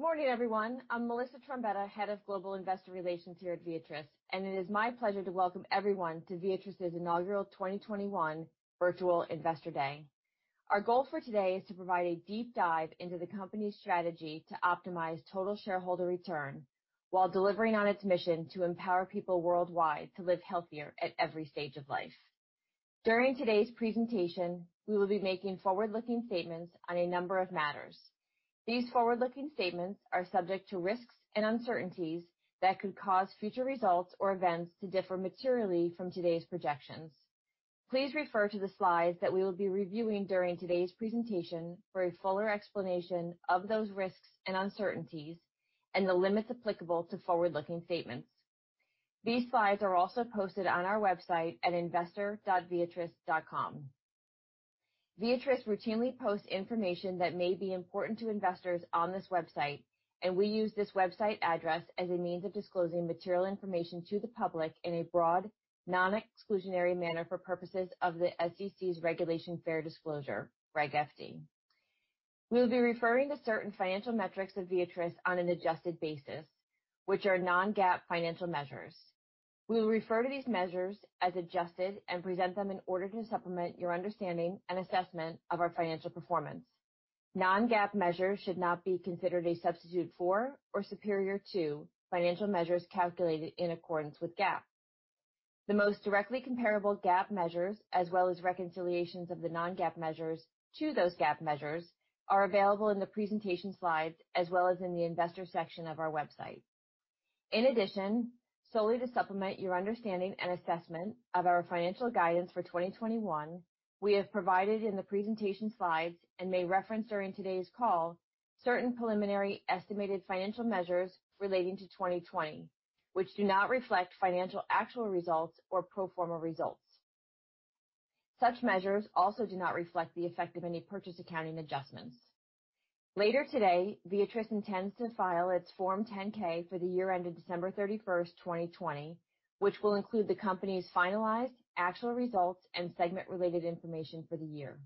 Good morning, everyone. I'm Melissa Trombetta, Head of Global Investor Relations here at Viatris, and it is my pleasure to welcome everyone to Viatris' inaugural 2021 Virtual Investor Day. Our goal for today is to provide a deep dive into the company's strategy to optimize total shareholder return while delivering on its mission to empower people worldwide to live healthier at every stage of life. During today's presentation, we will be making forward-looking statements on a number of matters. These forward-looking statements are subject to risks and uncertainties that could cause future results or events to differ materially from today's projections. Please refer to the slides that we will be reviewing during today's presentation for a fuller explanation of those risks and uncertainties and the limits applicable to forward-looking statements. These slides are also posted on our website at investor.viatris.com. Viatris routinely posts information that may be important to investors on this website, and we use this website address as a means of disclosing material information to the public in a broad, non-exclusionary manner for purposes of the SEC's Regulation Fair Disclosure, Reg FD. We will be referring to certain financial metrics of Viatris on an adjusted basis, which are non-GAAP financial measures. We will refer to these measures as adjusted and present them in order to supplement your understanding and assessment of our financial performance. Non-GAAP measures should not be considered a substitute for or superior to financial measures calculated in accordance with GAAP. The most directly comparable GAAP measures, as well as reconciliations of the non-GAAP measures to those GAAP measures, are available in the presentation slides as well as in the investor section of our website. In addition, solely to supplement your understanding and assessment of our financial guidance for 2021, we have provided in the presentation slides and may reference during today's call certain preliminary estimated financial measures relating to 2020, which do not reflect financial actual results or pro forma results. Such measures also do not reflect the effect of any purchase accounting adjustments. Later today, Viatris intends to file its Form 10-K for the year ended December 31, 2020, which will include the company's finalized actual results and segment-related information for the year.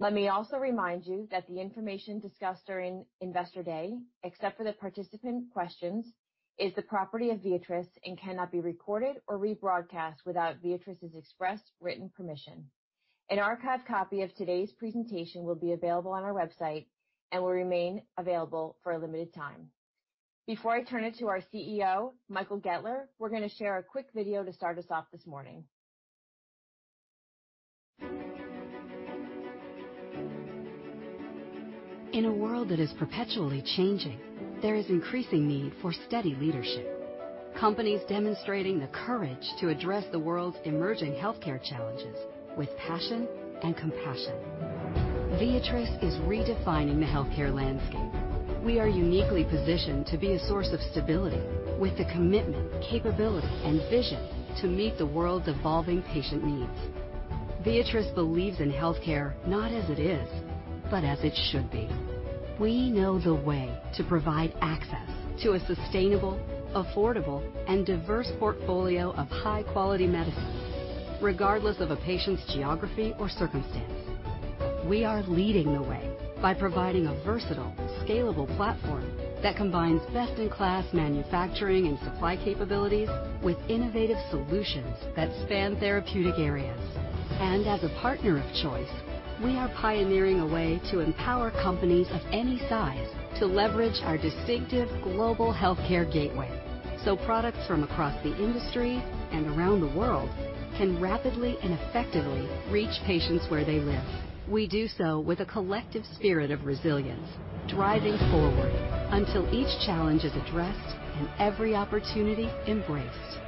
Let me also remind you that the information discussed during Investor Day, except for the participant questions, is the property of Viatris and cannot be recorded or rebroadcast without Viatris' express written permission. An archived copy of today's presentation will be available on our website and will remain available for a limited time. Before I turn it to our CEO, Michael Goettler, we're going to share a quick video to start us off this morning. In a world that is perpetually changing, there is increasing need for steady leadership. Companies demonstrating the courage to address the world's emerging healthcare challenges with passion and compassion. Viatris is redefining the healthcare landscape. We are uniquely positioned to be a source of stability with the commitment, capability, and vision to meet the world's evolving patient needs. Viatris believes in healthcare not as it is, but as it should be. We know the way to provide access to a sustainable, affordable, and diverse portfolio of high-quality medicines, regardless of a patient's geography or circumstance. We are leading the way by providing a versatile, scalable platform that combines best-in-class manufacturing and supply capabilities with innovative solutions that span therapeutic areas. As a partner of choice, we are pioneering a way to empower companies of any size to leverage our distinctive global healthcare gateway so products from across the industry and around the world can rapidly and effectively reach patients where they live. We do so with a collective spirit of resilience, driving forward until each challenge is addressed and every opportunity embraced.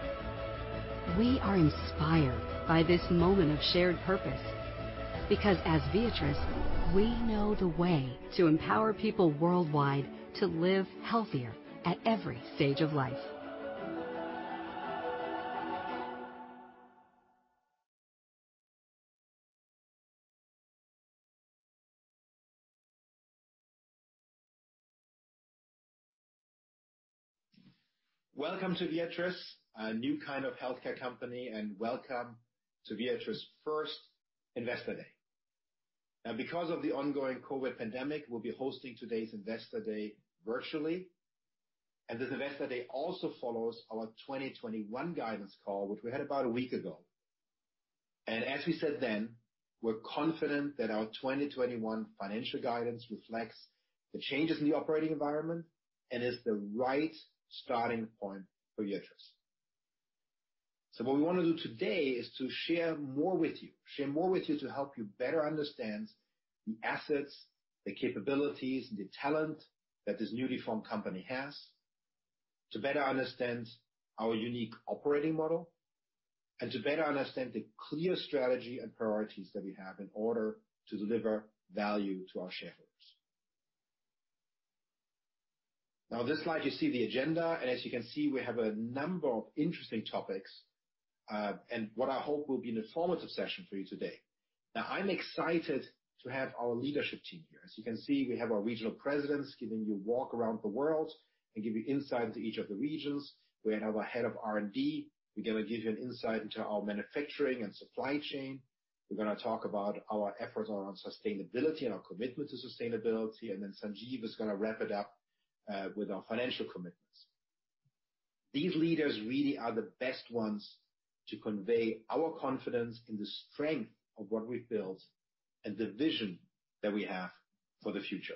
We are inspired by this moment of shared purpose because, as Viatris, we know the way to empower people worldwide to live healthier at every stage of life. Welcome to Viatris, a new kind of healthcare company, and welcome to Viatris' first Investor Day. Now, because of the ongoing COVID pandemic, we'll be hosting today's Investor Day virtually. This Investor Day also follows our 2021 guidance call, which we had about a week ago. As we said then, we're confident that our 2021 financial guidance reflects the changes in the operating environment and is the right starting point for Viatris. What we want to do today is to share more with you, share more with you to help you better understand the assets, the capabilities, and the talent that this newly formed company has, to better understand our unique operating model, and to better understand the clear strategy and priorities that we have in order to deliver value to our shareholders. Now, on this slide, you see the agenda, and as you can see, we have a number of interesting topics and what I hope will be an informative session for you today. Now, I'm excited to have our leadership team here. As you can see, we have our regional presidents giving you a walk around the world and giving you insight into each of the regions. We have our head of R&D. We're going to give you an insight into our manufacturing and supply chain. We're going to talk about our efforts around sustainability and our commitment to sustainability. Sanjeev is going to wrap it up with our financial commitments. These leaders really are the best ones to convey our confidence in the strength of what we've built and the vision that we have for the future.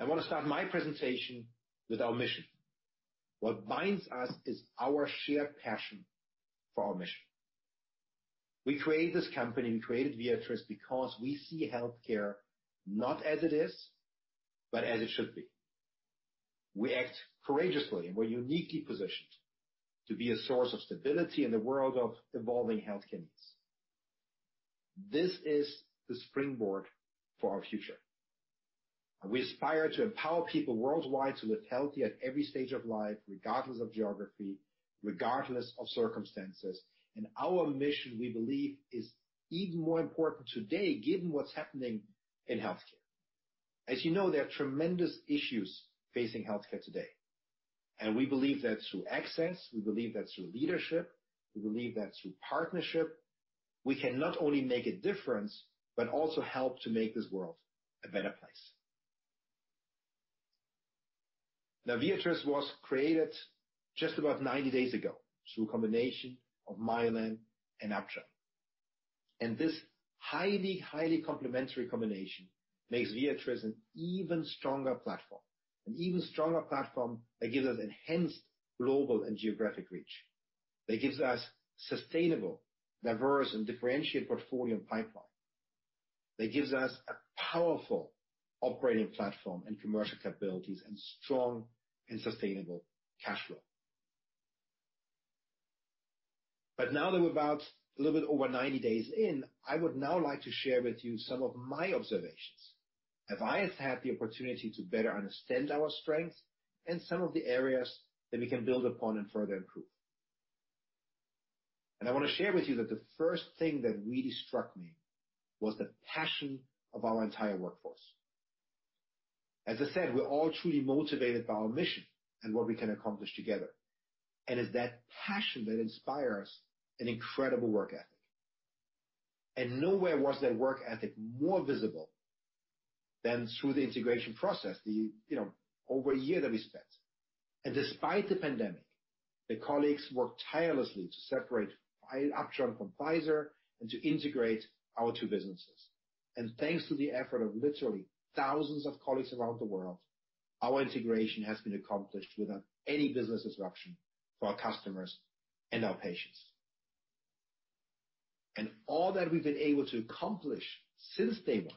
I want to start my presentation with our mission. What binds us is our shared passion for our mission. We created this company. We created Viatris because we see healthcare not as it is, but as it should be. We act courageously, and we're uniquely positioned to be a source of stability in the world of evolving healthcare needs. This is the springboard for our future. We aspire to empower people worldwide to live healthy at every stage of life, regardless of geography, regardless of circumstances. Our mission, we believe, is even more important today, given what's happening in healthcare. As you know, there are tremendous issues facing healthcare today. We believe that through access, we believe that through leadership, we believe that through partnership, we can not only make a difference, but also help to make this world a better place. Now, Viatris was created just about 90 days ago through a combination of Mylan and Upjohn. This highly, highly complementary combination makes Viatris an even stronger platform, an even stronger platform that gives us enhanced global and geographic reach. That gives us a sustainable, diverse, and differentiated portfolio and pipeline. That gives us a powerful operating platform and commercial capabilities and strong and sustainable cash flow. Now that we're about a little bit over 90 days in, I would like to share with you some of my observations as I have had the opportunity to better understand our strengths and some of the areas that we can build upon and further improve. I want to share with you that the first thing that really struck me was the passion of our entire workforce. As I said, we're all truly motivated by our mission and what we can accomplish together. It's that passion that inspires an incredible work ethic. Nowhere was that work ethic more visible than through the integration process, the over a year that we spent. Despite the pandemic, the colleagues worked tirelessly to separate Upjohn from Pfizer and to integrate our two businesses. Thanks to the effort of literally thousands of colleagues around the world, our integration has been accomplished without any business disruption for our customers and our patients. All that we've been able to accomplish since day one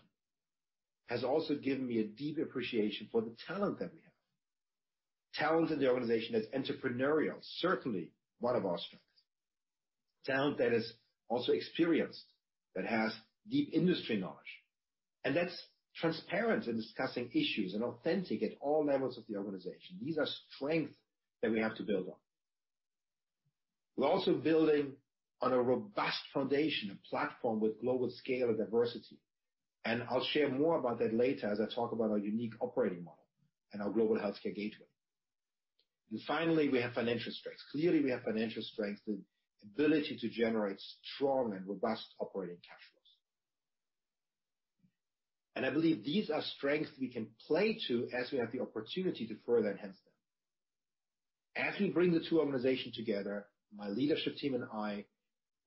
has also given me a deep appreciation for the talent that we have. Talent in the organization that's entrepreneurial is certainly one of our strengths. Talent that is also experienced, that has deep industry knowledge, and that's transparent in discussing issues and authentic at all levels of the organization. These are strengths that we have to build on. We're also building on a robust foundation, a platform with global scale and diversity. I'll share more about that later as I talk about our unique operating model and our global healthcare gateway. Finally, we have financial strengths. Clearly, we have financial strengths, the ability to generate strong and robust operating cash flows. I believe these are strengths we can play to as we have the opportunity to further enhance them. As we bring the two organizations together, my leadership team and I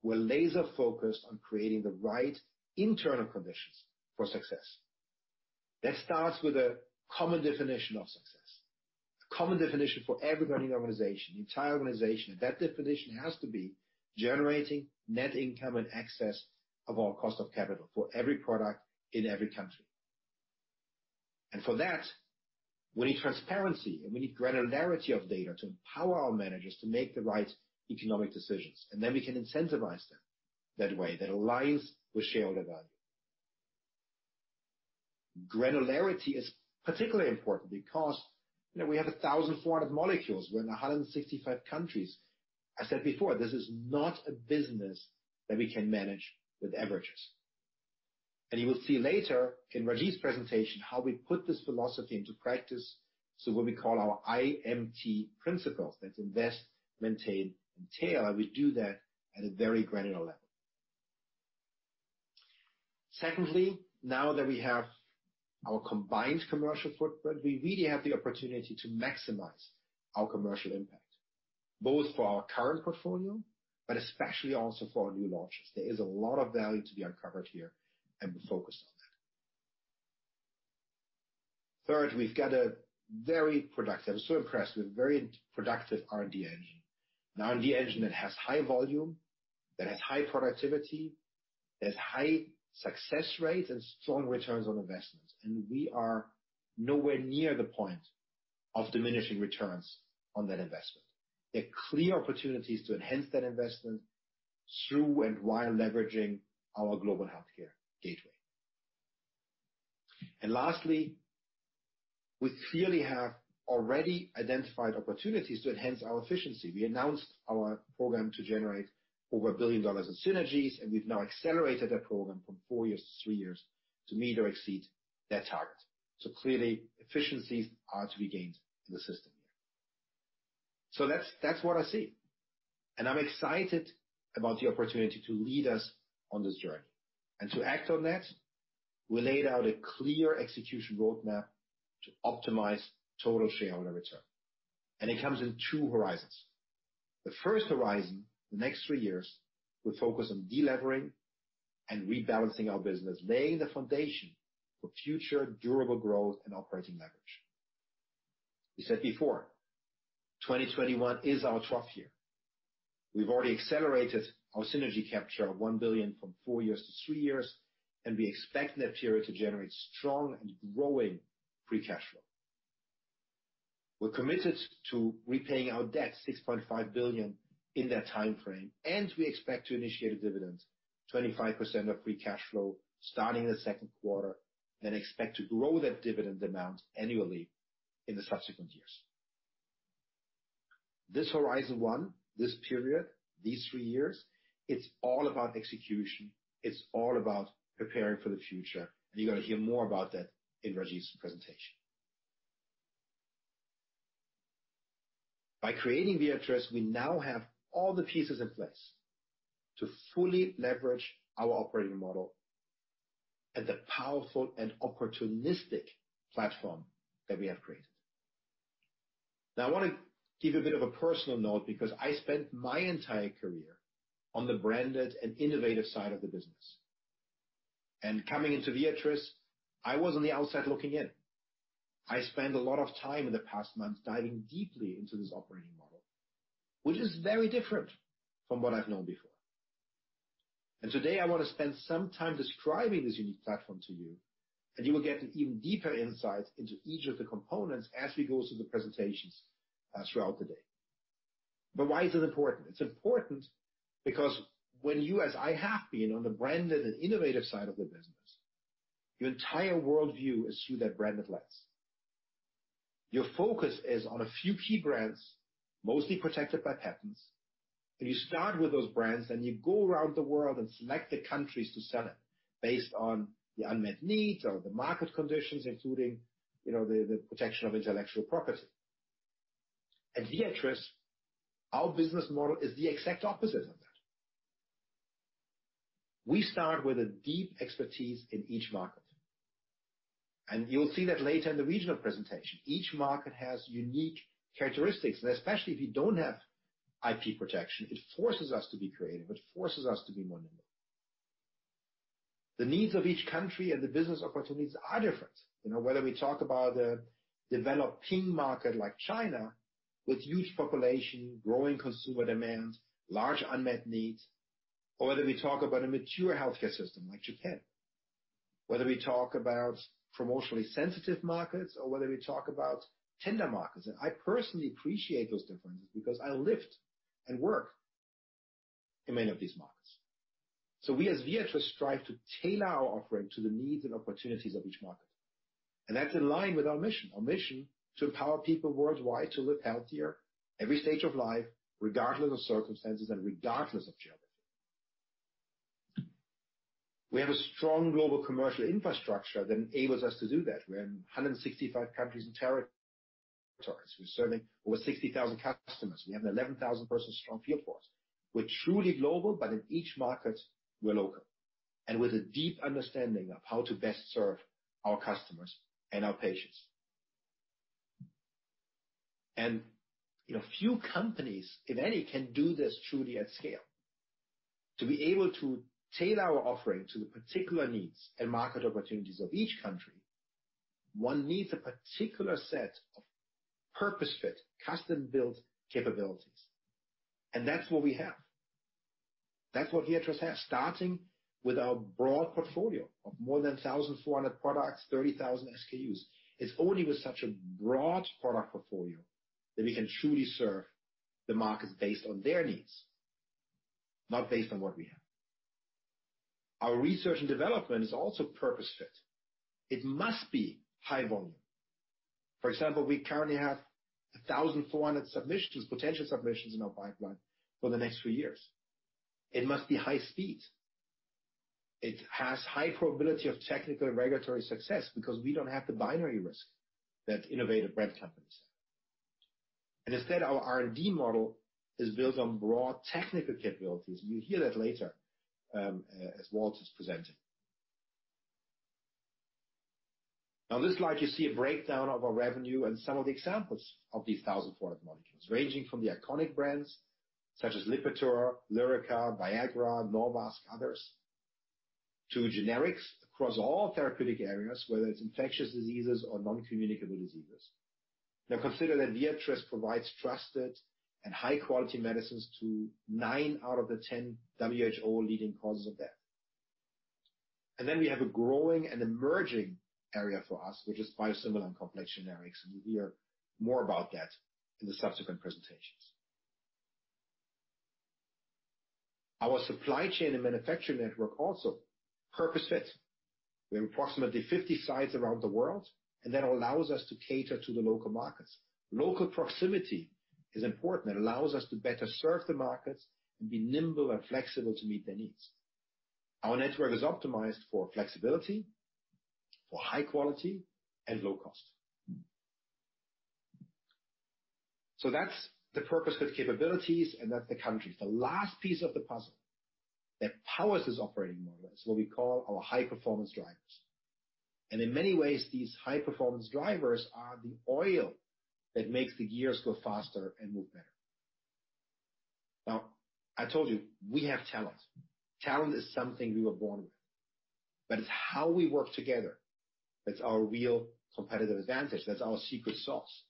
were laser-focused on creating the right internal conditions for success. That starts with a common definition of success, a common definition for everyone in the organization, the entire organization. That definition has to be generating net income in excess of our cost of capital for every product in every country. For that, we need transparency and we need granularity of data to empower our managers to make the right economic decisions. We can incentivize them that way that aligns with shareholder value. Granularity is particularly important because we have 1,400 molecules. We are in 165 countries. I said before, this is not a business that we can manage with averages. You will see later in Rajiv's presentation how we put this philosophy into practice through what we call our IMT principles: that is invest, maintain, and tail. We do that at a very granular level. Secondly, now that we have our combined commercial footprint, we really have the opportunity to maximize our commercial impact, both for our current portfolio, but especially also for our new launches. There is a lot of value to be uncovered here, and we're focused on that. Third, we've got a very productive—I am so impressed—we have a very productive R&D engine, an R&D engine that has high volume, that has high productivity, that has high success rates, and strong returns on investments. We are nowhere near the point of diminishing returns on that investment. There are clear opportunities to enhance that investment through and while leveraging our global healthcare gateway. Lastly, we clearly have already identified opportunities to enhance our efficiency. We announced our program to generate over $1 billion in synergies, and we've now accelerated that program from four years to three years to meet or exceed that target. Clearly, efficiencies are to be gained in the system here. That is what I see. I'm excited about the opportunity to lead us on this journey and to act on that. We laid out a clear execution roadmap to optimize total shareholder return. It comes in two horizons. The first horizon, the next three years, will focus on deleveraging and rebalancing our business, laying the foundation for future durable growth and operating leverage. We said before, 2021 is our 12th year. We've already accelerated our synergy capture of $1 billion from four years to three years, and we expect that period to generate strong and growing free cash flow. We're committed to repaying our debt, $6.5 billion in that timeframe, and we expect to initiate a dividend, 25% of free cash flow starting in the second quarter, and expect to grow that dividend amount annually in the subsequent years. This horizon one, this period, these three years, it's all about execution. It's all about preparing for the future. You're going to hear more about that in Rajiv's presentation. By creating Viatris, we now have all the pieces in place to fully leverage our operating model and the powerful and opportunistic platform that we have created. Now, I want to give you a bit of a personal note because I spent my entire career on the branded and innovative side of the business. Coming into Viatris, I was on the outside looking in. I spent a lot of time in the past month diving deeply into this operating model, which is very different from what I've known before. Today, I want to spend some time describing this unique platform to you, and you will get an even deeper insight into each of the components as we go through the presentations throughout the day. Why is it important? It's important because when you, as I have been, on the branded and innovative side of the business, your entire worldview is through that branded lens. Your focus is on a few key brands, mostly protected by patents. You start with those brands, then you go around the world and select the countries to sell it based on the unmet needs or the market conditions, including the protection of intellectual property. At Viatris, our business model is the exact opposite of that. We start with a deep expertise in each market. You will see that later in the regional presentation. Each market has unique characteristics. Especially if you do not have IP protection, it forces us to be creative. It forces us to be more nimble. The needs of each country and the business opportunities are different. Whether we talk about a developing market like China with huge population, growing consumer demand, large unmet needs, or whether we talk about a mature healthcare system like Japan, whether we talk about promotionally sensitive markets, or whether we talk about tender markets. I personally appreciate those differences because I lived and worked in many of these markets. We, as Viatris, strive to tailor our offering to the needs and opportunities of each market. That is in line with our mission, our mission to empower people worldwide to live healthier every stage of life, regardless of circumstances and regardless of geography. We have a strong global commercial infrastructure that enables us to do that. We are in 165 countries and territories. We are serving over 60,000 customers. We have an 11,000-person strong field force. We are truly global, but in each market, we are local, and with a deep understanding of how to best serve our customers and our patients. Few companies, if any, can do this truly at scale. To be able to tailor our offering to the particular needs and market opportunities of each country, one needs a particular set of purpose-fit, custom-built capabilities. That is what we have. That is what Viatris has, starting with our broad portfolio of more than 1,400 products, 30,000 SKUs. It's only with such a broad product portfolio that we can truly serve the markets based on their needs, not based on what we have. Our research and development is also purpose-fit. It must be high volume. For example, we currently have 1,400 submissions, potential submissions in our pipeline for the next few years. It must be high speed. It has high probability of technical and regulatory success because we don't have the binary risk that innovative brand companies have. Instead, our R&D model is built on broad technical capabilities. You'll hear that later as Walt is presenting. Now, on this slide, you see a breakdown of our revenue and some of the examples of these 1,400 molecules, ranging from the iconic brands such as Lipitor, Lyrica, Viagra, Norvasc, others, to generics across all therapeutic areas, whether it's infectious diseases or non-communicable diseases. Now, consider that Viatris provides trusted and high-quality medicines to 9 out of the 10 WHO leading causes of death. We have a growing and emerging area for us, which is biosimilar and complex generics. We will hear more about that in the subsequent presentations. Our supply chain and manufacturing network also is purpose-fit. We have approximately 50 sites around the world, and that allows us to cater to the local markets. Local proximity is important and allows us to better serve the markets and be nimble and flexible to meet their needs. Our network is optimized for flexibility, for high quality, and low cost. That is the purpose-fit capabilities, and that is the countries. The last piece of the puzzle that powers this operating model is what we call our high-performance drivers. In many ways, these high-performance drivers are the oil that makes the gears go faster and move better. I told you, we have talent. Talent is something we were born with. It is how we work together that is our real competitive advantage. That is our secret sauce.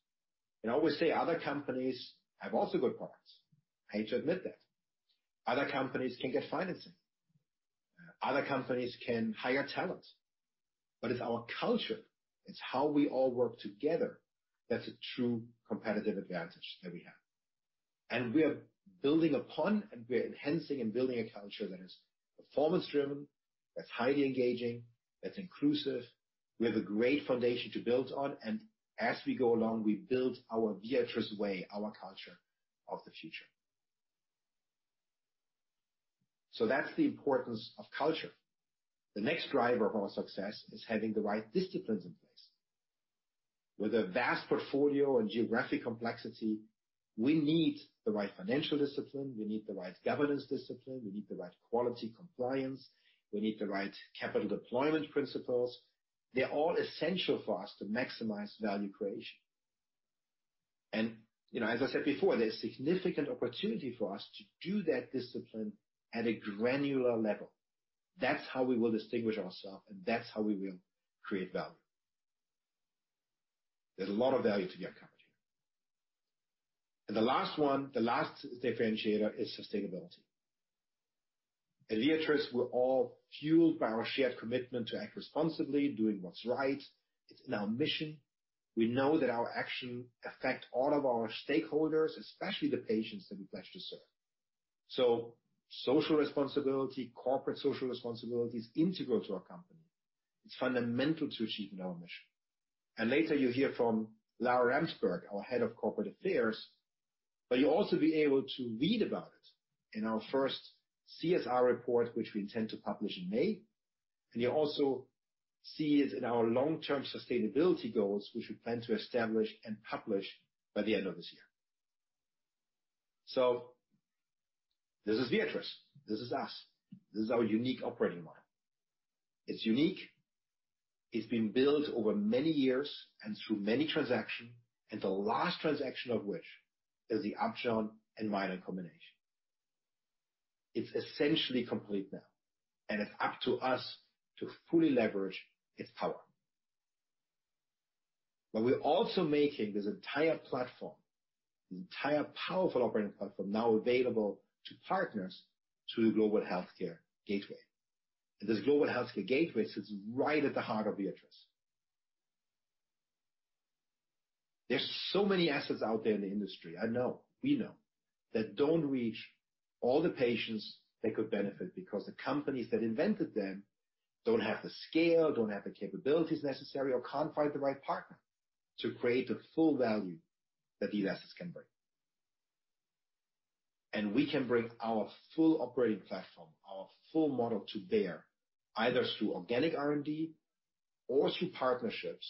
I always say other companies have also good products. I hate to admit that. Other companies can get financing. Other companies can hire talent. It is our culture. It is how we all work together that is a true competitive advantage that we have. We are building upon, and we are enhancing and building a culture that is performance-driven, that is highly engaging, that is inclusive. We have a great foundation to build on. As we go along, we build our Viatris way, our culture of the future. That is the importance of culture. The next driver of our success is having the right disciplines in place. With a vast portfolio and geographic complexity, we need the right financial discipline. We need the right governance discipline. We need the right quality compliance. We need the right capital deployment principles. They are all essential for us to maximize value creation. As I said before, there is significant opportunity for us to do that discipline at a granular level. That is how we will distinguish ourselves, and that is how we will create value. There is a lot of value to be uncovered here. The last one, the last differentiator, is sustainability. At Viatris, we are all fueled by our shared commitment to act responsibly, doing what is right. It is in our mission. We know that our actions affect all of our stakeholders, especially the patients that we pledge to serve. Social responsibility, corporate social responsibility is integral to our company. It's fundamental to achieving our mission. Later, you'll hear from Lara Ramsburg, our Head of Corporate Affairs. You'll also be able to read about it in our first CSR report, which we intend to publish in May. You'll also see it in our long-term sustainability goals, which we plan to establish and publish by the end of this year. This is Viatris. This is us. This is our unique operating model. It's unique. It's been built over many years and through many transactions, and the last transaction of which is the Upjohn and Mylan combination. It's essentially complete now, and it's up to us to fully leverage its power. We're also making this entire platform, this entire powerful operating platform, now available to partners through the global healthcare gateway. This global healthcare gateway sits right at the heart of Viatris. There are so many assets out there in the industry. I know, we know, that do not reach all the patients that could benefit because the companies that invented them do not have the scale, do not have the capabilities necessary, or cannot find the right partner to create the full value that these assets can bring. We can bring our full operating platform, our full model to bear, either through organic R&D or through partnerships,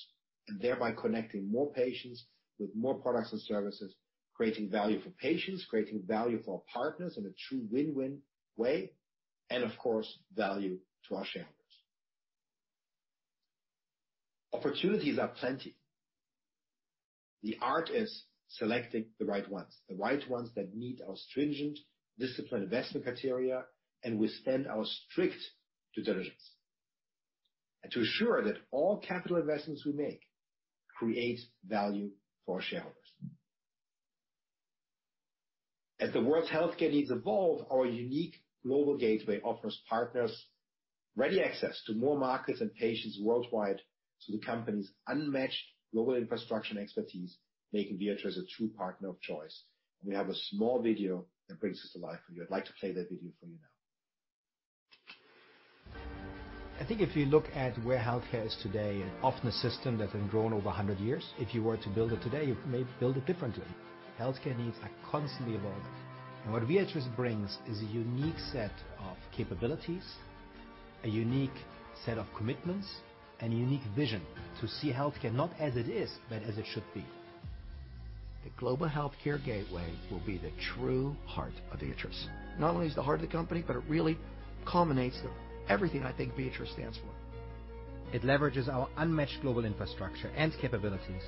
and thereby connecting more patients with more products and services, creating value for patients, creating value for our partners in a true win-win way, and of course, value to our shareholders. Opportunities are plenty. The art is selecting the right ones, the right ones that meet our stringent discipline investment criteria and withstand our strict due diligence, and to ensure that all capital investments we make create value for our shareholders. As the world's healthcare needs evolve, our unique global gateway offers partners ready access to more markets and patients worldwide through the company's unmatched global infrastructure and expertise, making Viatris a true partner of choice. We have a small video that brings this to life for you. I'd like to play that video for you now. I think if you look at where healthcare is today, often a system that's been grown over 100 years, if you were to build it today, you may build it differently. Healthcare needs are constantly evolving. What Viatris brings is a unique set of capabilities, a unique set of commitments, and a unique vision to see healthcare not as it is, but as it should be. The global healthcare gateway will be the true heart of Viatris. Not only is it the heart of the company, but it really culminates everything I think Viatris stands for. It leverages our unmatched global infrastructure and capabilities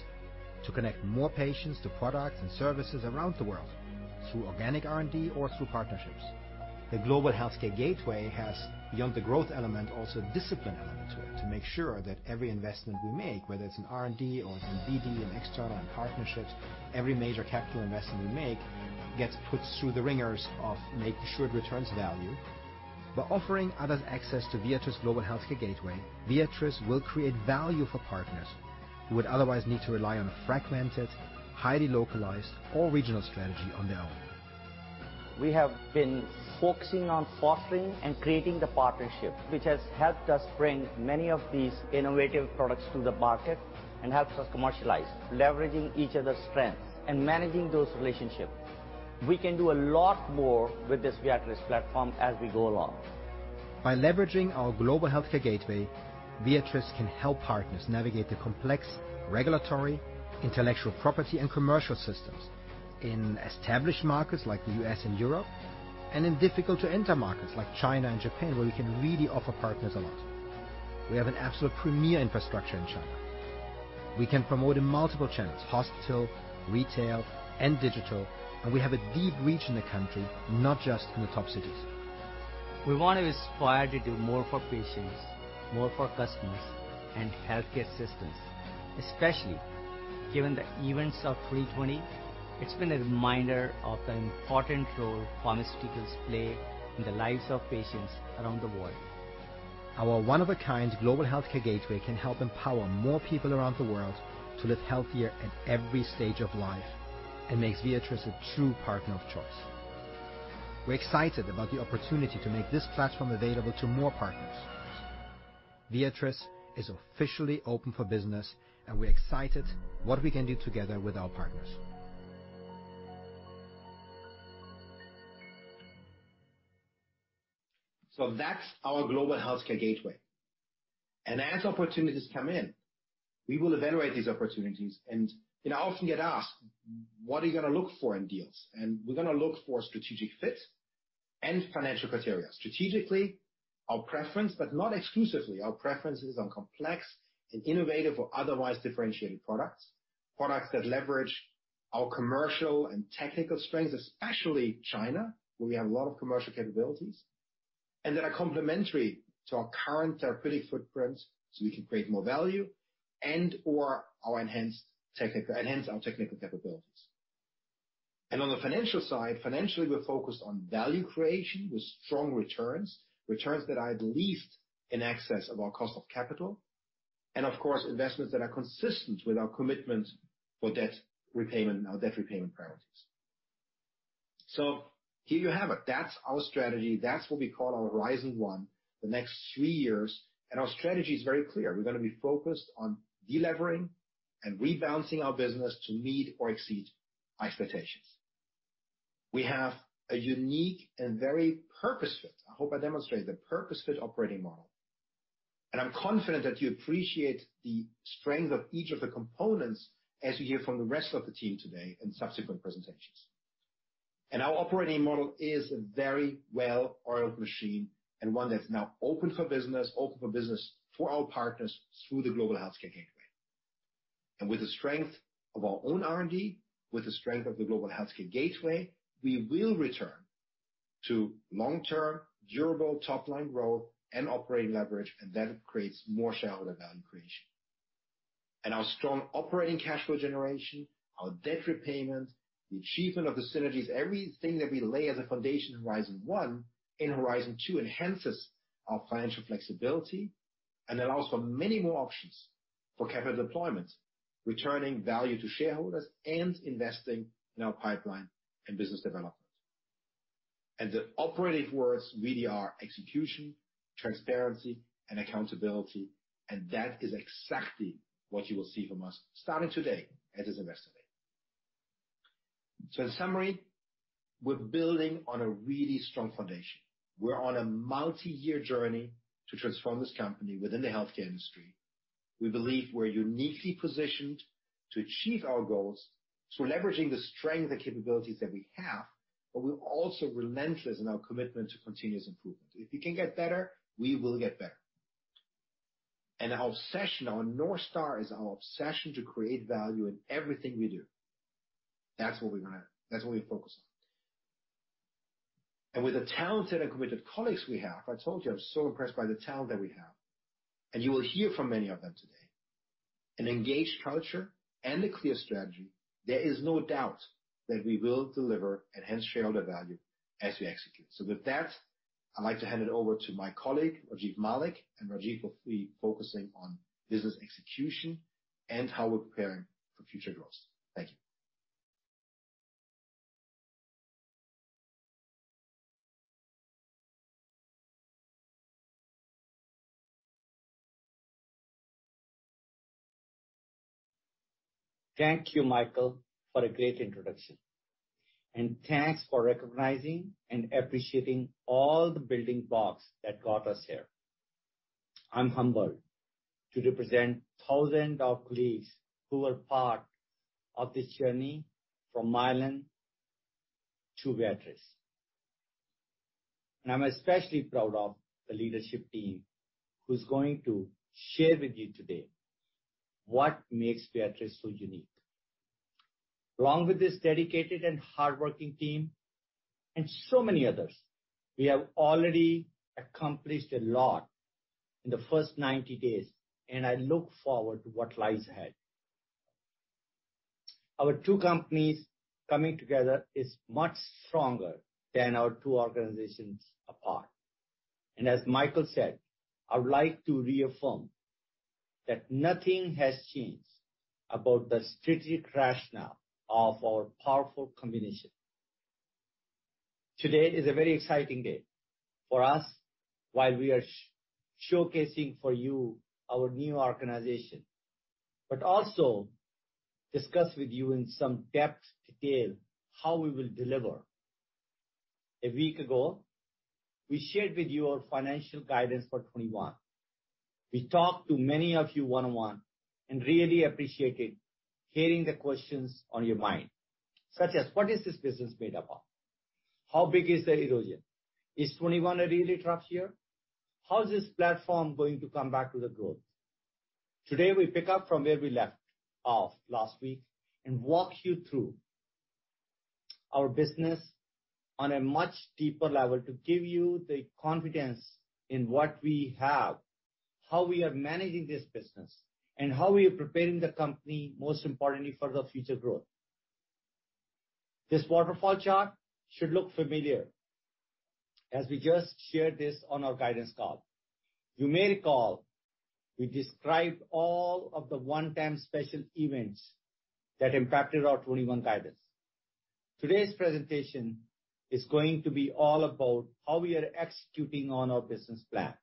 to connect more patients to products and services around the world through organic R&D or through partnerships. The global healthcare gateway has, beyond the growth element, also a discipline element to it to make sure that every investment we make, whether it's in R&D or in BD and external and partnerships, every major capital investment we make gets put through the ringers of making sure it returns value. By offering others access to Viatris' global healthcare gateway, Viatris will create value for partners who would otherwise need to rely on a fragmented, highly localized, or regional strategy on their own. We have been focusing on fostering and creating the partnership, which has helped us bring many of these innovative products to the market and helps us commercialize, leveraging each other's strengths and managing those relationships. We can do a lot more with this Viatris platform as we go along. By leveraging our global healthcare gateway, Viatris can help partners navigate the complex regulatory, intellectual property, and commercial systems in established markets like the U.S. and Europe, and in difficult-to-enter markets like China and Japan, where we can really offer partners a lot. We have an absolute premier infrastructure in China. We can promote in multiple channels: hospital, retail, and digital. We have a deep reach in the country, not just in the top cities. We want to aspire to do more for patients, more for customers, and healthcare systems, especially given the events of 2020. It's been a reminder of the important role pharmaceuticals play in the lives of patients around the world. Our one-of-a-kind global healthcare gateway can help empower more people around the world to live healthier at every stage of life and makes Viatris a true partner of choice. We're excited about the opportunity to make this platform available to more partners. Viatris is officially open for business, and we're excited about what we can do together with our partners. That is our global healthcare gateway. As opportunities come in, we will evaluate these opportunities. I often get asked, "What are you going to look for in deals?" We are going to look for strategic fit and financial criteria. Strategically, our preference, but not exclusively, our preference is on complex and innovative or otherwise differentiated products, products that leverage our commercial and technical strengths, especially China, where we have a lot of commercial capabilities, and that are complementary to our current therapeutic footprint so we can create more value and/or enhance our technical capabilities. On the financial side, financially, we are focused on value creation with strong returns, returns that are at least in excess of our cost of capital, and of course, investments that are consistent with our commitment for debt repayment and our debt repayment priorities. Here you have it. That is our strategy. That is what we call our Horizon One, the next three years. Our strategy is very clear. We're going to be focused on delivering and rebalancing our business to meet or exceed expectations. We have a unique and very purpose-fit—I hope I demonstrate—the purpose-fit operating model. I am confident that you appreciate the strength of each of the components as you hear from the rest of the team today in subsequent presentations. Our operating model is a very well-oiled machine and one that is now open for business, open for business for our partners through the global healthcare gateway. With the strength of our own R&D, with the strength of the global healthcare gateway, we will return to long-term, durable top-line growth and operating leverage, and that creates more shareholder value creation. Our strong operating cash flow generation, our debt repayment, the achievement of the synergies, everything that we lay as a foundation in Horizon One, in Horizon Two, enhances our financial flexibility and allows for many more options for capital deployment, returning value to shareholders and investing in our pipeline and business development. The operating words really are execution, transparency, and accountability. That is exactly what you will see from us starting today at this investor meeting. In summary, we're building on a really strong foundation. We're on a multi-year journey to transform this company within the healthcare industry. We believe we're uniquely positioned to achieve our goals through leveraging the strength and capabilities that we have, but we're also relentless in our commitment to continuous improvement. If we can get better, we will get better. Our obsession, our North Star, is our obsession to create value in everything we do. That is what we are going to—that is what we focus on. With the talented and committed colleagues we have—I told you, I am so impressed by the talent that we have. You will hear from many of them today. An engaged culture and a clear strategy, there is no doubt that we will deliver and hence shareholder value as we execute. With that, I would like to hand it over to my colleague, Rajiv Malik, and Rajiv will be focusing on business execution and how we are preparing for future growth. Thank you. Thank you, Michael, for a great introduction. Thanks for recognizing and appreciating all the building blocks that got us here. I am humbled to represent thousands of colleagues who were part of this journey from Mylan to Viatris. I'm especially proud of the leadership team who's going to share with you today what makes Viatris so unique. Along with this dedicated and hardworking team and so many others, we have already accomplished a lot in the first 90 days, and I look forward to what lies ahead. Our two companies coming together is much stronger than our two organizations apart. As Michael said, I would like to reaffirm that nothing has changed about the strategic rationale of our powerful combination. Today is a very exciting day for us while we are showcasing for you our new organization, but also discuss with you in some depth detail how we will deliver. A week ago, we shared with you our financial guidance for 2021. We talked to many of you one-on-one and really appreciated hearing the questions on your mind, such as, "What is this business made up of? How big is the erosion? Is 2021 a really tough year? How is this platform going to come back to the growth?" Today, we pick up from where we left off last week and walk you through our business on a much deeper level to give you the confidence in what we have, how we are managing this business, and how we are preparing the company, most importantly, for the future growth. This waterfall chart should look familiar as we just shared this on our guidance call. You may recall we described all of the one-time special events that impacted our 2021 guidance. Today's presentation is going to be all about how we are executing on our business plan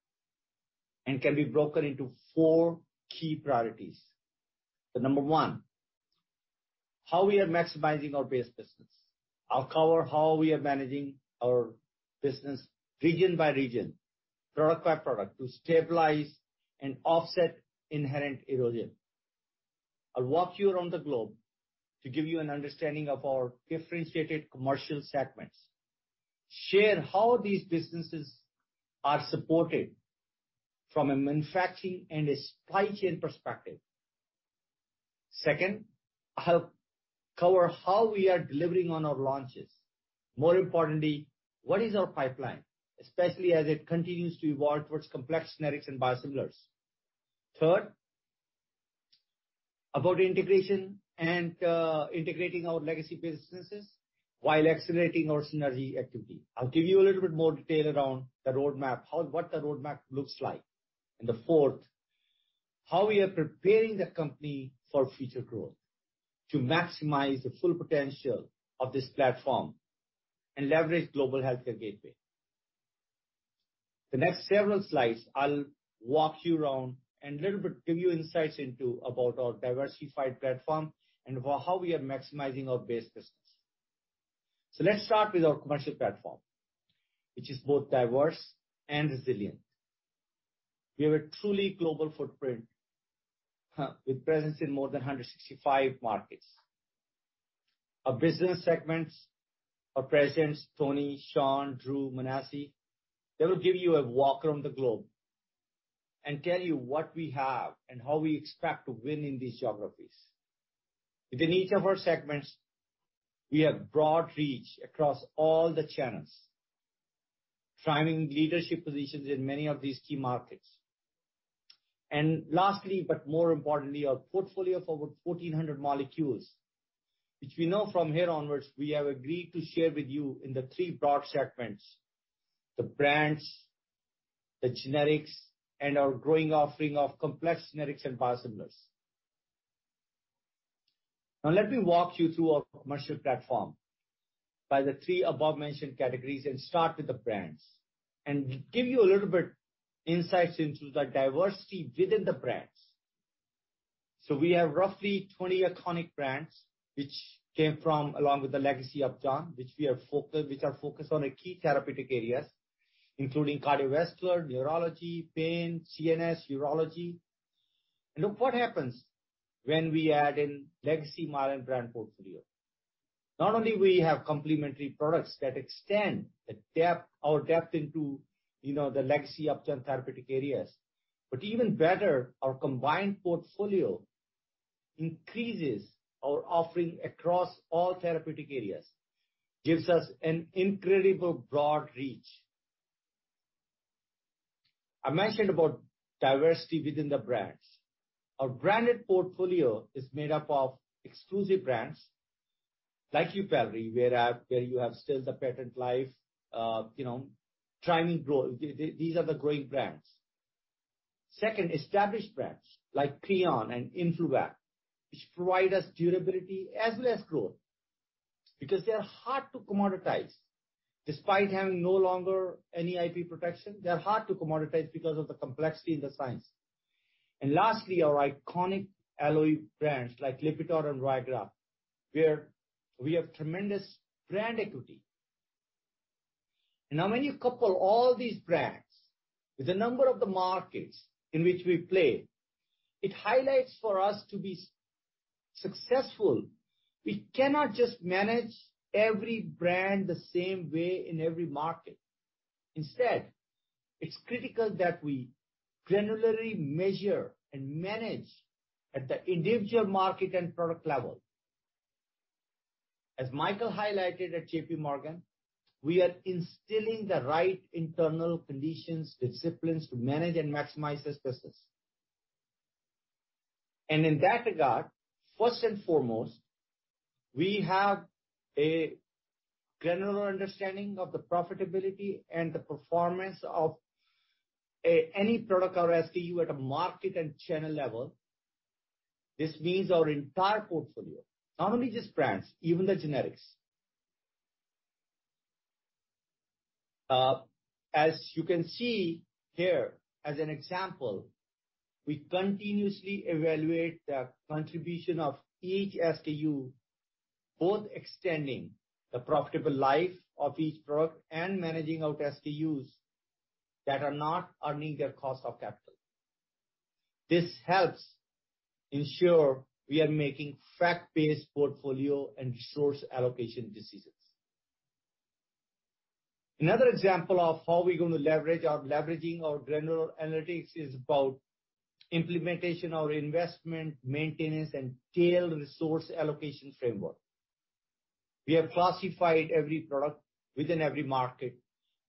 and can be broken into four key priorities. The number one, how we are maximizing our base business. I'll cover how we are managing our business region by region, product by product, to stabilize and offset inherent erosion. I'll walk you around the globe to give you an understanding of our differentiated commercial segments, share how these businesses are supported from a manufacturing and a supply chain perspective. Second, I'll cover how we are delivering on our launches. More importantly, what is our pipeline, especially as it continues to evolve towards complex generics and biosimilars. Third, about integration and integrating our legacy businesses while accelerating our synergy activity. I'll give you a little bit more detail around the roadmap, what the roadmap looks like. The fourth, how we are preparing the company for future growth to maximize the full potential of this platform and leverage global healthcare gateway. The next several slides, I'll walk you around and a little bit give you insights into about our diversified platform and how we are maximizing our base business. Let's start with our commercial platform, which is both diverse and resilient. We have a truly global footprint with presence in more than 165 markets. Our business segments are present: Tony, Sean, Drew, Menassie. They will give you a walk around the globe and tell you what we have and how we expect to win in these geographies. Within each of our segments, we have broad reach across all the channels, priming leadership positions in many of these key markets. Lastly, but more importantly, our portfolio of over 1,400 molecules, which we know from here onwards we have agreed to share with you in the three broad segments: the brands, the generics, and our growing offering of complex generics and biosimilars. Now, let me walk you through our commercial platform by the three above-mentioned categories and start with the brands and give you a little bit of insights into the diversity within the brands. We have roughly 20 iconic brands, which came from along with the legacy of Upjohn, which are focused on key therapeutic areas, including cardiovascular, neurology, pain, CNS, urology. Look what happens when we add in legacy Mylan brand portfolio. Not only do we have complementary products that extend our depth into the legacy of therapeutic areas, but even better, our combined portfolio increases our offering across all therapeutic areas, gives us an incredibly broad reach. I mentioned about diversity within the brands. Our branded portfolio is made up of exclusive brands like YUPELRI, where you have still the patent life, trimming growth. These are the growing brands. Second, established brands like Creon and Influvac, which provide us durability as well as growth because they are hard to commoditize. Despite having no longer any IP protection, they are hard to commoditize because of the complexity in the science. Lastly, our iconic alloy brands like Lipitor and Viagra, where we have tremendous brand equity. Now, when you couple all these brands with the number of the markets in which we play, it highlights for us to be successful. We cannot just manage every brand the same way in every market. Instead, it's critical that we granularly measure and manage at the individual market and product level. As Michael highlighted at JPMorgan, we are instilling the right internal conditions, disciplines to manage and maximize this business. In that regard, first and foremost, we have a general understanding of the profitability and the performance of any product or SKU at a market and channel level. This means our entire portfolio, not only just brands, even the generics. As you can see here, as an example, we continuously evaluate the contribution of each SKU, both extending the profitable life of each product and managing out SKUs that are not earning their cost of capital. This helps ensure we are making fact-based portfolio and resource allocation decisions. Another example of how we're going to leverage our granular analytics is about implementation of investment, maintenance, and tail resource allocation framework. We have classified every product within every market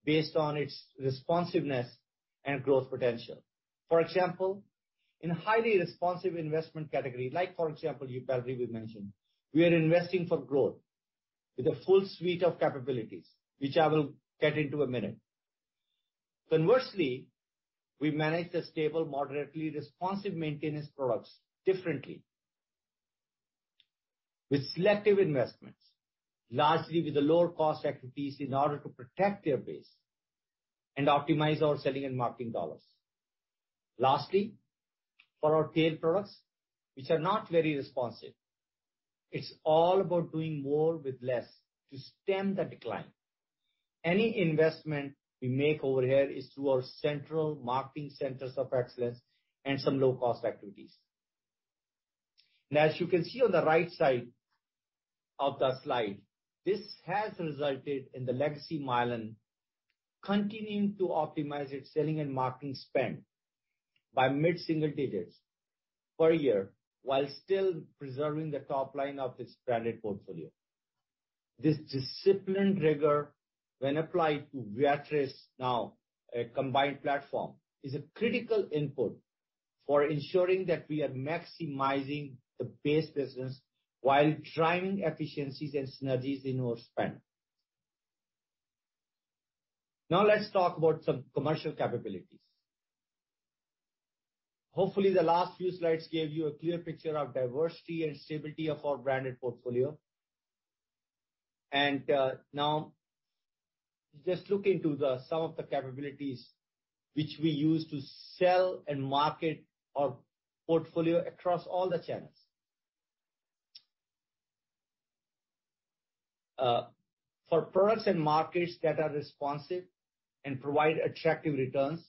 based on its responsiveness and growth potential. For example, in a highly responsive investment category, like for example, YUPELRI we mentioned, we are investing for growth with a full suite of capabilities, which I will get into in a minute. Conversely, we manage the stable, moderately responsive maintenance products differently with selective investments, largely with the lower-cost activities in order to protect their base and optimize our selling and marketing dollars. Lastly, for our tail products, which are not very responsive, it's all about doing more with less to stem the decline. Any investment we make over here is through our central marketing centers of excellence and some low-cost activities. As you can see on the right side of the slide, this has resulted in the legacy Mylan continuing to optimize its selling and marketing spend by mid-single digits per year while still preserving the top line of its branded portfolio. This discipline and rigor when applied to Viatris, now a combined platform, is a critical input for ensuring that we are maximizing the base business while driving efficiencies and synergies in our spend. Now, let's talk about some commercial capabilities. Hopefully, the last few slides gave you a clear picture of diversity and stability of our branded portfolio. Now, just look into some of the capabilities which we use to sell and market our portfolio across all the channels. For products and markets that are responsive and provide attractive returns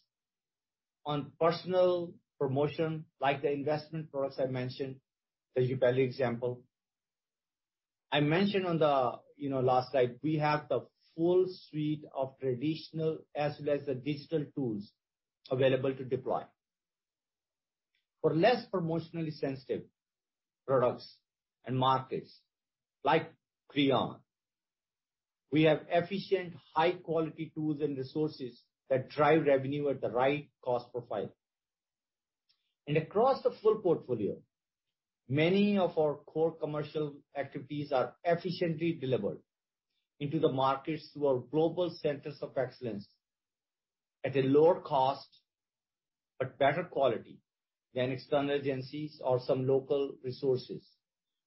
on personal promotion, like the investment products I mentioned, the YUPELRI example I mentioned on the last slide, we have the full suite of traditional as well as the digital tools available to deploy. For less promotionally sensitive products and markets like Creon, we have efficient, high-quality tools and resources that drive revenue at the right cost profile. Across the full portfolio, many of our core commercial activities are efficiently delivered into the markets through our global centers of excellence at a lower cost but better quality than external agencies or some local resources,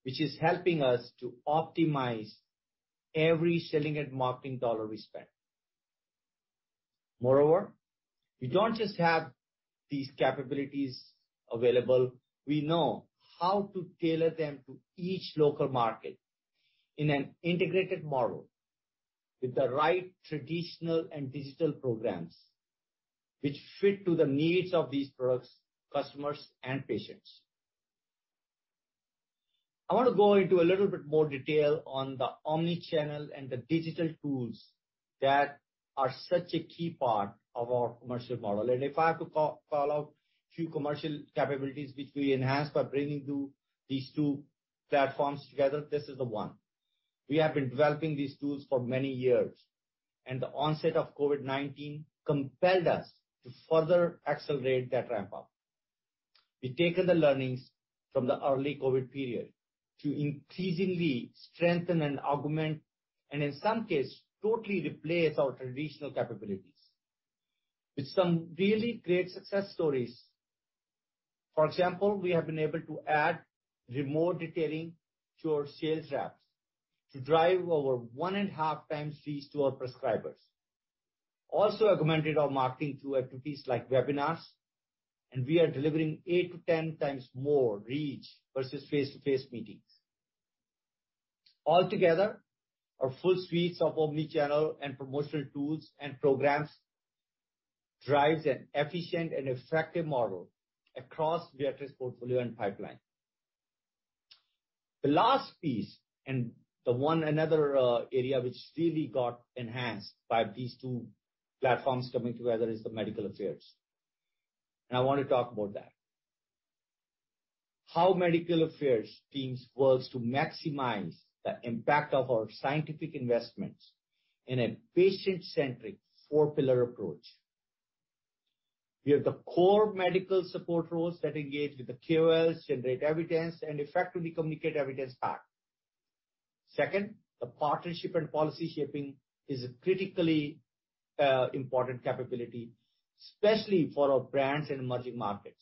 which is helping us to optimize every selling and marketing dollar we spend. Moreover, we do not just have these capabilities available. We know how to tailor them to each local market in an integrated model with the right traditional and digital programs which fit to the needs of these products, customers, and patients. I want to go into a little bit more detail on the omnichannel and the digital tools that are such a key part of our commercial model. If I have to call out a few commercial capabilities which we enhance by bringing these two platforms together, this is the one. We have been developing these tools for many years, and the onset of COVID-19 compelled us to further accelerate that ramp-up. We've taken the learnings from the early COVID period to increasingly strengthen and augment, and in some cases, totally replace our traditional capabilities with some really great success stories. For example, we have been able to add remote detailing to our sales reps to drive over one and a half times reach to our prescribers. Also, augmented our marketing through activities like webinars, and we are delivering 8-10 times more reach versus face-to-face meetings. Altogether, our full suites of omnichannel and promotional tools and programs drive an efficient and effective model across Viatris' portfolio and pipeline. The last piece and another area which really got enhanced by these two platforms coming together is the medical affairs. I want to talk about that. How medical affairs teams work to maximize the impact of our scientific investments in a patient-centric four-pillar approach. We have the core medical support roles that engage with the KOLs, generate evidence, and effectively communicate evidence back. Second, the partnership and policy shaping is a critically important capability, especially for our brands and emerging markets.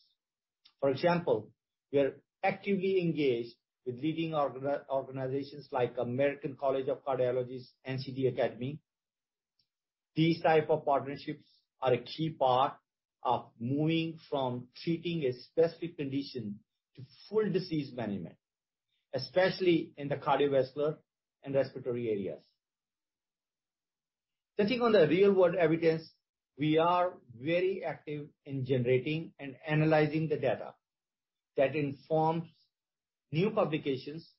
For example, we are actively engaged with leading organizations like American College of Cardiology, NCD Academy. These types of partnerships are a key part of moving from treating a specific condition to full disease management, especially in the cardiovascular and respiratory areas. Focusing on the real-world evidence, we are very active in generating and analyzing the data that informs new publications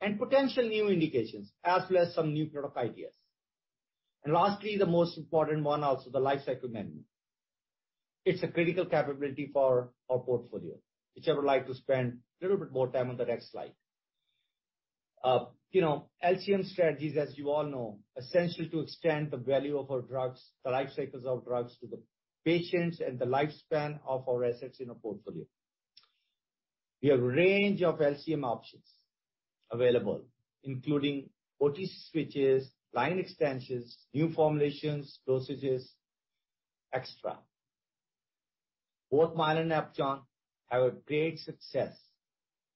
and potential new indications, as well as some new product ideas. Lastly, the most important one, also the lifecycle management. It's a critical capability for our portfolio, which I would like to spend a little bit more time on the next slide. LCM strategies, as you all know, are essential to extend the value of our drugs, the lifecycles of drugs to the patients and the lifespan of our assets in our portfolio. We have a range of LCM options available, including OTC switches, line extensions, new formulations, dosages, etc. Both Mylan and Upjohn have great success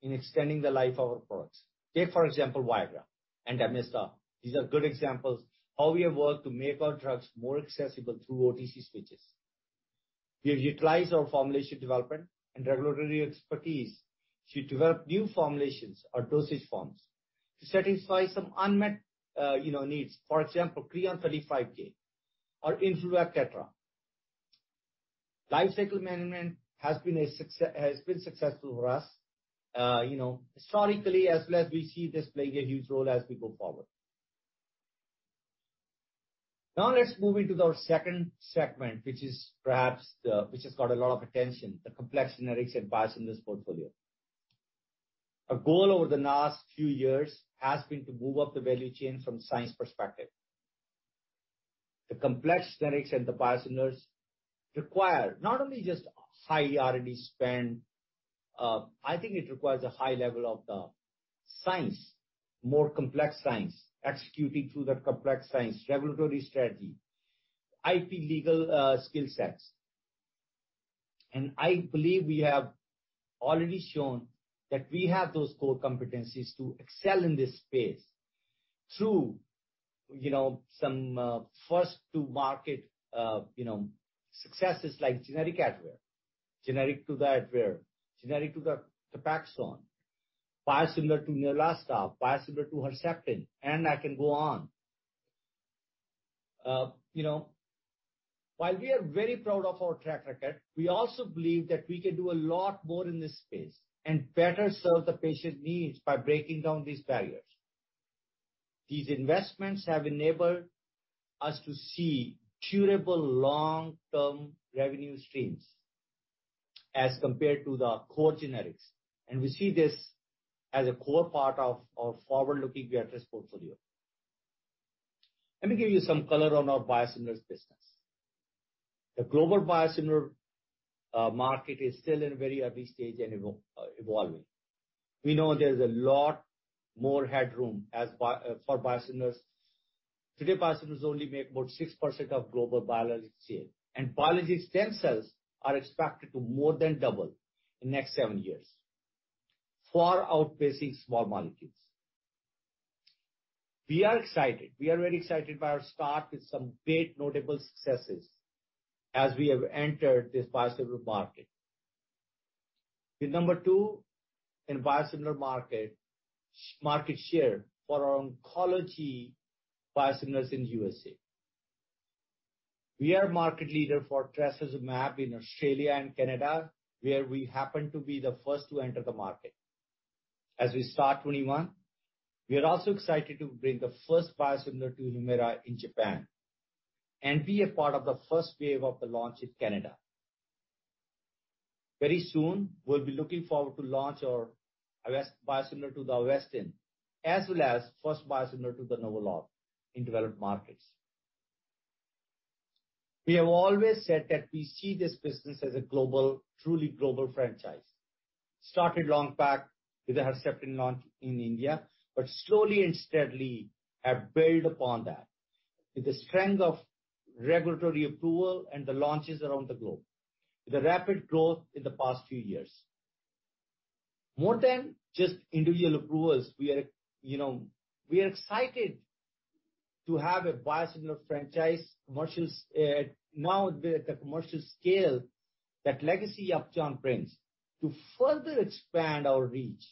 in extending the life of our products. Take, for example, Viagra and Amitiza. These are good examples of how we have worked to make our drugs more accessible through OTC switches. We have utilized our formulation development and regulatory expertise to develop new formulations or dosage forms to satisfy some unmet needs, for example, Creon 35000 or Influvac Tetra, etc. Lifecycle management has been successful for us historically, as well as we see this playing a huge role as we go forward. Now, let's move into our second segment, which is perhaps the one that has got a lot of attention, the complex generics and biosimilars portfolio. Our goal over the last few years has been to move up the value chain from science perspective. The complex generics and the biosimilars require not only just high R&D spend, I think it requires a high level of the science, more complex science, executing through the complex science, regulatory strategy, IP legal skill sets. I believe we have already shown that we have those ore competencies to excel in this space through some first-to-market successes like generic Advair, generic to the Advair, generic to the Copaxone, biosimilar to Neulasta, biosimilar to Herceptin, and I can go on. While we are very proud of our track record, we also believe that we can do a lot more in this space and better serve the patient needs by breaking down these barriers. These investments have enabled us to see durable long-term revenue streams as compared to the core generics. We see this as a core part of our forward-looking Viatris portfolio. Let me give you some color on our biosimilars business. The global biosimilar market is still in a very early stage and evolving. We know there's a lot more headroom for biosimilars. Today, biosimilars only make about 6% of global biologic sales, and biologics themselves are expected to more than double in the next seven years, far outpacing small molecules. We are excited. We are very excited by our start with some big, notable successes as we have entered this biosimilar market. The number two in biosimilar market share for our oncology biosimilars in the U.S.A. We are a market leader for trastuzumab in Australia and Canada, where we happen to be the first to enter the market. As we start 2021, we are also excited to bring the first biosimilar to Humira in Japan and be a part of the first wave of the launch in Canada. Very soon, we will be looking forward to launch our biosimilar to Avastin, as well as the first biosimilar to NovoLog in developed markets. We have always said that we see this business as a truly global franchise. Started long back with the Herceptin launch in India, but slowly and steadily have built upon that with the strength of regulatory approval and the launches around the globe, with the rapid growth in the past few years. More than just individual approvals, we are excited to have a biosimilar franchise now at the commercial scale that legacy Upjohn brings to further expand our reach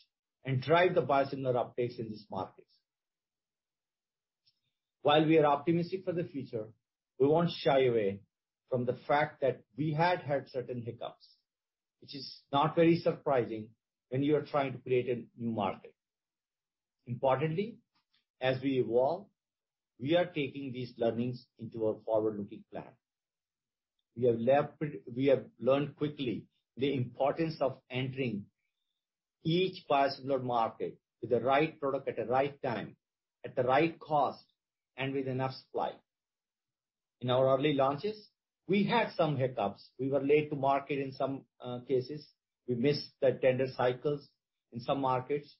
and drive the biosimilar updates in these markets. While we are optimistic for the future, we won't shy away from the fact that we had certain hiccups, which is not very surprising when you are trying to create a new market. Importantly, as we evolve, we are taking these learnings into our forward-looking plan. We have learned quickly the importance of entering each biosimilar market with the right product at the right time, at the right cost, and with enough supply. In our early launches, we had some hiccups. We were late to market in some cases. We missed the tender cycles in some markets.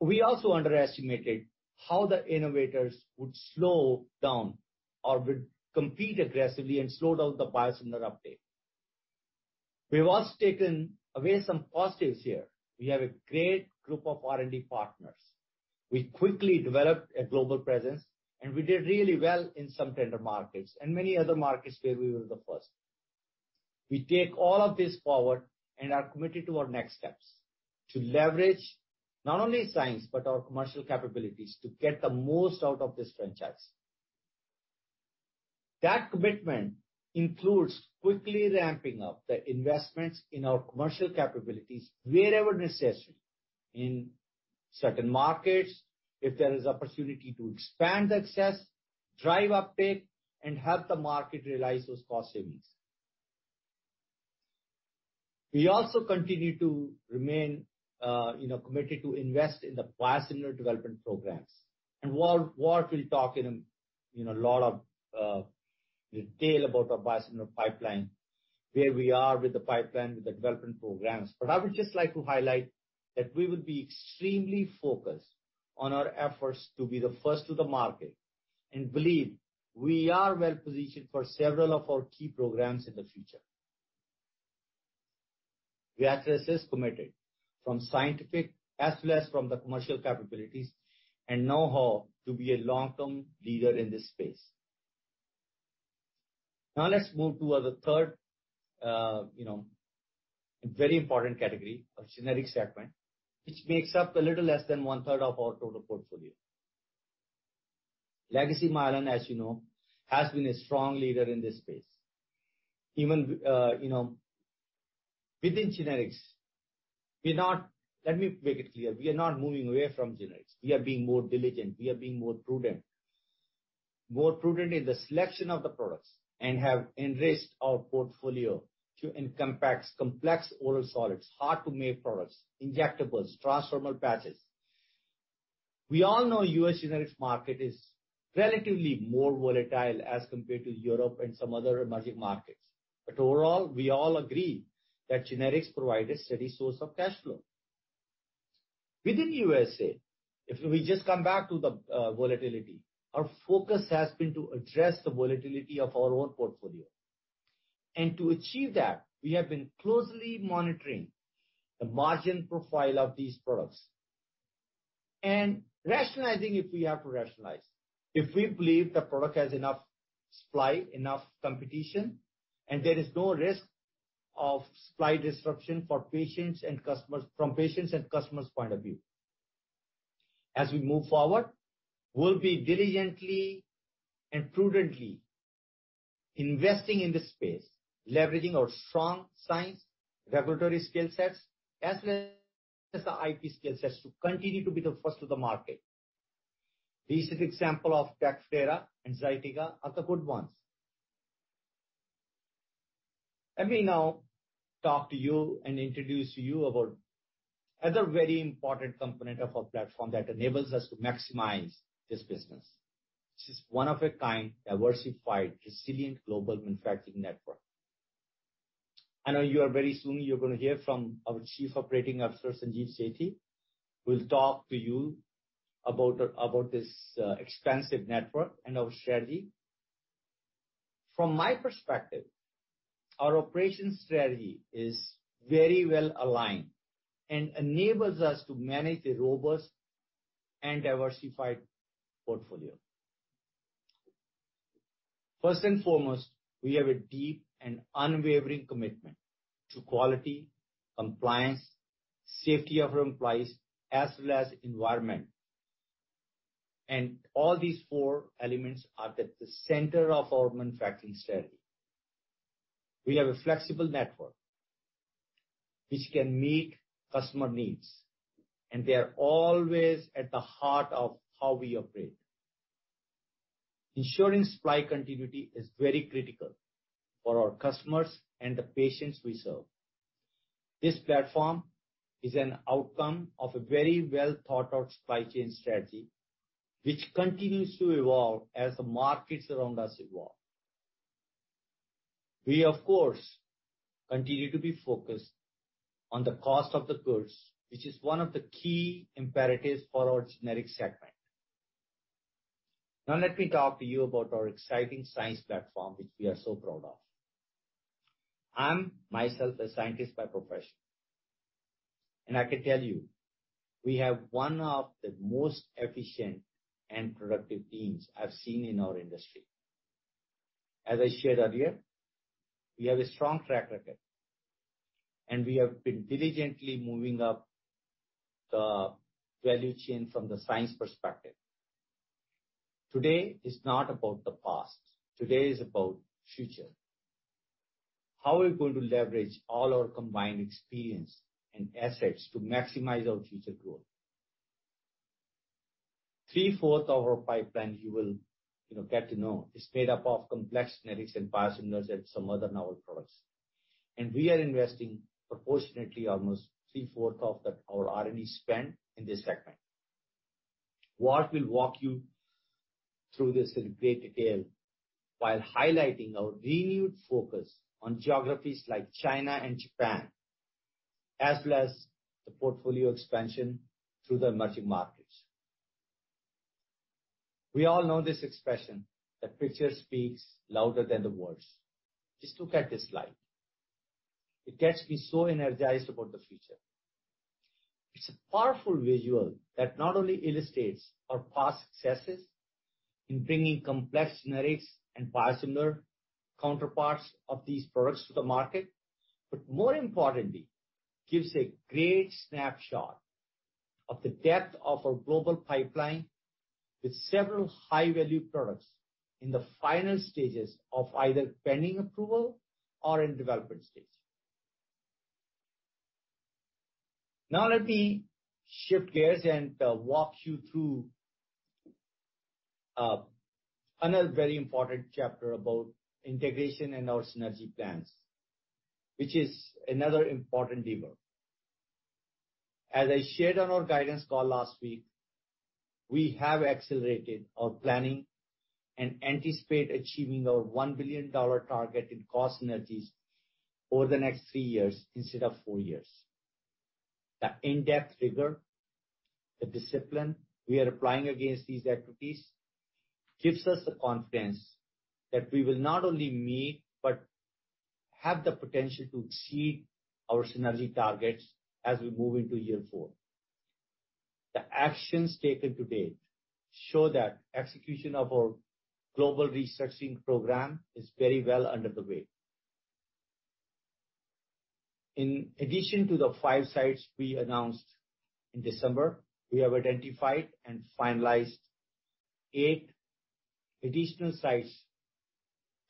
We also underestimated how the innovators would slow down or would compete aggressively and slow down the biosimilar update. We've also taken away some positives here. We have a great group of R&D partners. We quickly developed a global presence, and we did really well in some tender markets and many other markets where we were the first. We take all of this forward and are committed to our next steps to leverage not only science but our commercial capabilities to get the most out of this franchise. That commitment includes quickly ramping up the investments in our commercial capabilities wherever necessary in certain markets, if there is opportunity to expand the success, drive uptake, and help the market realize those cost savings. We also continue to remain committed to invest in the biosimilar development programs. We will talk in a lot of detail about our biosimilar pipeline, where we are with the pipeline, with the development programs. I would just like to highlight that we will be extremely focused on our efforts to be the first to the market and believe we are well-positioned for several of our key programs in the future. Viatris is committed from scientific as well as from the commercial capabilities and know-how to be a long-term leader in this space. Now, let's move to the third very important category of generic segment, which makes up a little less than one-third of our total portfolio. Legacy Mylan, as you know, has been a strong leader in this space. Even within generics, let me make it clear, we are not moving away from generics. We are being more diligent. We are being more prudent, more prudent in the selection of the products and have enriched our portfolio to encompass complex oral solids, hard-to-make products, injectables, transdermal patches. We all know the U.S. generics market is relatively more volatile as compared to Europe and some other emerging markets. Overall, we all agree that generics provide a steady source of cash flow. Within the U.S., if we just come back to the volatility, our focus has been to address the volatility of our own portfolio. To achieve that, we have been closely monitoring the margin profile of these products and rationalizing if we have to rationalize, if we believe the product has enough supply, enough competition, and there is no risk of supply disruption from patients and customers' point of view. As we move forward, we'll be diligently and prudently investing in this space, leveraging our strong science, regulatory skill sets, as well as the IP skill sets to continue to be the first to the market. These are examples of Dactridera, Anzitica, and the good ones. Let me now talk to you and introduce you about another very important component of our platform that enables us to maximize this business. This is one-of-a-kind, diversified, resilient global manufacturing network. I know very soon you're going to hear from our Chief Operating Officer, Sanjeev Sethi, who will talk to you about this expansive network and our strategy. From my perspective, our operations strategy is very well aligned and enables us to manage a robust and diversified portfolio. First and foremost, we have a deep and unwavering commitment to quality, compliance, safety of our employees, as well as the environment. All these four elements are at the center of our manufacturing strategy. We have a flexible network which can meet customer needs, and they are always at the heart of how we operate. Ensuring supply continuity is very critical for our customers and the patients we serve. This platform is an outcome of a very well-thought-out supply chain strategy which continues to evolve as the markets around us evolve. We, of course, continue to be focused on the cost of the goods, which is one of the key imperatives for our generic segment. Now, let me talk to you about our exciting science platform, which we are so proud of. I'm myself a scientist by profession, and I can tell you we have one of the most efficient and productive teams I've seen in our industry. As I shared earlier, we have a strong track record, and we have been diligently moving up the value chain from the science perspective. Today is not about the past. Today is about the future. How are we going to leverage all our combined experience and assets to maximize our future growth? Three-fourths of our pipeline you will get to know is made up of complex generics and biosimilars and some other novel products. We are investing proportionately, almost three-fourths of our R&D spend in this segment. We will walk you through this in great detail while highlighting our renewed focus on geographies like China and Japan, as well as the portfolio expansion through the emerging markets. We all know this expression that "Picture speaks louder than the words." Just look at this slide. It gets me so energized about the future. It's a powerful visual that not only illustrates our past successes in bringing complex generics and biosimilar counterparts of these products to the market, but more importantly, gives a great snapshot of the depth of our global pipeline with several high-value products in the final stages of either pending approval or in development stage. Now, let me shift gears and walk you through another very important chapter about integration and our synergy plans, which is another important lever. As I shared on our guidance call last week, we have accelerated our planning and anticipate achieving our $1 billion target in cost synergies over the next three years instead of four years. The in-depth rigor, the discipline we are applying against these equities gives us the confidence that we will not only meet but have the potential to exceed our synergy targets as we move into year four. The actions taken to date show that execution of our global restructuring program is very well underway. In addition to the five sites we announced in December, we have identified and finalized eight additional sites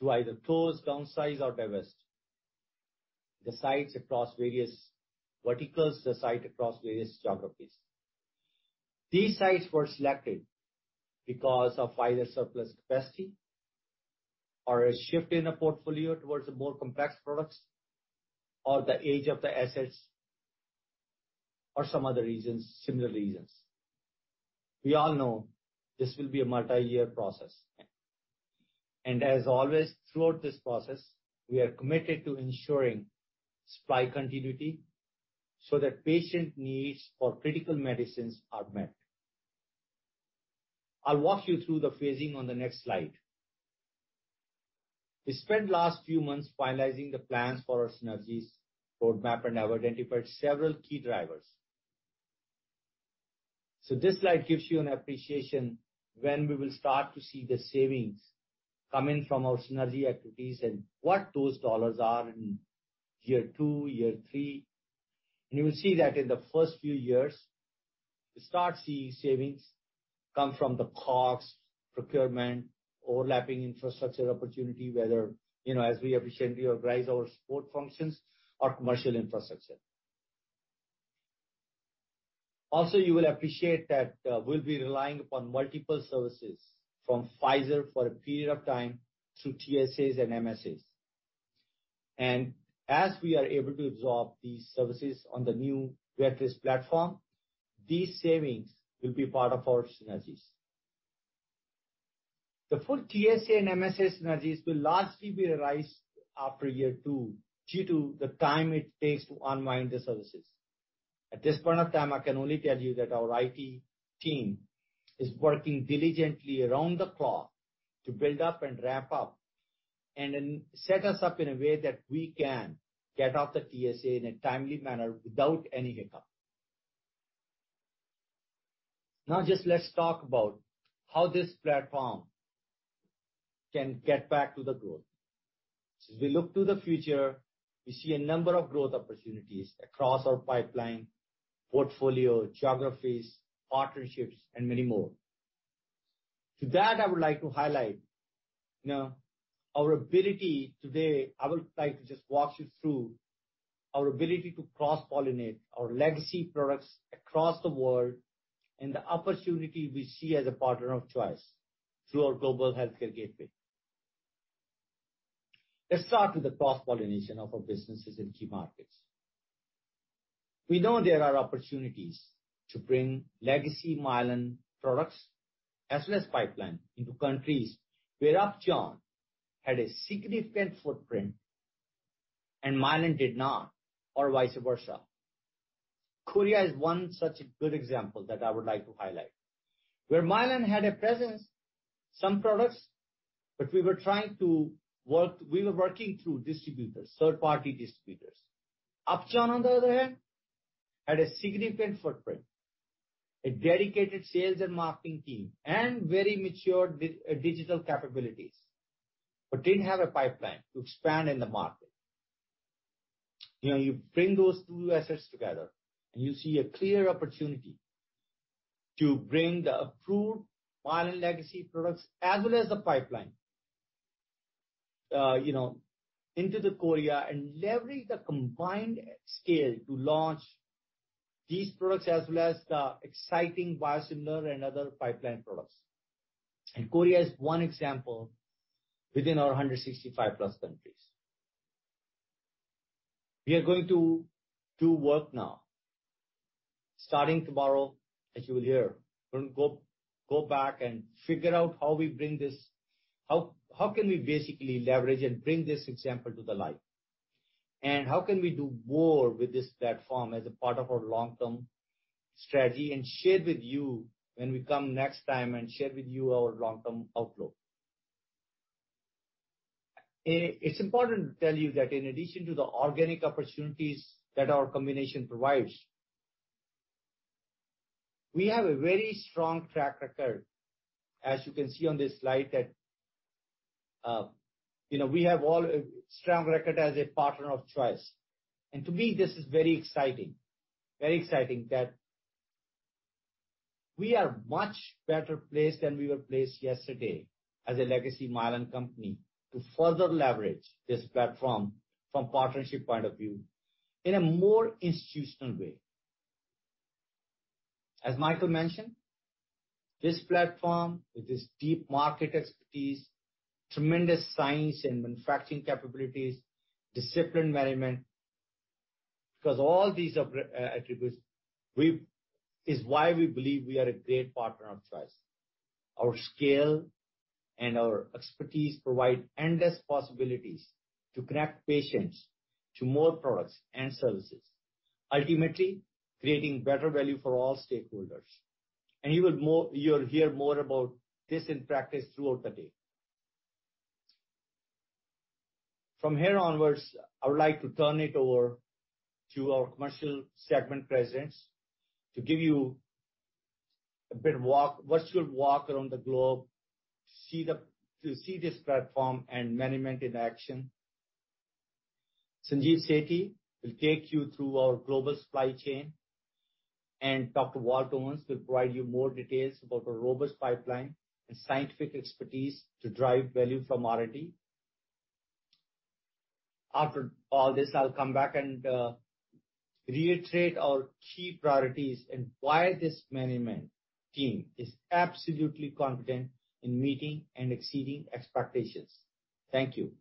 to either close, downsize, or divest the sites across various verticals, the sites across various geographies. These sites were selected because of either surplus capacity or a shift in the portfolio towards more complex products or the age of the assets or some other similar reasons. We all know this will be a multi-year process. As always, throughout this process, we are committed to ensuring supply continuity so that patient needs for critical medicines are met. I'll walk you through the phasing on the next slide. We spent the last few months finalizing the plans for our synergies roadmap and have identified several key drivers. This slide gives you an appreciation when we will start to see the savings coming from our synergy activities and what those dollars are in year two, year three. You will see that in the first few years, we start seeing savings come from the cost, procurement, overlapping infrastructure opportunity, whether as we efficiently organize our support functions or commercial infrastructure. Also, you will appreciate that we'll be relying upon multiple services from Pfizer for a period of time through TSAs and MSAs. As we are able to absorb these services on the new Viatris platform, these savings will be part of our synergies. The full TSA and MSA synergies will largely be realized after year two due to the time it takes to unwind the services. At this point of time, I can only tell you that our IT team is working diligently around the clock to build up and ramp up and set us up in a way that we can get off the TSA in a timely manner without any hiccup. Now, just let's talk about how this platform can get back to the growth. As we look to the future, we see a number of growth opportunities across our pipeline, portfolio, geographies, partnerships, and many more. To that, I would like to highlight our ability today. I would like to just walk you through our ability to cross-pollinate our legacy products across the world and the opportunity we see as a partner of choice through our global healthcare gateway. Let's start with the cross-pollination of our businesses in key markets. We know there are opportunities to bring legacy Mylan products as well as pipeline into countries where Upjohn had a significant footprint and Mylan did not, or vice versa. Korea is one such good example that I would like to highlight. Where Mylan had a presence, some products, but we were trying to work, we were working through distributors, third-party distributors. Upjohn on the other hand had a significant footprint, a dedicated sales and marketing team, and very mature digital capabilities, but did not have a pipeline to expand in the market. You bring those two assets together, and you see a clear opportunity to bring the approved Mylan legacy products as well as the pipeline into Korea and leverage the combined scale to launch these products as well as the exciting biosimilar and other pipeline products. Korea is one example within our 165+ countries. We are going to do work now. Starting tomorrow, as you will hear, we're going to go back and figure out how we bring this, how can we basically leverage and bring this example to the light. How can we do more with this platform as a part of our long-term strategy and share with you when we come next time and share with you our long-term outlook. It's important to tell you that in addition to the organic opportunities that our combination provides, we have a very strong track record, as you can see on this slide, that we have a strong record as a partner of choice. To me, this is very exciting, very exciting that we are much better placed than we were placed yesterday as a legacy Mylan company to further leverage this platform from a partnership point of view in a more institutional way. As Michael mentioned, this platform with its deep market expertise, tremendous science and manufacturing capabilities, discipline management, because all these attributes is why we believe we are a great partner of choice. Our scale and our expertise provide endless possibilities to connect patients to more products and services, ultimately creating better value for all stakeholders. You will hear more about this in practice throughout the day. From here onwards, I would like to turn it over to our Commercial Segment Presidents to give you a bit of a virtual walk around the globe to see this platform and management in action. Sanjeev Sethi will take you through our global supply chain, and Dr. Walt Owens will provide you more details about our robust pipeline and scientific expertise to drive value from R&D. After all this, I'll come back and reiterate our key priorities and why this management team is absolutely competent in meeting and exceeding expectations. Thank you.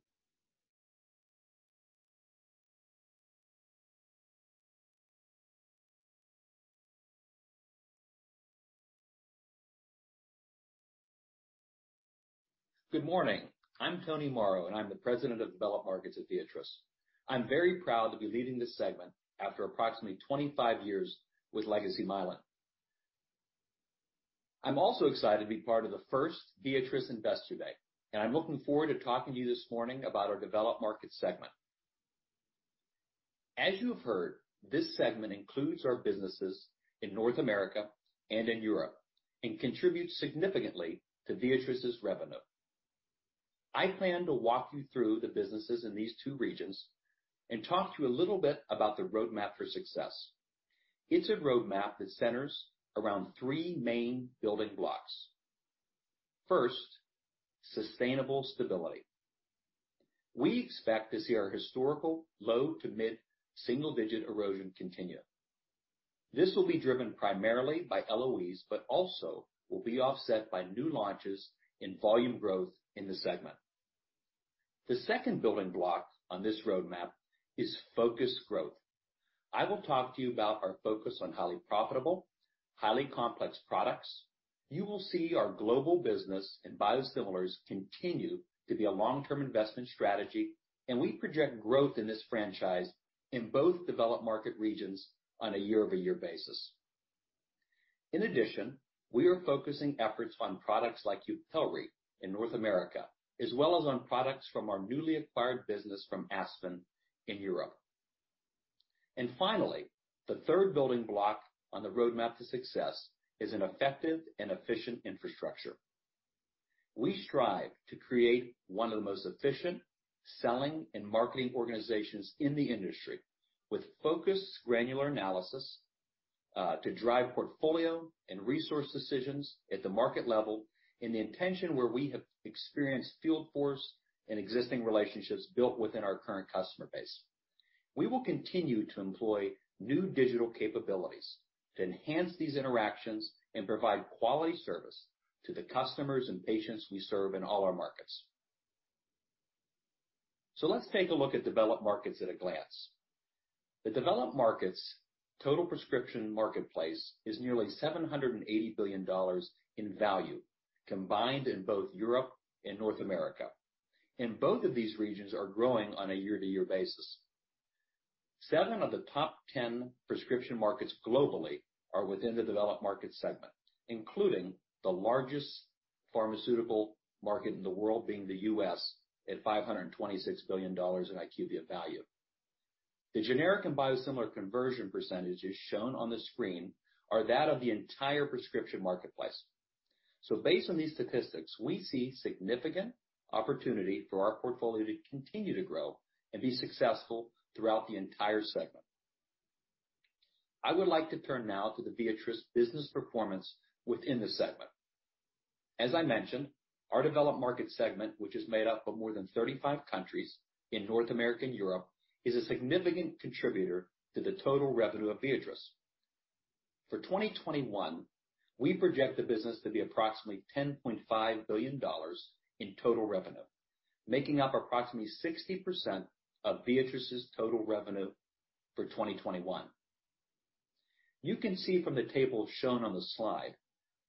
Good morning. I'm Tony Mauro, and I'm the President of Developed Markets at Viatris. I'm very proud to be leading this segment after approximately 25 years with legacy Mylan. I'm also excited to be part of the first Viatris Investor Day, and I'm looking forward to talking to you this morning about our Developed Markets segment. As you've heard, this segment includes our businesses in North America and in Europe and contributes significantly to Viatris's revenue. I plan to walk you through the businesses in these two regions and talk to you a little bit about the roadmap for success. It's a roadmap that centers around three main building blocks. First, sustainable stability. We expect to see our historical low to mid single-digit erosion continue. This will be driven primarily by LOEs, but also will be offset by new launches in volume growth in the segment. The second building block on this roadmap is focused growth. I will talk to you about our focus on highly profitable, highly complex products. You will see our global business in biosimilars continue to be a long-term investment strategy, and we project growth in this franchise in both developed market regions on a year-over-year basis. In addition, we are focusing efforts on products like YUPELRI in North America, as well as on products from our newly acquired business from Aspen in Europe. Finally, the third building block on the roadmap to success is an effective and efficient infrastructure. We strive to create one of the most efficient selling and marketing organizations in the industry with focused granular analysis to drive portfolio and resource decisions at the market level in the intention where we have experienced field force and existing relationships built within our current customer base. We will continue to employ new digital capabilities to enhance these interactions and provide quality service to the customers and patients we serve in all our markets. Let's take a look at developed markets at a glance. The developed markets total prescription marketplace is nearly $780 billion in value combined in both Europe and North America. Both of these regions are growing on a year-to-year basis. Seven of the top 10 prescription markets globally are within the developed market segment, including the largest pharmaceutical market in the world being the U.S. at $526 billion in IQVIA value. The generic and biosimilar conversion percentages shown on the screen are that of the entire prescription marketplace. Based on these statistics, we see significant opportunity for our portfolio to continue to grow and be successful throughout the entire segment. I would like to turn now to the Viatris business performance within the segment. As I mentioned, our developed market segment, which is made up of more than 35 countries in North America and Europe, is a significant contributor to the total revenue of Viatris. For 2021, we project the business to be approximately $10.5 billion in total revenue, making up approximately 60% of Viatris's total revenue for 2021. You can see from the table shown on the slide,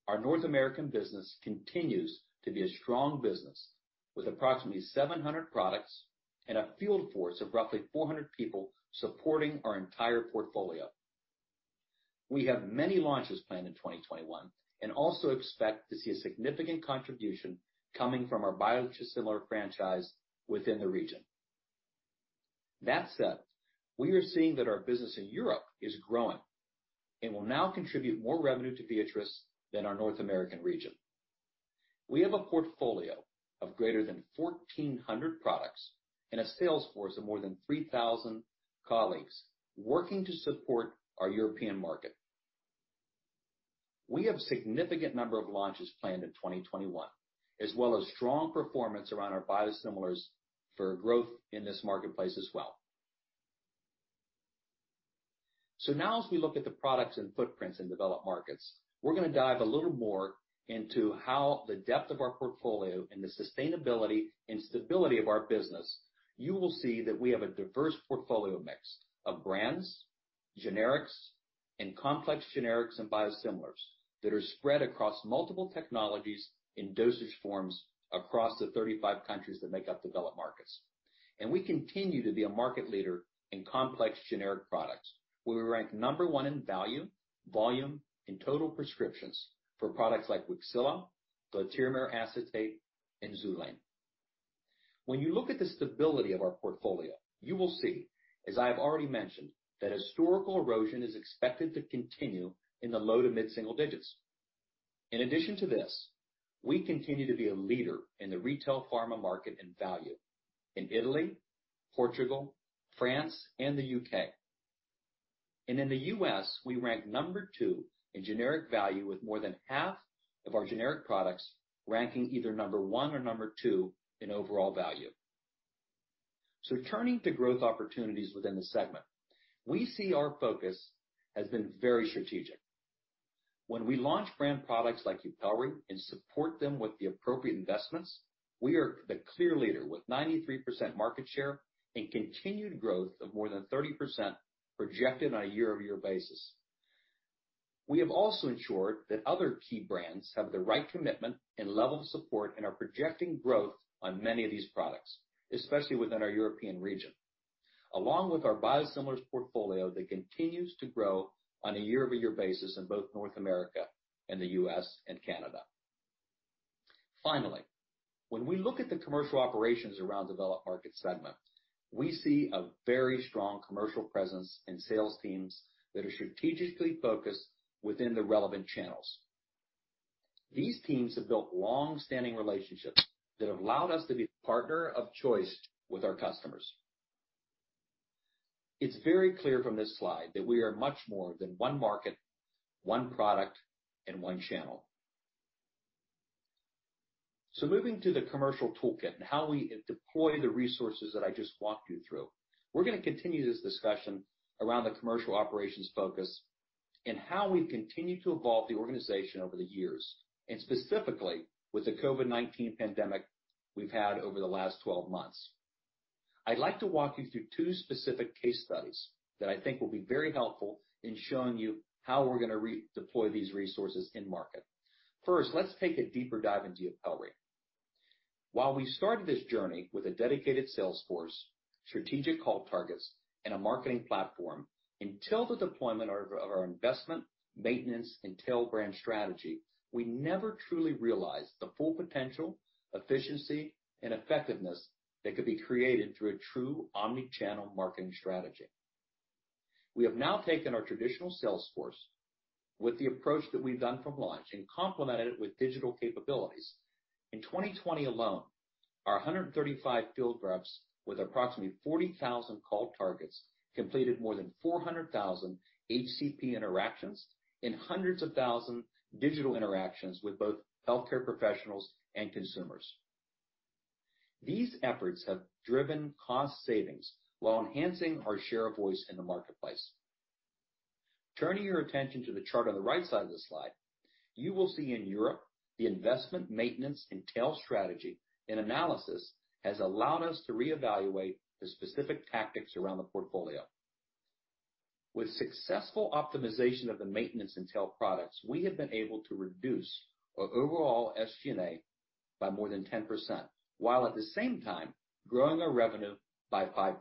our North American business continues to be a strong business with approximately 700 products and a field force of roughly 400 people supporting our entire portfolio. We have many launches planned in 2021 and also expect to see a significant contribution coming from our biosimilar franchise within the region. That said, we are seeing that our business in Europe is growing and will now contribute more revenue to Viatris than our North American region. We have a portfolio of greater than 1,400 products and a sales force of more than 3,000 colleagues working to support our European market. We have a significant number of launches planned in 2021, as well as strong performance around our biosimilars for growth in this marketplace as well. Now, as we look at the products and footprints in developed markets, we are going to dive a little more into how the depth of our portfolio and the sustainability and stability of our business. You will see that we have a diverse portfolio mix of brands, generics, and complex generics and biosimilars that are spread across multiple technologies in dosage forms across the 35 countries that make up developed markets. We continue to be a market leader in complex generic products, where we rank number one in value, volume, and total prescriptions for products like Wixela, glatiramer acetate, and Xulane. When you look at the stability of our portfolio, you will see, as I have already mentioned, that historical erosion is expected to continue in the low to mid single digits. In addition to this, we continue to be a leader in the retail pharma market in value in Italy, Portugal, France, and the U.K. In the U.S., we rank number two in generic value, with more than half of our generic products ranking either number one or number two in overall value. Turning to growth opportunities within the segment, we see our focus has been very strategic. When we launch brand products like YUPELRI and support them with the appropriate investments, we are the clear leader with 93% market share and continued growth of more than 30% projected on a year-over-year basis. We have also ensured that other key brands have the right commitment and level of support and are projecting growth on many of these products, especially within our European region, along with our biosimilars portfolio that continues to grow on a year-over-year basis in both North America and the U.S. and Canada. Finally, when we look at the commercial operations around developed market segment, we see a very strong commercial presence and sales teams that are strategically focused within the relevant channels. These teams have built long-standing relationships that have allowed us to be a partner of choice with our customers. It is very clear from this slide that we are much more than one market, one product, and one channel. Moving to the commercial toolkit and how we deploy the resources that I just walked you through, we're going to continue this discussion around the commercial operations focus and how we've continued to evolve the organization over the years, and specifically with the COVID-19 pandemic we've had over the last 12 months. I'd like to walk you through two specific case studies that I think will be very helpful in showing you how we're going to deploy these resources in market. First, let's take a deeper dive into YUPELRI. While we started this journey with a dedicated sales force, strategic call targets, and a marketing platform, until the deployment of our investment, maintenance, and tail brand strategy, we never truly realized the full potential, efficiency, and effectiveness that could be created through a true omnichannel marketing strategy. We have now taken our traditional sales force with the approach that we've done from launch and complemented it with digital capabilities. In 2020 alone, our 135 field reps with approximately 40,000 call targets completed more than 400,000 HCP interactions and hundreds of thousand digital interactions with both healthcare professionals and consumers. These efforts have driven cost savings while enhancing our share of voice in the marketplace. Turning your attention to the chart on the right side of the slide, you will see in Europe, the investment, maintenance, and tail strategy and analysis has allowed us to reevaluate the specific tactics around the portfolio. With successful optimization of the maintenance and tail products, we have been able to reduce our overall SG&A by more than 10%, while at the same time growing our revenue by 5%.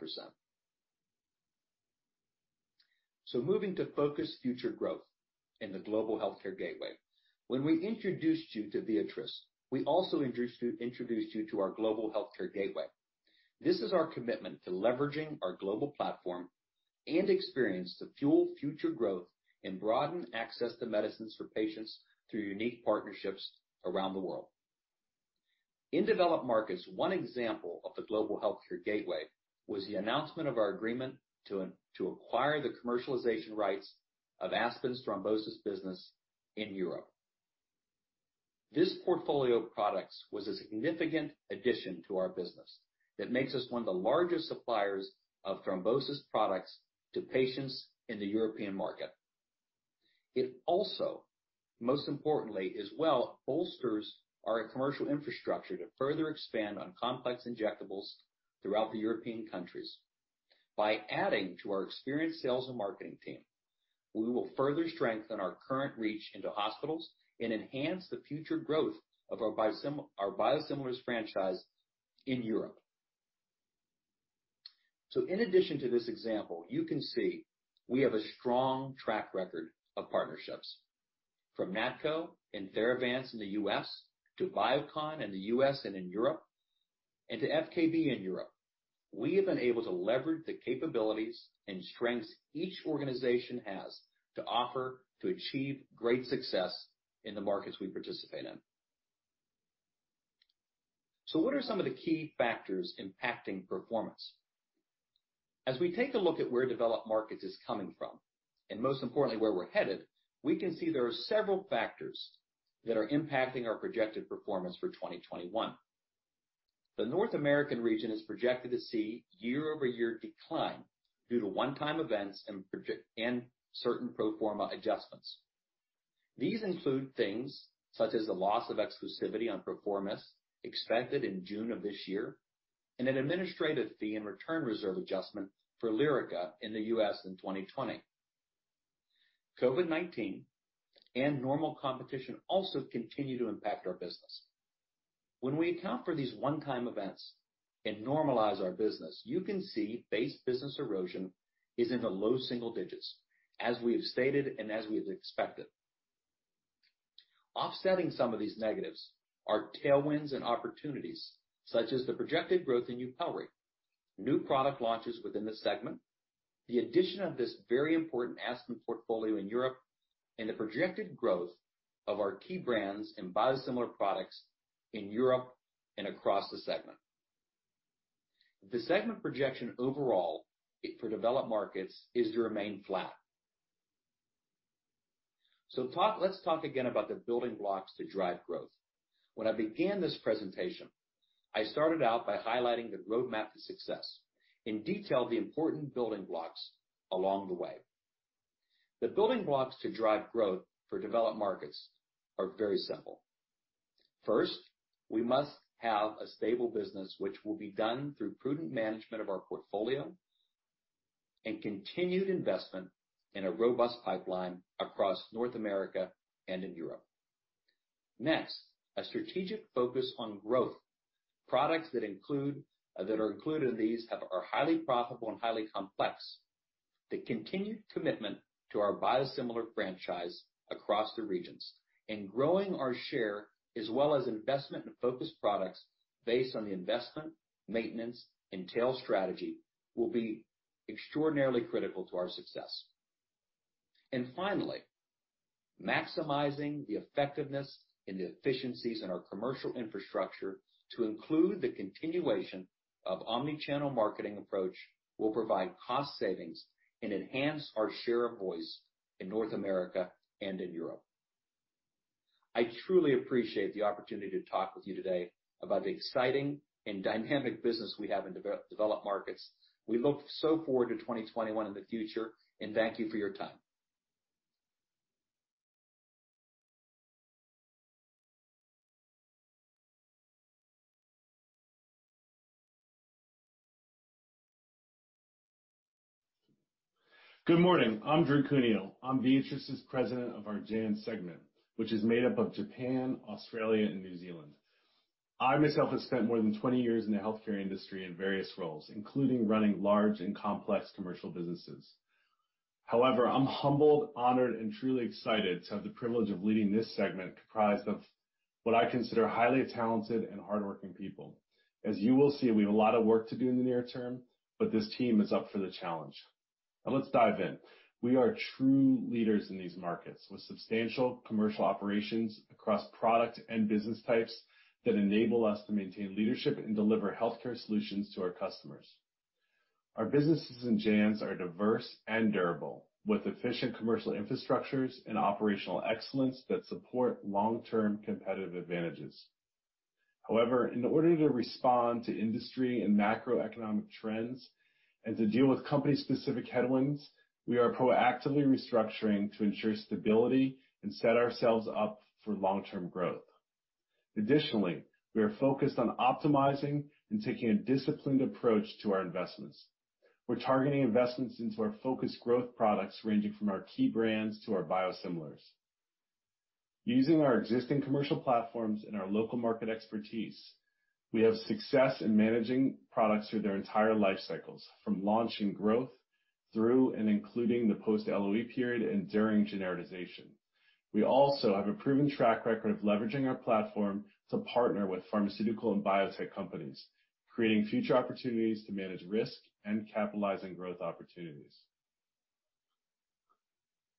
Moving to focus future growth in the global healthcare gateway. When we introduced you to Viatris, we also introduced you to our global healthcare gateway. This is our commitment to leveraging our global platform and experience to fuel future growth and broaden access to medicines for patients through unique partnerships around the world. In developed markets, one example of the global healthcare gateway was the announcement of our agreement to acquire the commercialization rights of Aspen's thrombosis business in Europe. This portfolio of products was a significant addition to our business that makes us one of the largest suppliers of thrombosis products to patients in the European market. It also, most importantly, as well, bolsters our commercial infrastructure to further expand on complex injectables throughout the European countries. By adding to our experienced sales and marketing team, we will further strengthen our current reach into hospitals and enhance the future growth of our biosimilars franchise in Europe. In addition to this example, you can see we have a strong track record of partnerships from Natco and Theravance in the U.S. to Biocon in the U.S. and in Europe and to FKB in Europe. We have been able to leverage the capabilities and strengths each organization has to offer to achieve great success in the markets we participate in. What are some of the key factors impacting performance? As we take a look at where developed markets is coming from, and most importantly, where we're headed, we can see there are several factors that are impacting our projected performance for 2021. The North American region is projected to see year-over-year decline due to one-time events and certain pro forma adjustments. These include things such as the loss of exclusivity on Perforomist expected in June of this year and an administrative fee and return reserve adjustment for Lyrica in the U.S. in 2020. COVID-19 and normal competition also continue to impact our business. When we account for these one-time events and normalize our business, you can see base business erosion is in the low single digits, as we have stated and as we have expected. Offsetting some of these negatives are tailwinds and opportunities such as the projected growth in YUPELRI, new product launches within the segment, the addition of this very important Aspen portfolio in Europe, and the projected growth of our key brands and biosimilar products in Europe and across the segment. The segment projection overall for developed markets is to remain flat. Let's talk again about the building blocks to drive growth. When I began this presentation, I started out by highlighting the roadmap to success and detailed the important building blocks along the way. The building blocks to drive growth for developed markets are very simple. First, we must have a stable business, which will be done through prudent management of our portfolio and continued investment in a robust pipeline across North America and in Europe. Next, a strategic focus on growth. Products that are included in these are highly profitable and highly complex. The continued commitment to our biosimilar franchise across the regions and growing our share, as well as investment and focus products based on the investment, maintenance, and tail strategy, will be extraordinarily critical to our success. Finally, maximizing the effectiveness and the efficiencies in our commercial infrastructure to include the continuation of omnichannel marketing approach will provide cost savings and enhance our share of voice in North America and in Europe. I truly appreciate the opportunity to talk with you today about the exciting and dynamic business we have in developed markets. We look so forward to 2021 and the future, and thank you for your time. Good morning. I'm Drew Cuneo. I'm Viatris's President of our JANZ segment, which is made up of Japan, Australia, and New Zealand. I myself have spent more than 20 years in the healthcare industry in various roles, including running large and complex commercial businesses. However, I'm humbled, honored, and truly excited to have the privilege of leading this segment comprised of what I consider highly talented and hardworking people. As you will see, we have a lot of work to do in the near term, but this team is up for the challenge. Now, let's dive in. We are true leaders in these markets with substantial commercial operations across product and business types that enable us to maintain leadership and deliver healthcare solutions to our customers. Our businesses in JANZ are diverse and durable, with efficient commercial infrastructures and operational excellence that support long-term competitive advantages. However, in order to respond to industry and macroeconomic trends and to deal with company-specific headwinds, we are proactively restructuring to ensure stability and set ourselves up for long-term growth. Additionally, we are focused on optimizing and taking a disciplined approach to our investments. We're targeting investments into our focus growth products ranging from our key brands to our biosimilars. Using our existing commercial platforms and our local market expertise, we have success in managing products through their entire life cycles, from launch and growth through and including the post-LOE period and during generalization. We also have a proven track record of leveraging our platform to partner with pharmaceutical and biotech companies, creating future opportunities to manage risk and capitalize on growth opportunities.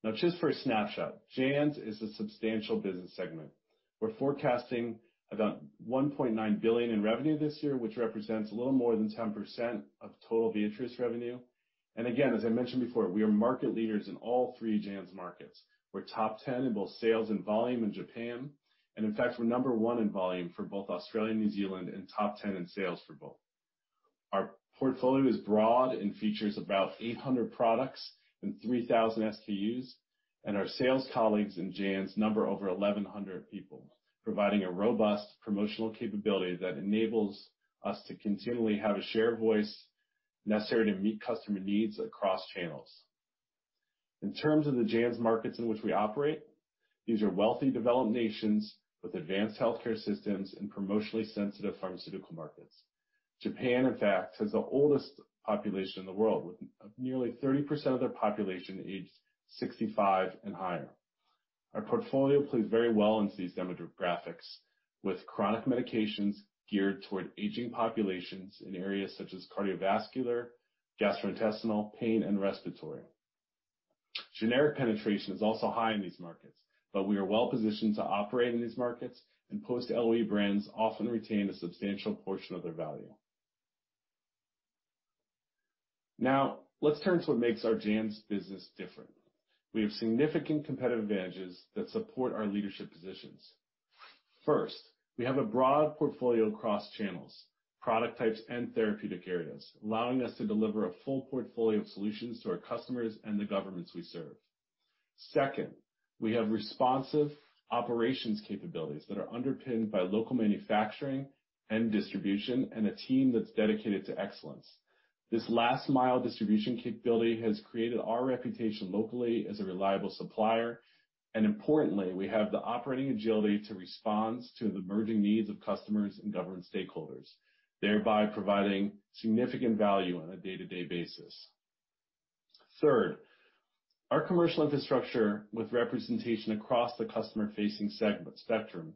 Now, just for a snapshot, JANZ is a substantial business segment. We're forecasting about $1.9 billion in revenue this year, which represents a little more than 10% of total Viatris revenue. As I mentioned before, we are market leaders in all three JANZ markets. We're top 10 in both sales and volume in Japan. In fact, we're number one in volume for both Australia and New Zealand and top 10 in sales for both. Our portfolio is broad and features about 800 products and 3,000 SKUs. Our sales colleagues in JANZ number over 1,100 people, providing a robust promotional capability that enables us to continually have a share of voice necessary to meet customer needs across channels. In terms of the JANZ markets in which we operate, these are wealthy developed nations with advanced healthcare systems and promotionally sensitive pharmaceutical markets. Japan, in fact, has the oldest population in the world, with nearly 30% of their population aged 65 and higher. Our portfolio plays very well into these demographics, with chronic medications geared toward aging populations in areas such as cardiovascular, gastrointestinal, pain, and respiratory. Generic penetration is also high in these markets, but we are well positioned to operate in these markets, and post-LOE brands often retain a substantial portion of their value. Now, let's turn to what makes our JANZ business different. We have significant competitive advantages that support our leadership positions. First, we have a broad portfolio across channels, product types, and therapeutic areas, allowing us to deliver a full portfolio of solutions to our customers and the governments we serve. Second, we have responsive operations capabilities that are underpinned by local manufacturing and distribution and a team that's dedicated to excellence. This last-mile distribution capability has created our reputation locally as a reliable supplier. Importantly, we have the operating agility to respond to the emerging needs of customers and government stakeholders, thereby providing significant value on a day-to-day basis. Third, our commercial infrastructure with representation across the customer-facing spectrum,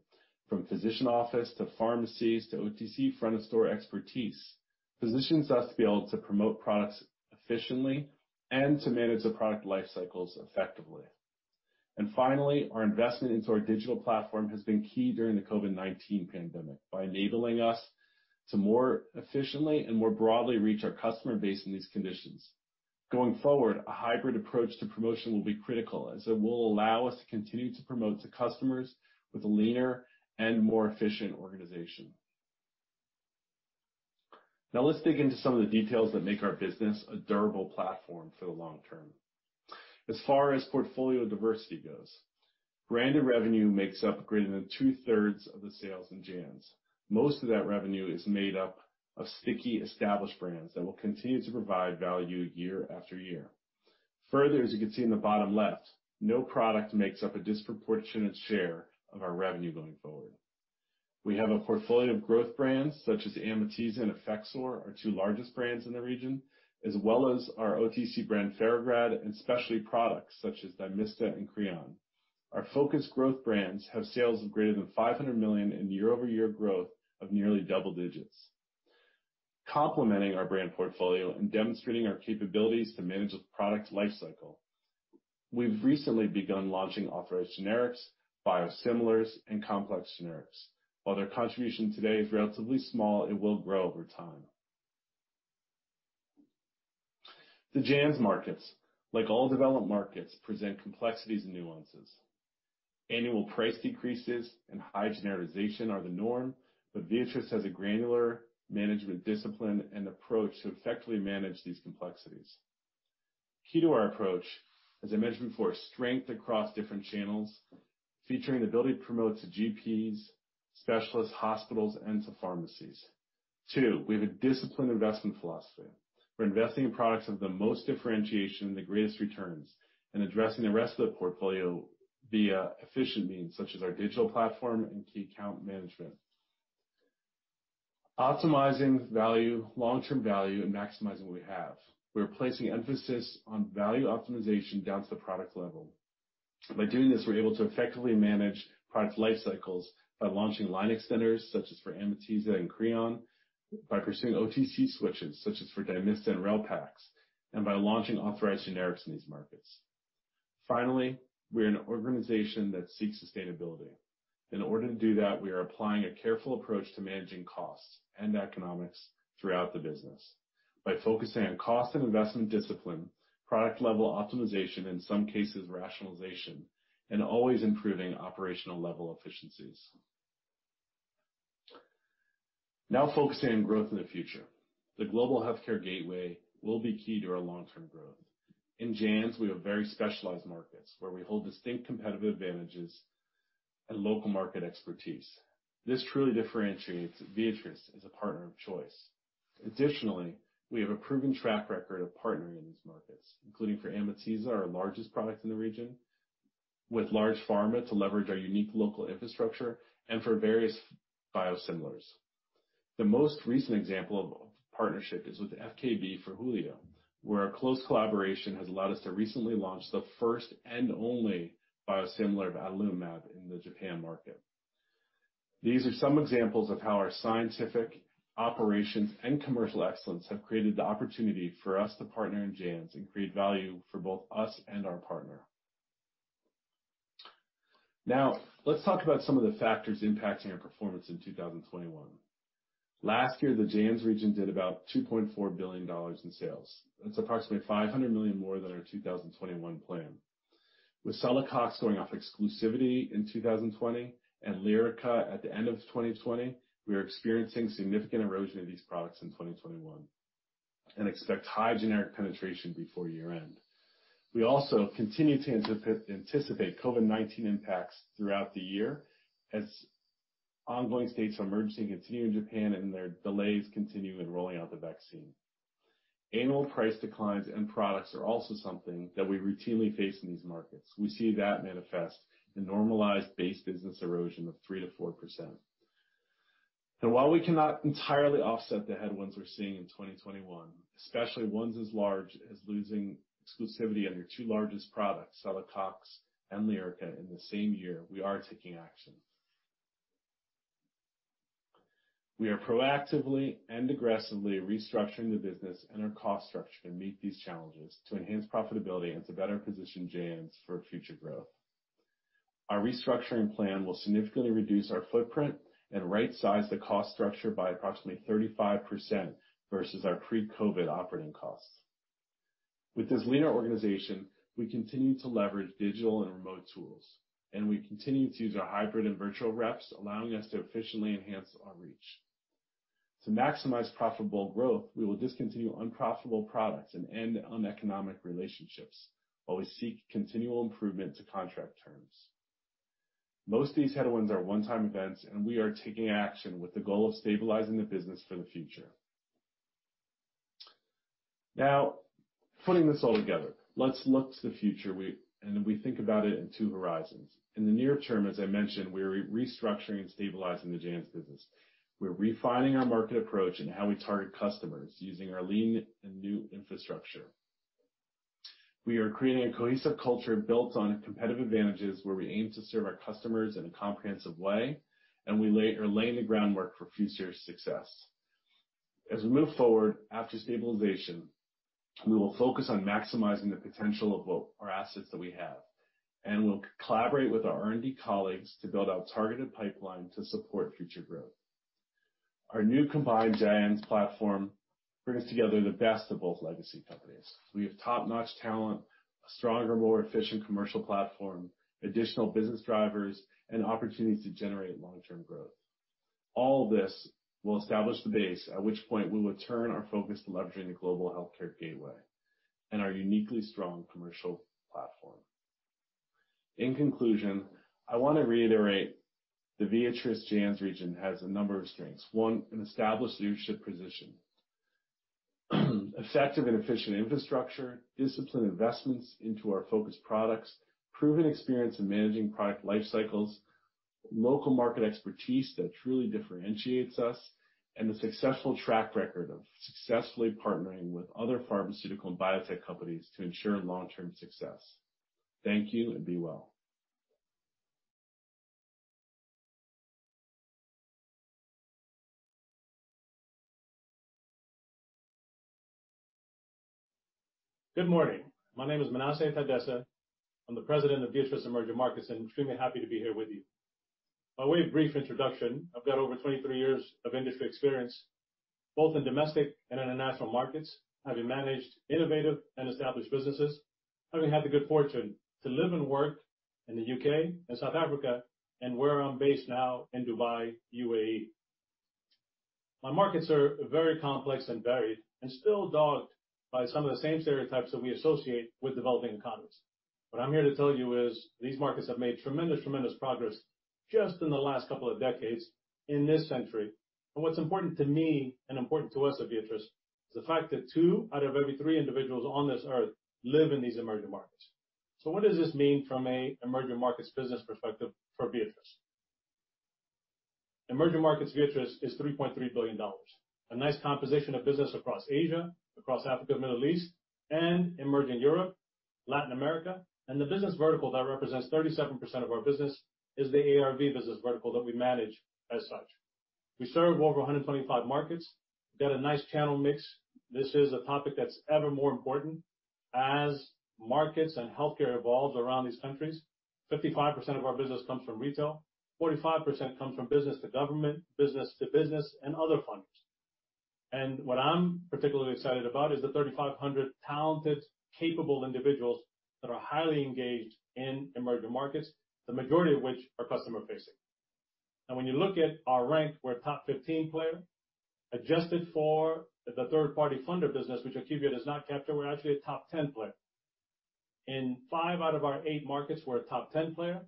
from physician office to pharmacies to OTC front-of-store expertise, positions us to be able to promote products efficiently and to manage the product life cycles effectively. Finally, our investment into our digital platform has been key during the COVID-19 pandemic by enabling us to more efficiently and more broadly reach our customer base in these conditions. Going forward, a hybrid approach to promotion will be critical as it will allow us to continue to promote to customers with a leaner and more efficient organization. Now, let's dig into some of the details that make our business a durable platform for the long term. As far as portfolio diversity goes, branded revenue makes up greater than two-thirds of the sales in JANZ. Most of that revenue is made up of sticky, established brands that will continue to provide value year after year. Further, as you can see in the bottom left, no product makes up a disproportionate share of our revenue going forward. We have a portfolio of growth brands such as Amitiza and Effexor, our two largest brands in the region, as well as our OTC brand ParaGard and specialty products such as Dymista and Creon. Our focus growth brands have sales of greater than $500 million in year-over-year growth of nearly double digits, complementing our brand portfolio and demonstrating our capabilities to manage a product life cycle. We have recently begun launching authorized generics, biosimilars, and complex generics. While their contribution today is relatively small, it will grow over time. The JANZ markets, like all developed markets, present complexities and nuances. Annual price decreases and high generalization are the norm, but Viatris has a granular management discipline and approach to effectively manage these complexities. Key to our approach, as I mentioned before, is strength across different channels, featuring the ability to promote to GPs, specialists, hospitals, and to pharmacies. Two, we have a disciplined investment philosophy. We're investing in products of the most differentiation and the greatest returns and addressing the rest of the portfolio via efficient means such as our digital platform and key account management, optimizing value, long-term value, and maximizing what we have. We're placing emphasis on value optimization down to the product level. By doing this, we're able to effectively manage product life cycles by launching line extenders such as for Amitiza and Creon, by pursuing OTC switches such as for Dymista and Relpax, and by launching authorized generics in these markets. Finally, we are an organization that seeks sustainability. In order to do that, we are applying a careful approach to managing costs and economics throughout the business by focusing on cost and investment discipline, product-level optimization, in some cases, rationalization, and always improving operational-level efficiencies. Now, focusing on growth in the future, the global healthcare gateway will be key to our long-term growth. In JANZ, we have very specialized markets where we hold distinct competitive advantages and local market expertise. This truly differentiates Viatris as a partner of choice. Additionally, we have a proven track record of partnering in these markets, including for Amitiza, our largest product in the region, with large pharma to leverage our unique local infrastructure, and for various biosimilars. The most recent example of partnership is with FKB for Hulio, where our close collaboration has allowed us to recently launch the first and only biosimilar of adalimumab in the Japan market. These are some examples of how our scientific operations and commercial excellence have created the opportunity for us to partner in JANZ and create value for both us and our partner. Now, let's talk about some of the factors impacting our performance in 2021. Last year, the JANZ region did about $2.4 billion in sales. That's approximately $500 million more than our 2021 plan. With Celebrex going off exclusivity in 2020 and Lyrica at the end of 2020, we are experiencing significant erosion of these products in 2021 and expect high generic penetration before year-end. We also continue to anticipate COVID-19 impacts throughout the year as ongoing states are emerging and continuing in Japan, and their delays continue in rolling out the vaccine. Annual price declines and products are also something that we routinely face in these markets. We see that manifest in normalized base business erosion of 3%-4%. While we cannot entirely offset the headwinds we're seeing in 2021, especially ones as large as losing exclusivity on your two largest products, Celebrex and Lyrica, in the same year, we are taking action. We are proactively and aggressively restructuring the business and our cost structure to meet these challenges to enhance profitability and to better position JANZ for future growth. Our restructuring plan will significantly reduce our footprint and right-size the cost structure by approximately 35% versus our pre-COVID operating costs. With this leaner organization, we continue to leverage digital and remote tools, and we continue to use our hybrid and virtual reps, allowing us to efficiently enhance our reach. To maximize profitable growth, we will discontinue unprofitable products and end uneconomic relationships while we seek continual improvement to contract terms. Most of these headwinds are one-time events, and we are taking action with the goal of stabilizing the business for the future. Now, putting this all together, let's look to the future and think about it in two horizons. In the near term, as I mentioned, we are restructuring and stabilizing the JANZ business. We're refining our market approach and how we target customers using our lean and new infrastructure. We are creating a cohesive culture built on competitive advantages where we aim to serve our customers in a comprehensive way, and we are laying the groundwork for future success. As we move forward after stabilization, we will focus on maximizing the potential of our assets that we have, and we'll collaborate with our R&D colleagues to build out targeted pipeline to support future growth. Our new combined JANZ platform brings together the best of both legacy companies. We have top-notch talent, a stronger, more efficient commercial platform, additional business drivers, and opportunities to generate long-term growth. All of this will establish the base at which point we will turn our focus to leveraging the global healthcare gateway and our uniquely strong commercial platform. In conclusion, I want to reiterate the Viatris JANZ region has a number of strengths. One, an established leadership position, effective and efficient infrastructure, disciplined investments into our focus products, proven experience in managing product life cycles, local market expertise that truly differentiates us, and the successful track record of successfully partnering with other pharmaceutical and biotech companies to ensure long-term success. Thank you and be well. Good morning. My name is Menassie Tadesse. I'm the President of Viatris Emerging Markets and extremely happy to be here with you. By way of brief introduction, I've got over 23 years of industry experience, both in domestic and international markets, having managed innovative and established businesses, having had the good fortune to live and work in the U.K. and South Africa, and where I'm based now in Dubai, UAE. My markets are very complex and varied and still dogged by some of the same stereotypes that we associate with developing economies. What I'm here to tell you is these markets have made tremendous, tremendous progress just in the last couple of decades in this century. What's important to me and important to us at Viatris is the fact that two out of every three individuals on this earth live in these emerging markets. What does this mean from an emerging markets business perspective for Viatris? Emerging markets Viatris is $3.3 billion, a nice composition of business across Asia, across Africa, the Middle East, and emerging Europe, Latin America. The business vertical that represents 37% of our business is the ARV business vertical that we manage as such. We serve over 125 markets. We've got a nice channel mix. This is a topic that's ever more important as markets and healthcare evolves around these countries. 55% of our business comes from retail, 45% comes from business to government, business to business, and other funders. What I'm particularly excited about is the 3,500 talented, capable individuals that are highly engaged in emerging markets, the majority of which are customer-facing. When you look at our rank, we're a top 15 player. Adjusted for the third-party funder business, which I keep here does not capture, we're actually a top 10 player. In five out of our eight markets, we're a top 10 player.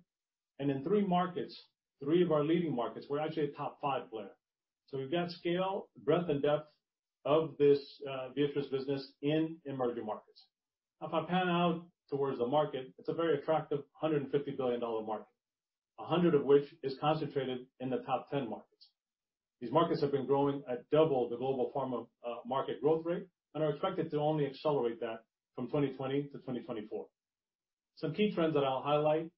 In three markets, three of our leading markets, we're actually a top five player. We have scale, breadth, and depth of this Viatris business in emerging markets. Now, if I pan out towards the market, it's a very attractive $150 billion market, $100 billion of which is concentrated in the top 10 markets. These markets have been growing at double the global pharma market growth rate and are expected to only accelerate that from 2020 to 2024. Some key trends that I'll highlight: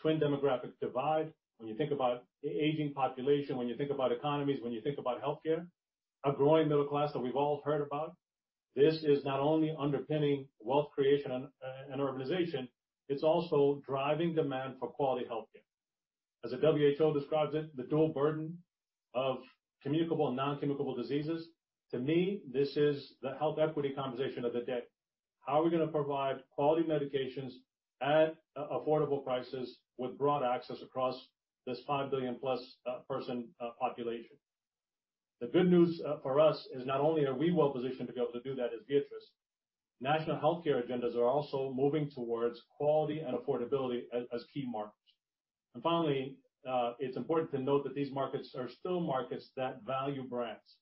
twin demographic divide. When you think about the aging population, when you think about economies, when you think about healthcare, a growing middle class that we've all heard about. This is not only underpinning wealth creation and urbanization, it's also driving demand for quality healthcare. As the WHO describes it, the dual burden of communicable and non-communicable diseases. To me, this is the health equity conversation of the day. How are we going to provide quality medications at affordable prices with broad access across this 5 billion-plus person population? The good news for us is not only are we well-positioned to be able to do that as Viatris, national healthcare agendas are also moving towards quality and affordability as key markets. It is important to note that these markets are still markets that value brands.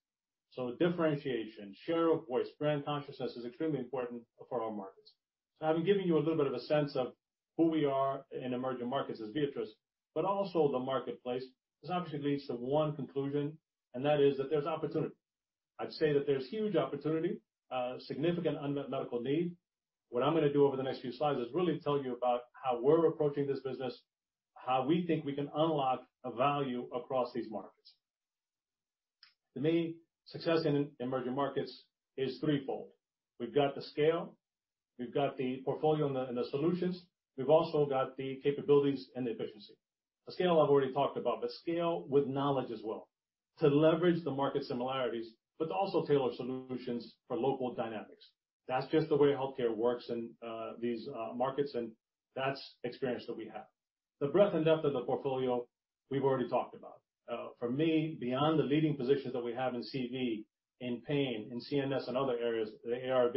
Differentiation, share of voice, brand consciousness is extremely important for our markets. I have been giving you a little bit of a sense of who we are in emerging markets as Viatris, but also the marketplace. This obviously leads to one conclusion, and that is that there is opportunity. I would say that there is huge opportunity, significant unmet medical need. What I'm going to do over the next few slides is really tell you about how we're approaching this business, how we think we can unlock value across these markets. To me, success in emerging markets is threefold. We've got the scale, we've got the portfolio and the solutions, we've also got the capabilities and the efficiency. The scale I've already talked about, but scale with knowledge as well to leverage the market similarities, but to also tailor solutions for local dynamics. That's just the way healthcare works in these markets, and that's experience that we have. The breadth and depth of the portfolio we've already talked about. For me, beyond the leading positions that we have in CV, in pain, in CNS, and other areas, the ARV,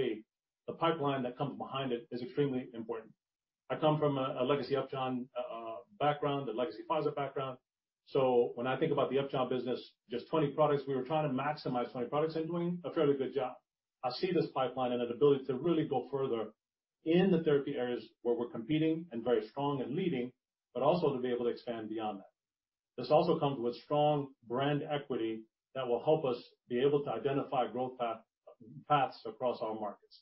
the pipeline that comes behind it is extremely important. I come from a legacy Upjohn background, a legacy Pfizer background. When I think about the Upjohn business, just 20 products, we were trying to maximize 20 products and doing a fairly good job. I see this pipeline and an ability to really go further in the therapy areas where we're competing and very strong and leading, but also to be able to expand beyond that. This also comes with strong brand equity that will help us be able to identify growth paths across our markets.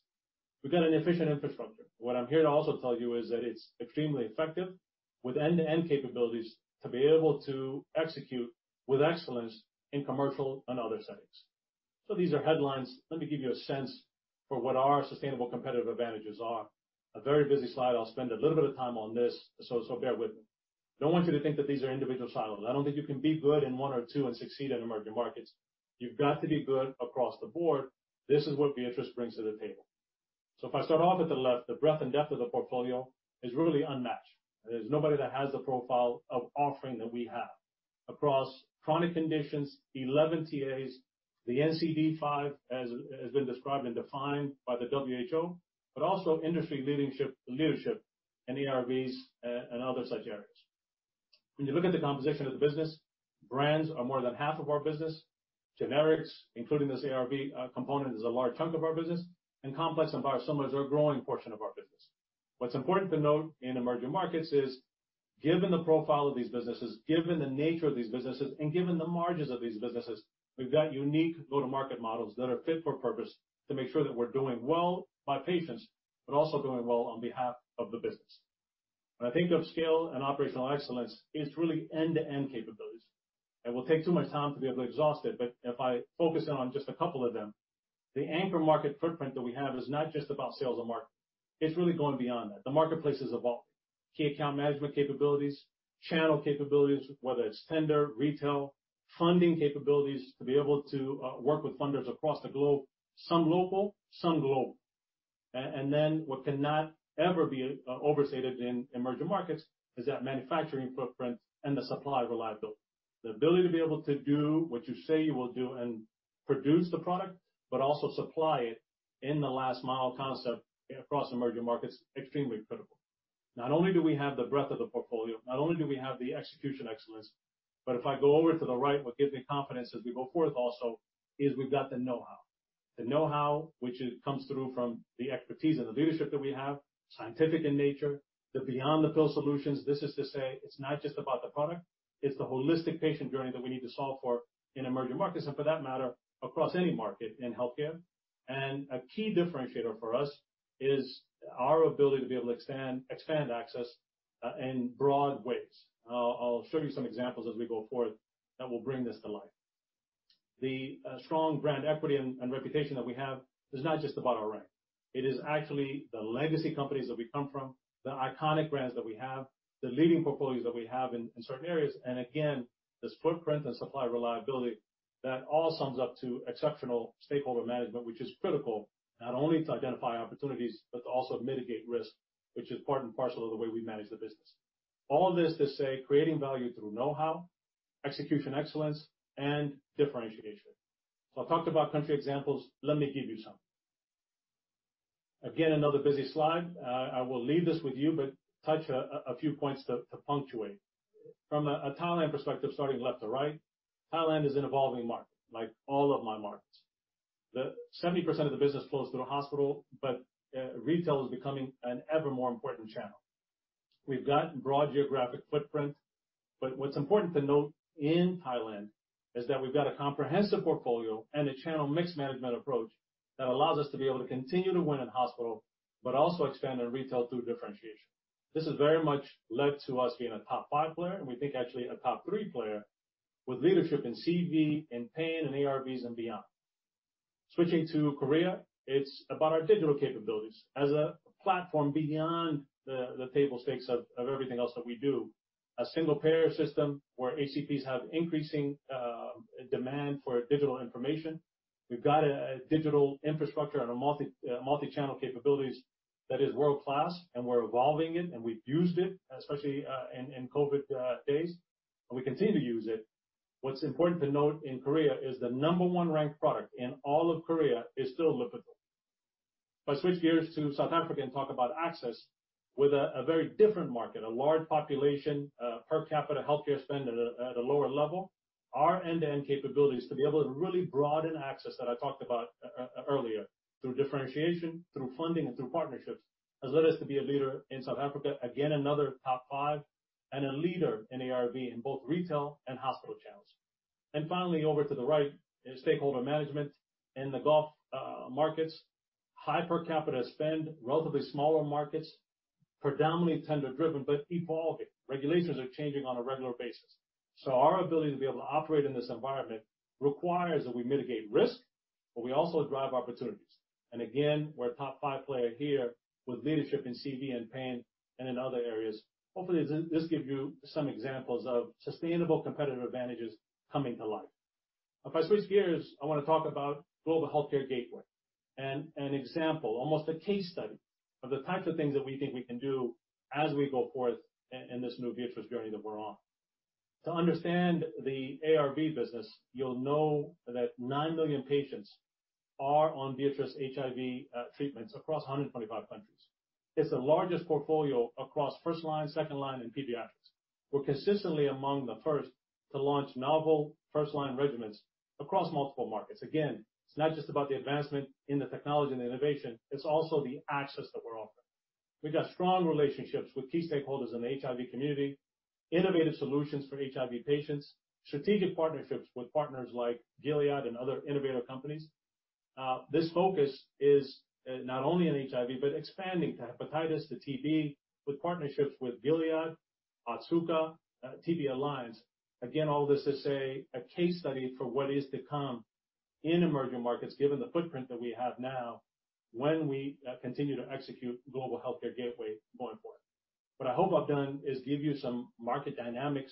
We've got an efficient infrastructure. What I'm here to also tell you is that it's extremely effective with end-to-end capabilities to be able to execute with excellence in commercial and other settings. These are headlines. Let me give you a sense for what our sustainable competitive advantages are. A very busy slide. I'll spend a little bit of time on this, so bear with me. I do not want you to think that these are individual silos. I do not think you can be good in one or two and succeed in emerging markets. You have got to be good across the board. This is what Viatris brings to the table. If I start off at the left, the breadth and depth of the portfolio is really unmatched. There is nobody that has the profile of offering that we have across chronic conditions, 11 TAs, the NCD5 as has been described and defined by the WHO, but also industry leadership in ARVs and other such areas. When you look at the composition of the business, brands are more than half of our business. Generics, including this ARV component, is a large chunk of our business, and complex and biosimilars are a growing portion of our business. What's important to note in emerging markets is, given the profile of these businesses, given the nature of these businesses, and given the margins of these businesses, we've got unique go-to-market models that are fit for purpose to make sure that we're doing well by patients, but also doing well on behalf of the business. When I think of scale and operational excellence, it's really end-to-end capabilities. It will take too much time to be able to exhaust it, but if I focus in on just a couple of them, the anchor market footprint that we have is not just about sales and marketing. It's really going beyond that. The marketplace is evolving. Key account management capabilities, channel capabilities, whether it's tender, retail, funding capabilities to be able to work with funders across the globe, some local, some global. What cannot ever be overstated in emerging markets is that manufacturing footprint and the supply reliability. The ability to be able to do what you say you will do and produce the product, but also supply it in the last mile concept across emerging markets is extremely critical. Not only do we have the breadth of the portfolio, not only do we have the execution excellence, but if I go over to the right, what gives me confidence as we go forth also is we have got the know-how. The know-how, which comes through from the expertise and the leadership that we have, scientific in nature, the beyond-the-pill solutions. This is to say it is not just about the product, it is the holistic patient journey that we need to solve for in emerging markets, and for that matter, across any market in healthcare. A key differentiator for us is our ability to be able to expand access in broad ways. I'll show you some examples as we go forth that will bring this to life. The strong brand equity and reputation that we have is not just about our rank. It is actually the legacy companies that we come from, the iconic brands that we have, the leading portfolios that we have in certain areas, and again, this footprint and supply reliability that all sums up to exceptional stakeholder management, which is critical not only to identify opportunities, but to also mitigate risk, which is part and parcel of the way we manage the business. All this to say creating value through know-how, execution excellence, and differentiation. I have talked about country examples. Let me give you some. Again, another busy slide. I will leave this with you, but touch a few points to punctuate. From a Thailand perspective, starting left to right, Thailand is an evolving market, like all of my markets. 70% of the business flows through a hospital, but retail is becoming an ever more important channel. We've got broad geographic footprint, but what's important to note in Thailand is that we've got a comprehensive portfolio and a channel mixed management approach that allows us to be able to continue to win in hospital, but also expand in retail through differentiation. This has very much led to us being a top five player, and we think actually a top three player with leadership in CV, in pain, in ARVs, and beyond. Switching to Korea, it's about our digital capabilities. As a platform beyond the table stakes of everything else that we do, a single payer system where ACPs have increasing demand for digital information. We've got a digital infrastructure and multi-channel capabilities that is world-class, and we're evolving it, and we've used it, especially in COVID days, and we continue to use it. What's important to note in Korea is the number one ranked product in all of Korea is still Lipitor. If I switch gears to South Africa and talk about access with a very different market, a large population per capita healthcare spend at a lower level, our end-to-end capabilities to be able to really broaden access that I talked about earlier through differentiation, through funding, and through partnerships has led us to be a leader in South Africa, again another top five, and a leader in ARV in both retail and hospital channels. Finally, over to the right is stakeholder management in the Gulf markets, high per capita spend, relatively smaller markets, predominantly tender-driven, but evolving. Regulations are changing on a regular basis. Our ability to be able to operate in this environment requires that we mitigate risk, but we also drive opportunities. Again, we are a top five player here with leadership in CV and pain and in other areas. Hopefully, this gives you some examples of sustainable competitive advantages coming to life. If I switch gears, I want to talk about Global Healthcare Gateway and an example, almost a case study of the types of things that we think we can do as we go forth in this new Viatris journey that we are on. To understand the ARV business, you will know that 9 million patients are on Viatris HIV treatments across 125 countries. It's the largest portfolio across first line, second line, and pediatrics. We're consistently among the first to launch novel first-line regimens across multiple markets. Again, it's not just about the advancement in the technology and the innovation, it's also the access that we're offering. We've got strong relationships with key stakeholders in the HIV community, innovative solutions for HIV patients, strategic partnerships with partners like Gilead and other innovator companies. This focus is not only in HIV, but expanding to hepatitis, to TB, with partnerships with Gilead, Otsuka, TB Alliance. Again, all this to say a case study for what is to come in emerging markets, given the footprint that we have now when we continue to execute Global Healthcare Gateway going forth. What I hope I've done is give you some market dynamics,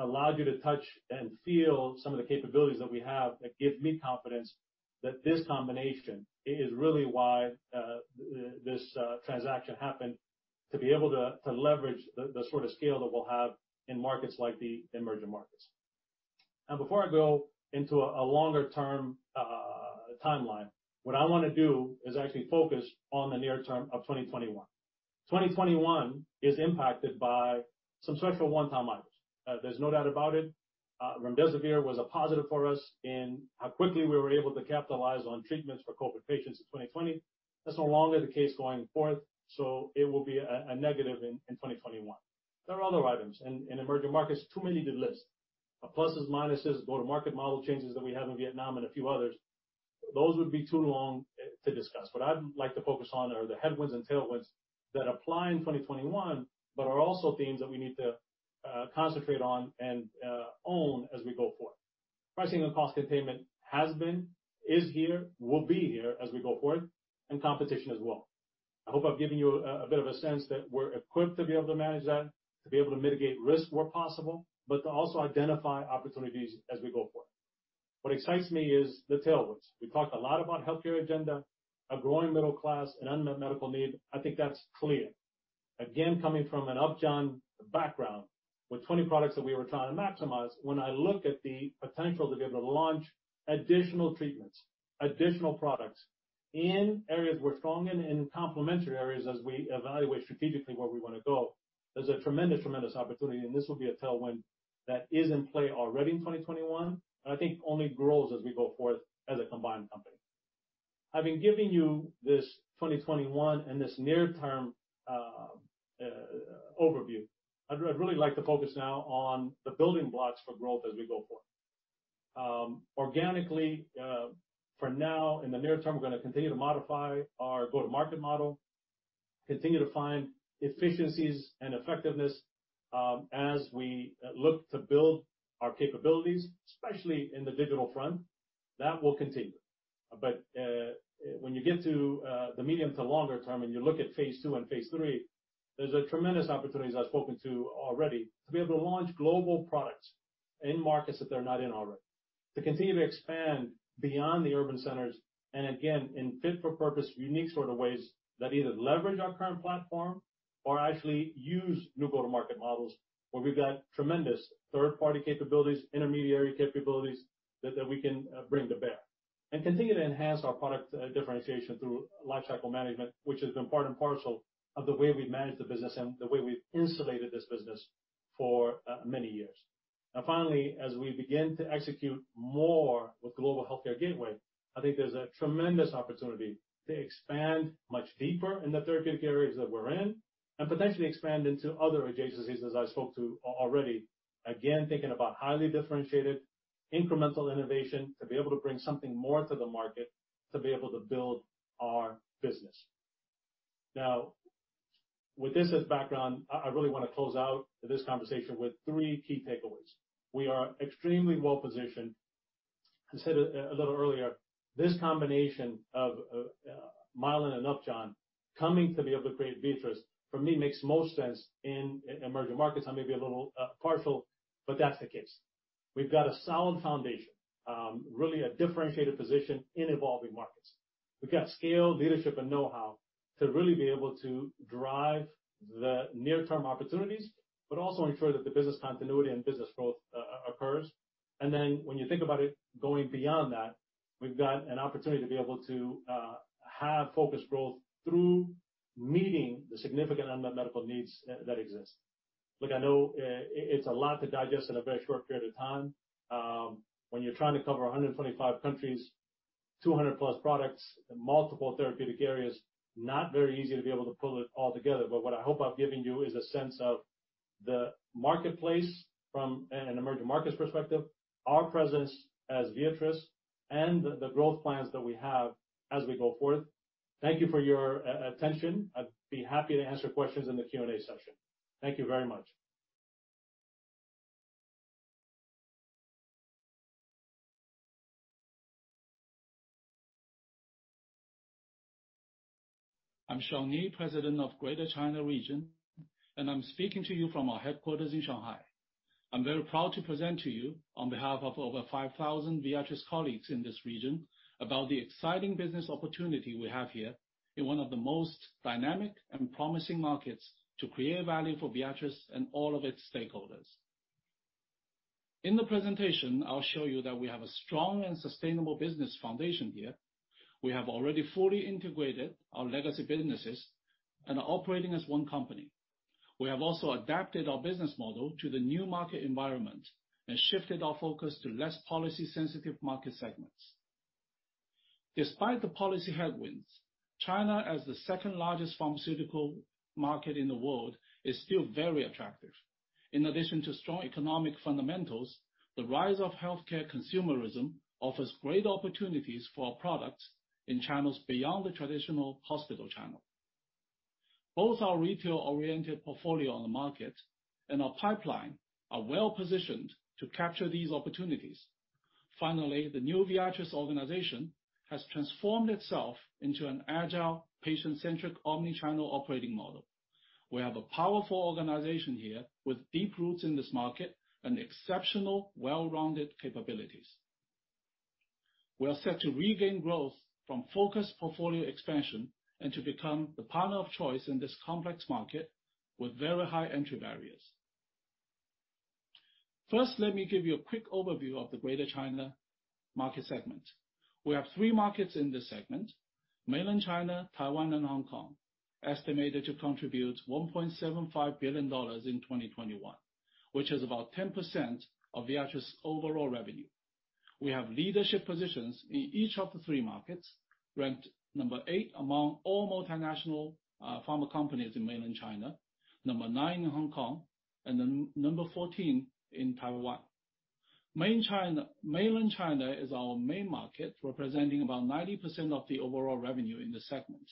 allowed you to touch and feel some of the capabilities that we have that give me confidence that this combination is really why this transaction happened, to be able to leverage the sort of scale that we'll have in markets like the emerging markets. Now, before I go into a longer-term timeline, what I want to do is actually focus on the near term of 2021. 2021 is impacted by some special one-time items. There's no doubt about it. Remdesivir was a positive for us in how quickly we were able to capitalize on treatments for COVID patients in 2020. That's no longer the case going forth, so it will be a negative in 2021. There are other items in emerging markets, too many to list. The pluses, minuses, go-to-market model changes that we have in Vietnam and a few others, those would be too long to discuss. What I'd like to focus on are the headwinds and tailwinds that apply in 2021, but are also themes that we need to concentrate on and own as we go forth. Pricing and cost containment has been, is here, will be here as we go forth, and competition as well. I hope I've given you a bit of a sense that we're equipped to be able to manage that, to be able to mitigate risk where possible, but to also identify opportunities as we go forth. What excites me is the tailwinds. We talked a lot about healthcare agenda, a growing middle class, and unmet medical need. I think that's clear. Again, coming from an Upjohn background with 20 products that we were trying to maximize, when I look at the potential to be able to launch additional treatments, additional products in areas we're strong in and in complementary areas as we evaluate strategically where we want to go, there's a tremendous, tremendous opportunity, and this will be a tailwind that is in play already in 2021, and I think only grows as we go forth as a combined company. I've been giving you this 2021 and this near-term overview. I'd really like to focus now on the building blocks for growth as we go forth. Organically, for now, in the near term, we're going to continue to modify our go-to-market model, continue to find efficiencies and effectiveness as we look to build our capabilities, especially in the digital front. That will continue. When you get to the medium to longer term and you look at phase two and phase three, there's a tremendous opportunity, as I've spoken to already, to be able to launch global products in markets that they're not in already, to continue to expand beyond the urban centers, and again, in fit-for-purpose, unique sort of ways that either leverage our current platform or actually use new go-to-market models where we've got tremendous third-party capabilities, intermediary capabilities that we can bring to bear, and continue to enhance our product differentiation through lifecycle management, which has been part and parcel of the way we've managed the business and the way we've insulated this business for many years. Now, finally, as we begin to execute more with Global Healthcare Gateway, I think there's a tremendous opportunity to expand much deeper in the therapeutic areas that we're in and potentially expand into other adjacencies, as I spoke to already, again, thinking about highly differentiated incremental innovation to be able to bring something more to the market, to be able to build our business. Now, with this as background, I really want to close out this conversation with three key takeaways. We are extremely well-positioned. I said a little earlier, this combination of Mylan and Upjohn coming to be able to create Viatris, for me, makes most sense in emerging markets. I may be a little partial, but that's the case. We've got a solid foundation, really a differentiated position in evolving markets. We've got scale, leadership, and know-how to really be able to drive the near-term opportunities, but also ensure that the business continuity and business growth occurs. When you think about it going beyond that, we've got an opportunity to be able to have focused growth through meeting the significant unmet medical needs that exist. Look, I know it's a lot to digest in a very short period of time. When you're trying to cover 125 countries, 200-plus products, multiple therapeutic areas, not very easy to be able to pull it all together. What I hope I've given you is a sense of the marketplace from an emerging markets perspective, our presence as Viatris, and the growth plans that we have as we go forth. Thank you for your attention. I'd be happy to answer questions in the Q&A session. Thank you very much. I'm Sean Ni, President of Greater China Region, and I'm speaking to you from our headquarters in Shanghai. I'm very proud to present to you on behalf of over 5,000 Viatris colleagues in this region about the exciting business opportunity we have here in one of the most dynamic and promising markets to create value for Viatris and all of its stakeholders. In the presentation, I'll show you that we have a strong and sustainable business foundation here. We have already fully integrated our legacy businesses and are operating as one company. We have also adapted our business model to the new market environment and shifted our focus to less policy-sensitive market segments. Despite the policy headwinds, China as the second largest pharmaceutical market in the world is still very attractive. In addition to strong economic fundamentals, the rise of healthcare consumerism offers great opportunities for our products in channels beyond the traditional hospital channel. Both our retail-oriented portfolio on the market and our pipeline are well-positioned to capture these opportunities. Finally, the new Viatris organization has transformed itself into an agile, patient-centric omnichannel operating model. We have a powerful organization here with deep roots in this market and exceptional, well-rounded capabilities. We are set to regain growth from focused portfolio expansion and to become the partner of choice in this complex market with very high entry barriers. First, let me give you a quick overview of the Greater China market segment. We have three markets in this segment: Mainland China, Taiwan, and Hong Kong, estimated to contribute $1.75 billion in 2021, which is about 10% of Viatris' overall revenue. We have leadership positions in each of the three markets, ranked number eight among all multinational pharma companies in Mainland China, number nine in Hong Kong, and number 14 in Taiwan. Mainland China is our main market, representing about 90% of the overall revenue in the segment.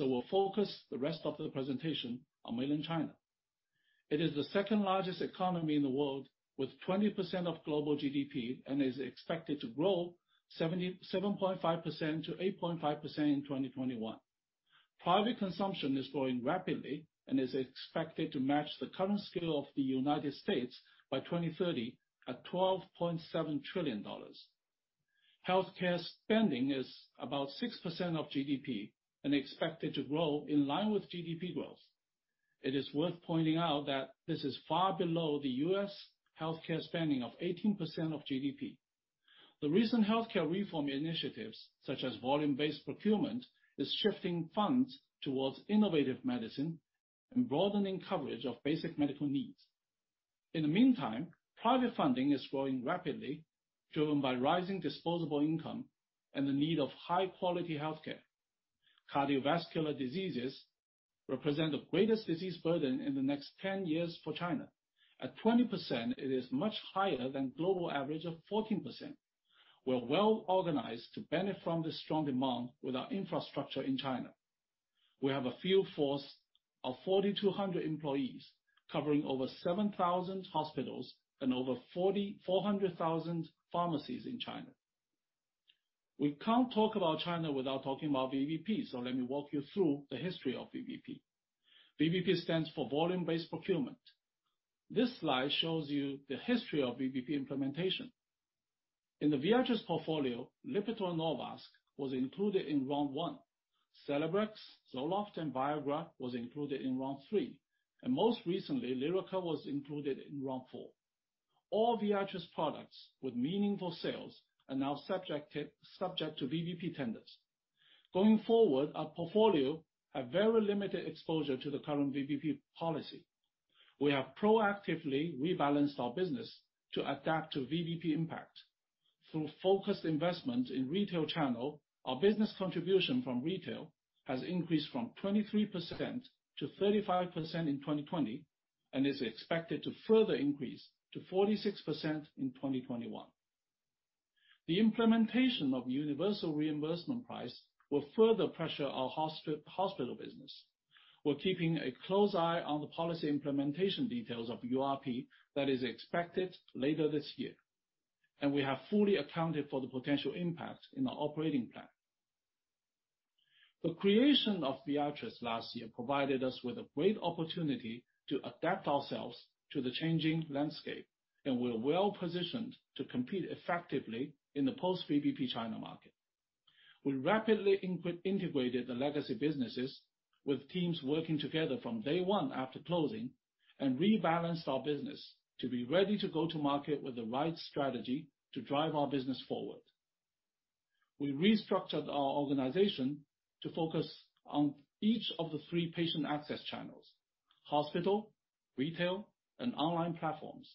We will focus the rest of the presentation on Mainland China. It is the second largest economy in the world with 20% of global GDP and is expected to grow 7.5%-8.5% in 2021. Private consumption is growing rapidly and is expected to match the current scale of the United States by 2030 at $12.7 trillion. Healthcare spending is about 6% of GDP and expected to grow in line with GDP growth. It is worth pointing out that this is far below the U.S. healthcare spending of 18% of GDP. The recent healthcare reform initiatives, such as volume-based procurement, are shifting funds towards innovative medicine and broadening coverage of basic medical needs. In the meantime, private funding is growing rapidly, driven by rising disposable income and the need of high-quality healthcare. Cardiovascular diseases represent the greatest disease burden in the next 10 years for China. At 20%, it is much higher than the global average of 14%. We're well-organized to benefit from the strong demand with our infrastructure in China. We have a field force of 4,200 employees covering over 7,000 hospitals and over 400,000 pharmacies in China. We can't talk about China without talking about VBP, so let me walk you through the history of VBP. VBP stands for volume-based procurement. This slide shows you the history of VBP implementation. In the Viatris portfolio, Lipitor and Norvasc were included in round one. Celebrex, Zoloft, and Viagra were included in round three, and most recently, Lyrica was included in round four. All Viatris products with meaningful sales are now subject to VBP tenders. Going forward, our portfolio has very limited exposure to the current VBP policy. We have proactively rebalanced our business to adapt to VBP impact. Through focused investment in the retail channel, our business contribution from retail has increased from 23% to 35% in 2020 and is expected to further increase to 46% in 2021. The implementation of universal reimbursement prices will further pressure our hospital business. We're keeping a close eye on the policy implementation details of URP that is expected later this year, and we have fully accounted for the potential impact in our operating plan. The creation of Viatris last year provided us with a great opportunity to adapt ourselves to the changing landscape, and we're well-positioned to compete effectively in the post-VBP China market. We rapidly integrated the legacy businesses with teams working together from day one after closing and rebalanced our business to be ready to go to market with the right strategy to drive our business forward. We restructured our organization to focus on each of the three patient access channels: hospital, retail, and online platforms.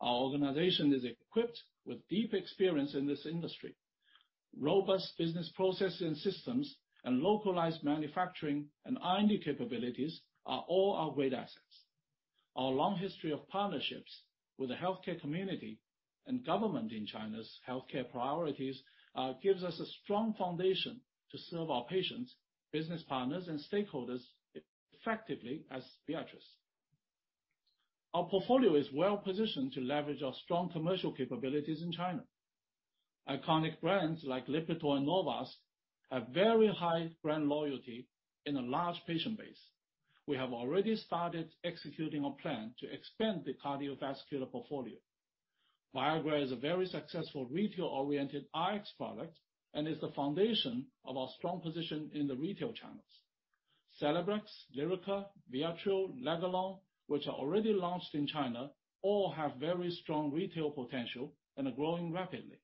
Our organization is equipped with deep experience in this industry. Robust business processes and systems and localized manufacturing and R&D capabilities are all our great assets. Our long history of partnerships with the healthcare community and government in China's healthcare priorities gives us a strong foundation to serve our patients, business partners, and stakeholders effectively as Viatris. Our portfolio is well-positioned to leverage our strong commercial capabilities in China. Iconic brands like Lipitor and Norvasc have very high brand loyalty and a large patient base. We have already started executing a plan to expand the cardiovascular portfolio. Viagra is a very successful retail-oriented RX product and is the foundation of our strong position in the retail channels. Celebrex, Lyrica, Viartril, Legalon, which are already launched in China, all have very strong retail potential and are growing rapidly.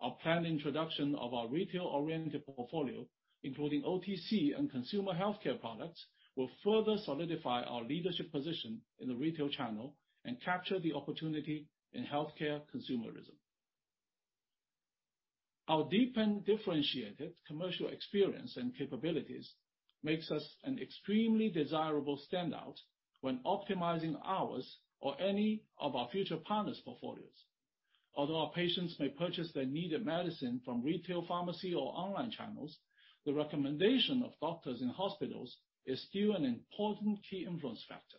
Our planned introduction of our retail-oriented portfolio, including OTC and consumer healthcare products, will further solidify our leadership position in the retail channel and capture the opportunity in healthcare consumerism. Our deep and differentiated commercial experience and capabilities make us an extremely desirable standout when optimizing ours or any of our future partners' portfolios. Although our patients may purchase their needed medicine from retail pharmacy or online channels, the recommendation of doctors in hospitals is still an important key influence factor.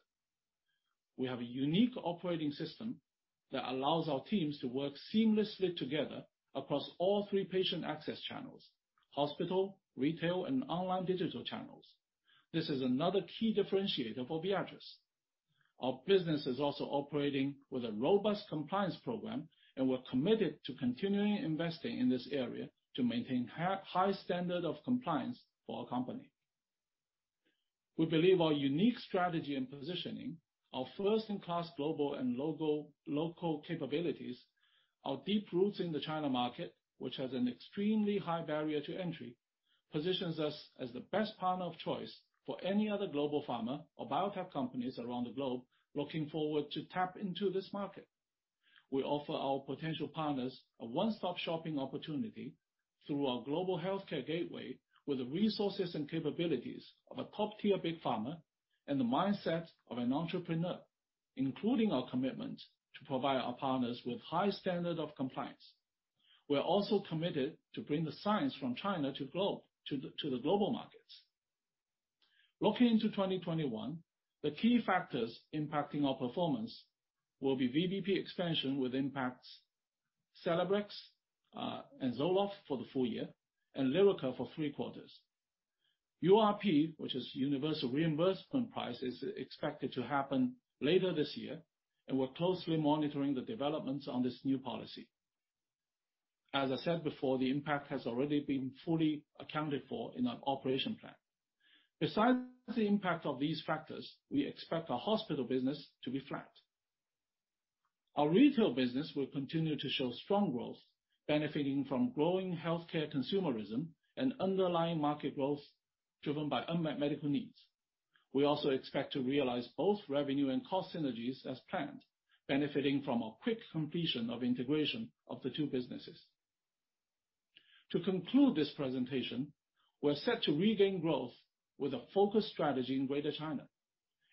We have a unique operating system that allows our teams to work seamlessly together across all three patient access channels: hospital, retail, and online digital channels. This is another key differentiator for Viatris. Our business is also operating with a robust compliance program, and we're committed to continuing investing in this area to maintain high standards of compliance for our company. We believe our unique strategy and positioning, our first-in-class global and local capabilities, our deep roots in the China market, which has an extremely high barrier to entry, positions us as the best partner of choice for any other global pharma or biotech companies around the globe looking forward to tap into this market. We offer our potential partners a one-stop shopping opportunity through our global healthcare gateway with the resources and capabilities of a top-tier big pharma and the mindset of an entrepreneur, including our commitment to provide our partners with high standards of compliance. We're also committed to bring the science from China to the global markets. Looking into 2021, the key factors impacting our performance will be VBP expansion with impacts Celebrex and Zoloft for the full year and Lyrica for three quarters. URP, which is universal reimbursement price, is expected to happen later this year, and we're closely monitoring the developments on this new policy. As I said before, the impact has already been fully accounted for in our operation plan. Besides the impact of these factors, we expect our hospital business to be flat. Our retail business will continue to show strong growth, benefiting from growing healthcare consumerism and underlying market growth driven by unmet medical needs. We also expect to realize both revenue and cost synergies as planned, benefiting from a quick completion of integration of the two businesses. To conclude this presentation, we're set to regain growth with a focused strategy in Greater China.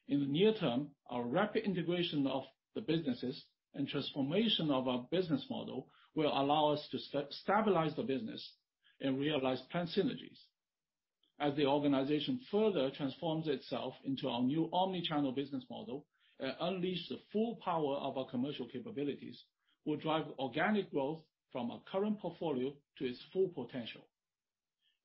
In the near term, our rapid integration of the businesses and transformation of our business model will allow us to stabilize the business and realize planned synergies. As the organization further transforms itself into our new omnichannel business model and unleashes the full power of our commercial capabilities, we'll drive organic growth from our current portfolio to its full potential.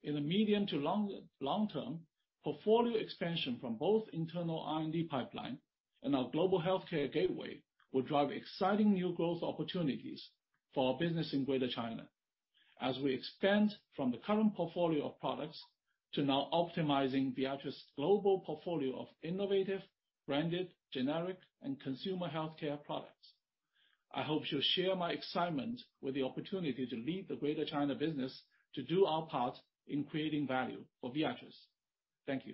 In the medium to long term, portfolio expansion from both internal R&D pipeline and our global healthcare gateway will drive exciting new growth opportunities for our business in Greater China. As we expand from the current portfolio of products to now optimizing Viatris' global portfolio of innovative, branded, generic, and consumer healthcare products, I hope to share my excitement with the opportunity to lead the Greater China business to do our part in creating value for Viatris. Thank you.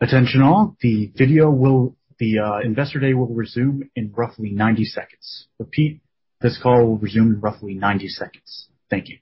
Attention all. The Investor Day will resume in roughly 90 seconds. Repeat, this call will resume in roughly 90 seconds. Thank you.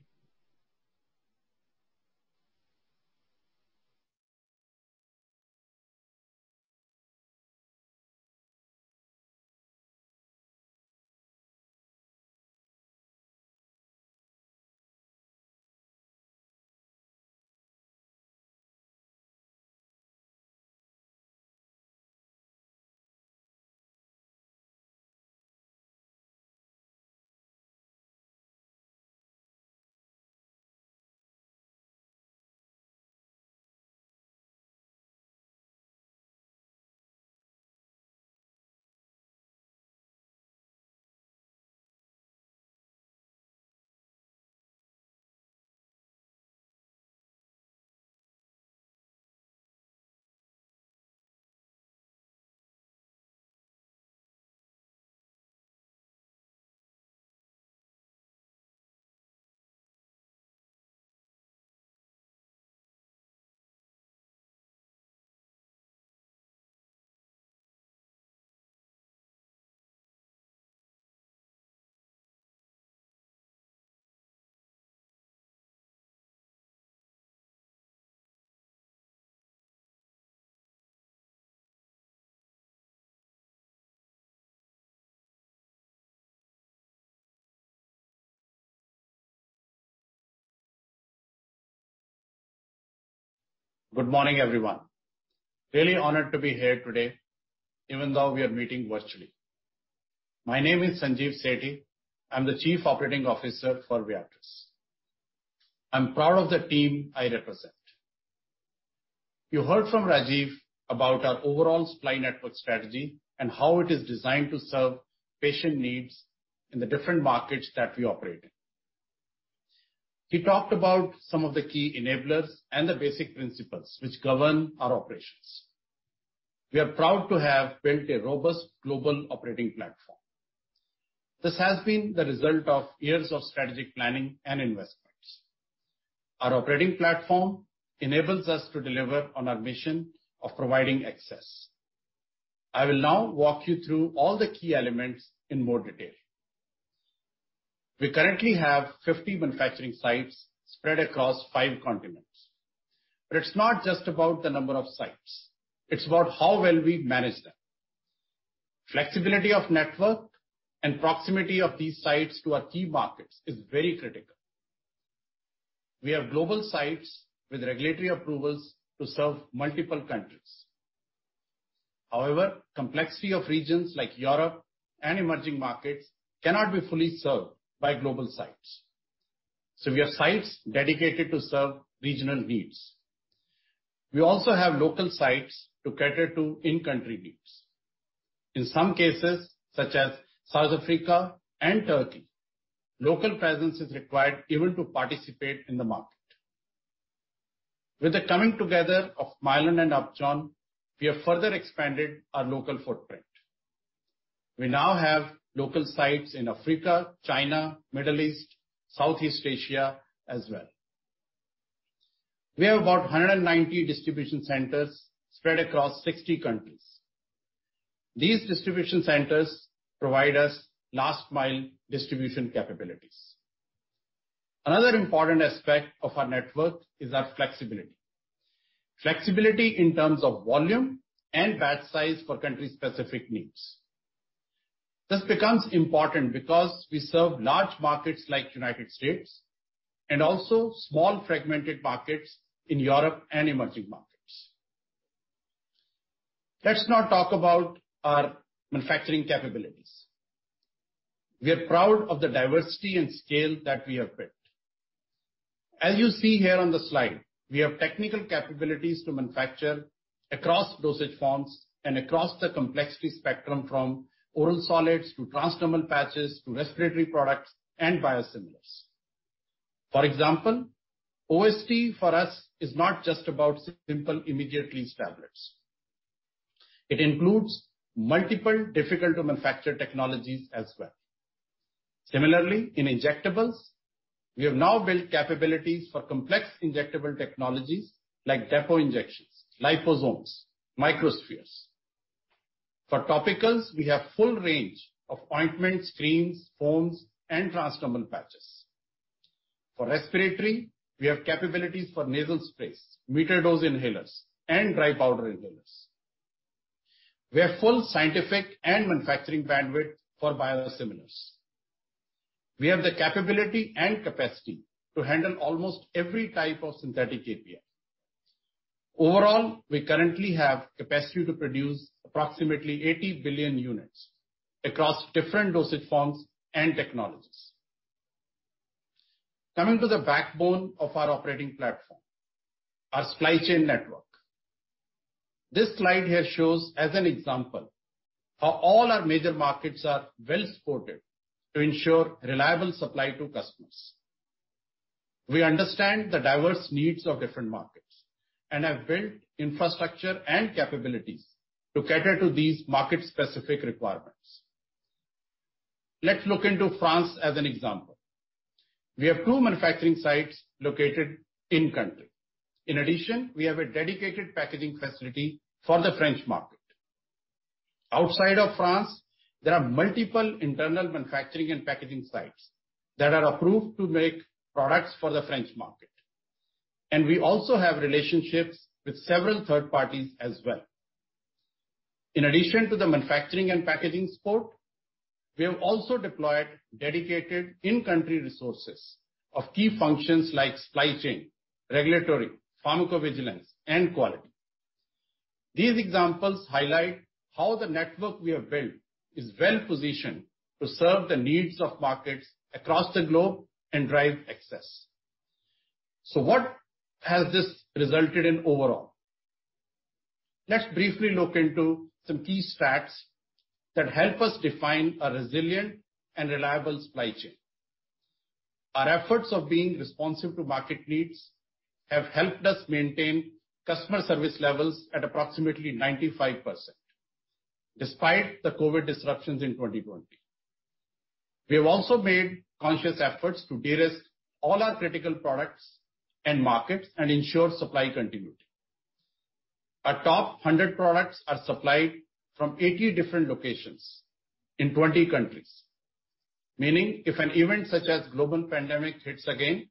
Good morning, everyone. Really honored to be here today, even though we are meeting virtually. My name is Sanjeev Sethi. I'm the Chief Operating Officer for Viatris. I'm proud of the team I represent. You heard from Rajiv about our overall supply network strategy and how it is designed to serve patient needs in the different markets that we operate in. He talked about some of the key enablers and the basic principles which govern our operations. We are proud to have built a robust global operating platform. This has been the result of years of strategic planning and investment. Our operating platform enables us to deliver on our mission of providing access. I will now walk you through all the key elements in more detail. We currently have 50 manufacturing sites spread across five continents. It is not just about the number of sites. It is about how well we manage them. Flexibility of network and proximity of these sites to our key markets is very critical. We have global sites with regulatory approvals to serve multiple countries. However, the complexity of regions like Europe and emerging markets cannot be fully served by global sites. We have sites dedicated to serve regional needs. We also have local sites to cater to in-country needs. In some cases, such as South Africa and Turkey, local presence is required even to participate in the market. With the coming together of Mylan and Upjohn, we have further expanded our local footprint. We now have local sites in Africa, China, the Middle East, and Southeast Asia as well. We have about 190 distribution centers spread across 60 countries. These distribution centers provide us last-mile distribution capabilities. Another important aspect of our network is our flexibility. Flexibility in terms of volume and batch size for country-specific needs. This becomes important because we serve large markets like the United States and also small fragmented markets in Europe and emerging markets. Let's now talk about our manufacturing capabilities. We are proud of the diversity and scale that we have built. As you see here on the slide, we have technical capabilities to manufacture across dosage forms and across the complexity spectrum from oral solids to transdermal patches to respiratory products and biosimilars. For example, OST for us is not just about simple immediate release tablets. It includes multiple difficult-to-manufacture technologies as well. Similarly, in injectables, we have now built capabilities for complex injectable technologies like depot injections, liposomes, and microspheres. For topicals, we have a full range of ointments, creams, foams, and transdermal patches. For respiratory, we have capabilities for nasal sprays, metered-dose inhalers, and dry powder inhalers. We have full scientific and manufacturing bandwidth for biosimilars. We have the capability and capacity to handle almost every type of synthetic API. Overall, we currently have the capacity to produce approximately 80 billion units across different dosage forms and technologies. Coming to the backbone of our operating platform, our supply chain network. This slide here shows, as an example, how all our major markets are well-supported to ensure reliable supply to customers. We understand the diverse needs of different markets and have built infrastructure and capabilities to cater to these market-specific requirements. Let's look into France as an example. We have two manufacturing sites located in-country. In addition, we have a dedicated packaging facility for the French market. Outside of France, there are multiple internal manufacturing and packaging sites that are approved to make products for the French market. We also have relationships with several third parties as well. In addition to the manufacturing and packaging support, we have also deployed dedicated in-country resources for key functions like supply chain, regulatory, pharmacovigilance, and quality. These examples highlight how the network we have built is well-positioned to serve the needs of markets across the globe and drive access. What has this resulted in overall? Let's briefly look into some key stats that help us define a resilient and reliable supply chain. Our efforts of being responsive to market needs have helped us maintain customer service levels at approximately 95%, despite the COVID disruptions in 2020. We have also made conscious efforts to de-risk all our critical products and markets and ensure supply continuity. Our top 100 products are supplied from 80 different locations in 20 countries, meaning if an event such as a global pandemic hits again,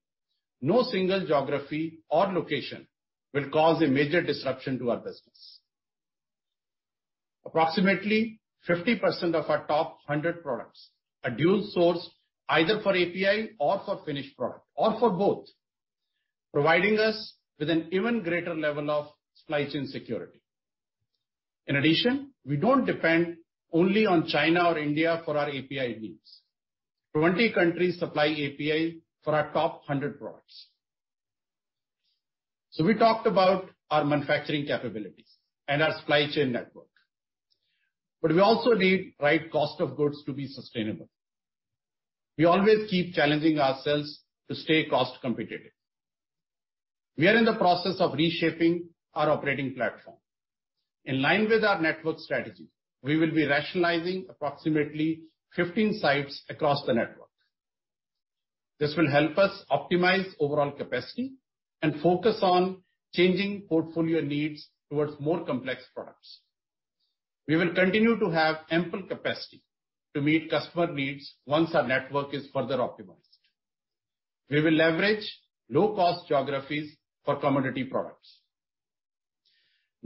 no single geography or location will cause a major disruption to our business. Approximately 50% of our top 100 products are dual-sourced, either for API or for finished product or for both, providing us with an even greater level of supply chain security. In addition, we do not depend only on China or India for our API needs. Twenty countries supply API for our top 100 products. We talked about our manufacturing capabilities and our supply chain network. We also need the right cost of goods to be sustainable. We always keep challenging ourselves to stay cost-competitive. We are in the process of reshaping our operating platform. In line with our network strategy, we will be rationalizing approximately 15 sites across the network. This will help us optimize overall capacity and focus on changing portfolio needs towards more complex products. We will continue to have ample capacity to meet customer needs once our network is further optimized. We will leverage low-cost geographies for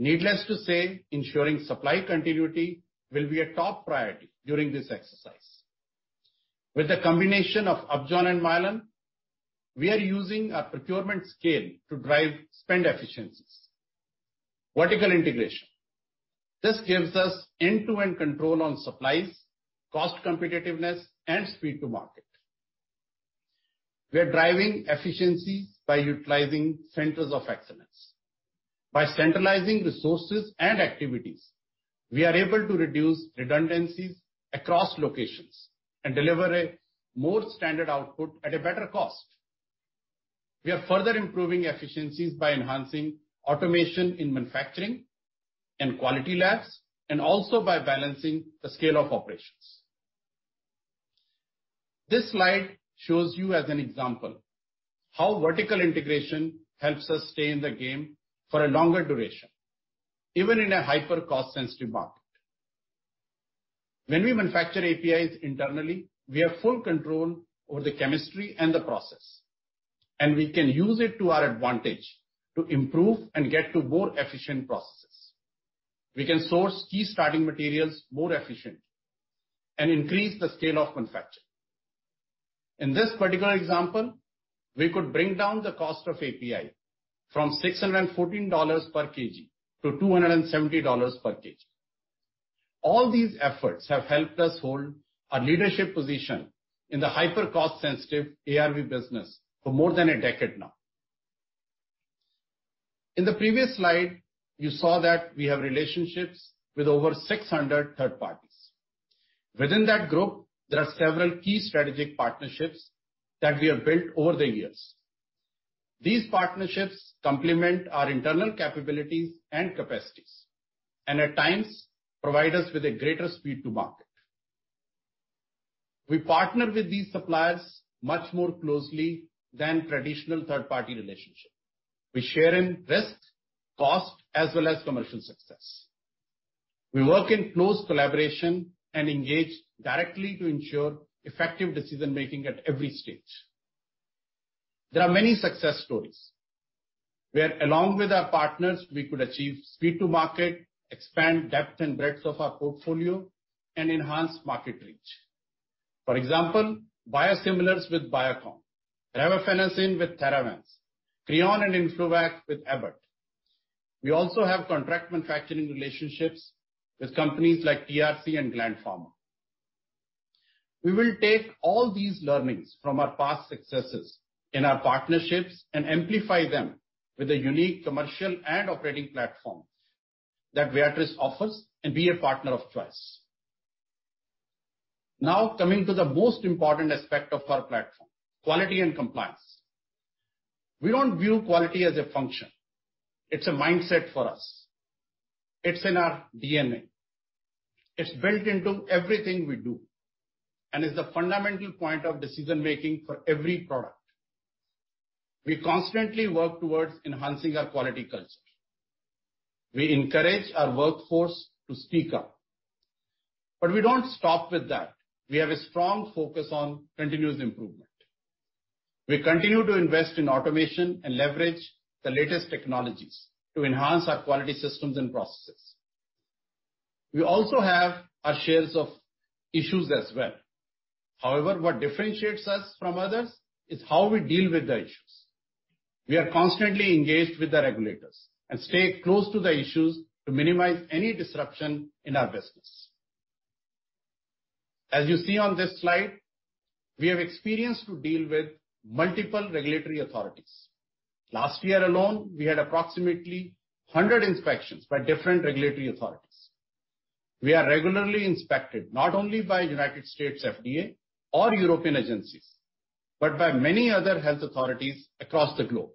commodity products. Needless to say, ensuring supply continuity will be a top priority during this exercise. With the combination of Upjohn and Mylan, we are using our procurement scale to drive spend efficiencies. Vertical integration. This gives us end-to-end control on supplies, cost competitiveness, and speed to market. We are driving efficiencies by utilizing centers of excellence. By centralizing resources and activities, we are able to reduce redundancies across locations and deliver a more standard output at a better cost. We are further improving efficiencies by enhancing automation in manufacturing and quality labs, and also by balancing the scale of operations. This slide shows you, as an example, how vertical integration helps us stay in the game for a longer duration, even in a hyper-cost-sensitive market. When we manufacture APIs internally, we have full control over the chemistry and the process, and we can use it to our advantage to improve and get to more efficient processes. We can source key starting materials more efficiently and increase the scale of manufacturing. In this particular example, we could bring down the cost of API from $614 per kg to $270 per kg. All these efforts have helped us hold our leadership position in the hyper-cost-sensitive ARV business for more than a decade now. In the previous slide, you saw that we have relationships with over 600 third parties. Within that group, there are several key strategic partnerships that we have built over the years. These partnerships complement our internal capabilities and capacities, and at times, provide us with a greater speed to market. We partner with these suppliers much more closely than traditional third-party relationships. We share in risk, cost, as well as commercial success. We work in close collaboration and engage directly to ensure effective decision-making at every stage. There are many success stories where, along with our partners, we could achieve speed to market, expand depth and breadth of our portfolio, and enhance market reach. For example, biosimilars with Biocon, revefenacin with Theravance, Creon and Influvac with Abbott. We also have contract manufacturing relationships with companies like TRC and Gland Pharma. We will take all these learnings from our past successes in our partnerships and amplify them with a unique commercial and operating platform that Viatris offers and be a partner of choice. Now, coming to the most important aspect of our platform, quality and compliance. We do not view quality as a function. It is a mindset for us. It is in our DNA. It is built into everything we do and is the fundamental point of decision-making for every product. We constantly work towards enhancing our quality culture. We encourage our workforce to speak up. We do not stop with that. We have a strong focus on continuous improvement. We continue to invest in automation and leverage the latest technologies to enhance our quality systems and processes. We also have our shares of issues as well. However, what differentiates us from others is how we deal with the issues. We are constantly engaged with the regulators and stay close to the issues to minimize any disruption in our business. As you see on this slide, we have experience to deal with multiple regulatory authorities. Last year alone, we had approximately 100 inspections by different regulatory authorities. We are regularly inspected not only by the U.S. FDA or European agencies, but by many other health authorities across the globe.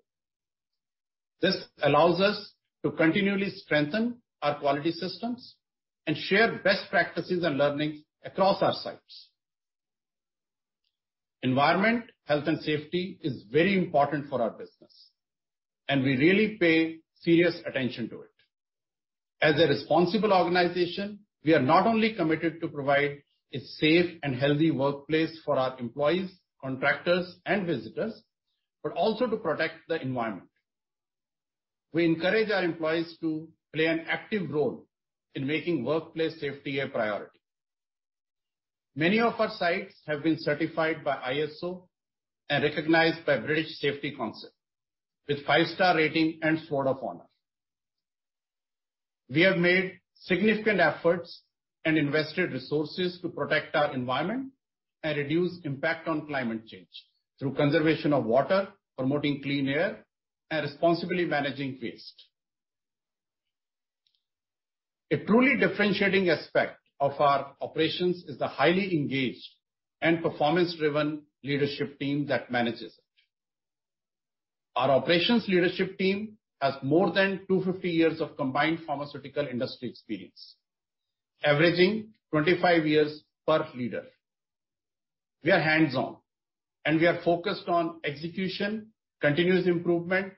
This allows us to continually strengthen our quality systems and share best practices and learnings across our sites. Environment, health, and safety are very important for our business, and we really pay serious attention to it. As a responsible organization, we are not only committed to providing a safe and healthy workplace for our employees, contractors, and visitors, but also to protect the environment. We encourage our employees to play an active role in making workplace safety a priority. Many of our sites have been certified by ISO and recognized by the British Safety Council, with five-star ratings and Sword of Honour. We have made significant efforts and invested resources to protect our environment and reduce impact on climate change through conservation of water, promoting clean air, and responsibly managing waste. A truly differentiating aspect of our operations is the highly engaged and performance-driven leadership team that manages it. Our operations leadership team has more than 250 years of combined pharmaceutical industry experience, averaging 25 years per leader. We are hands-on, and we are focused on execution, continuous improvement,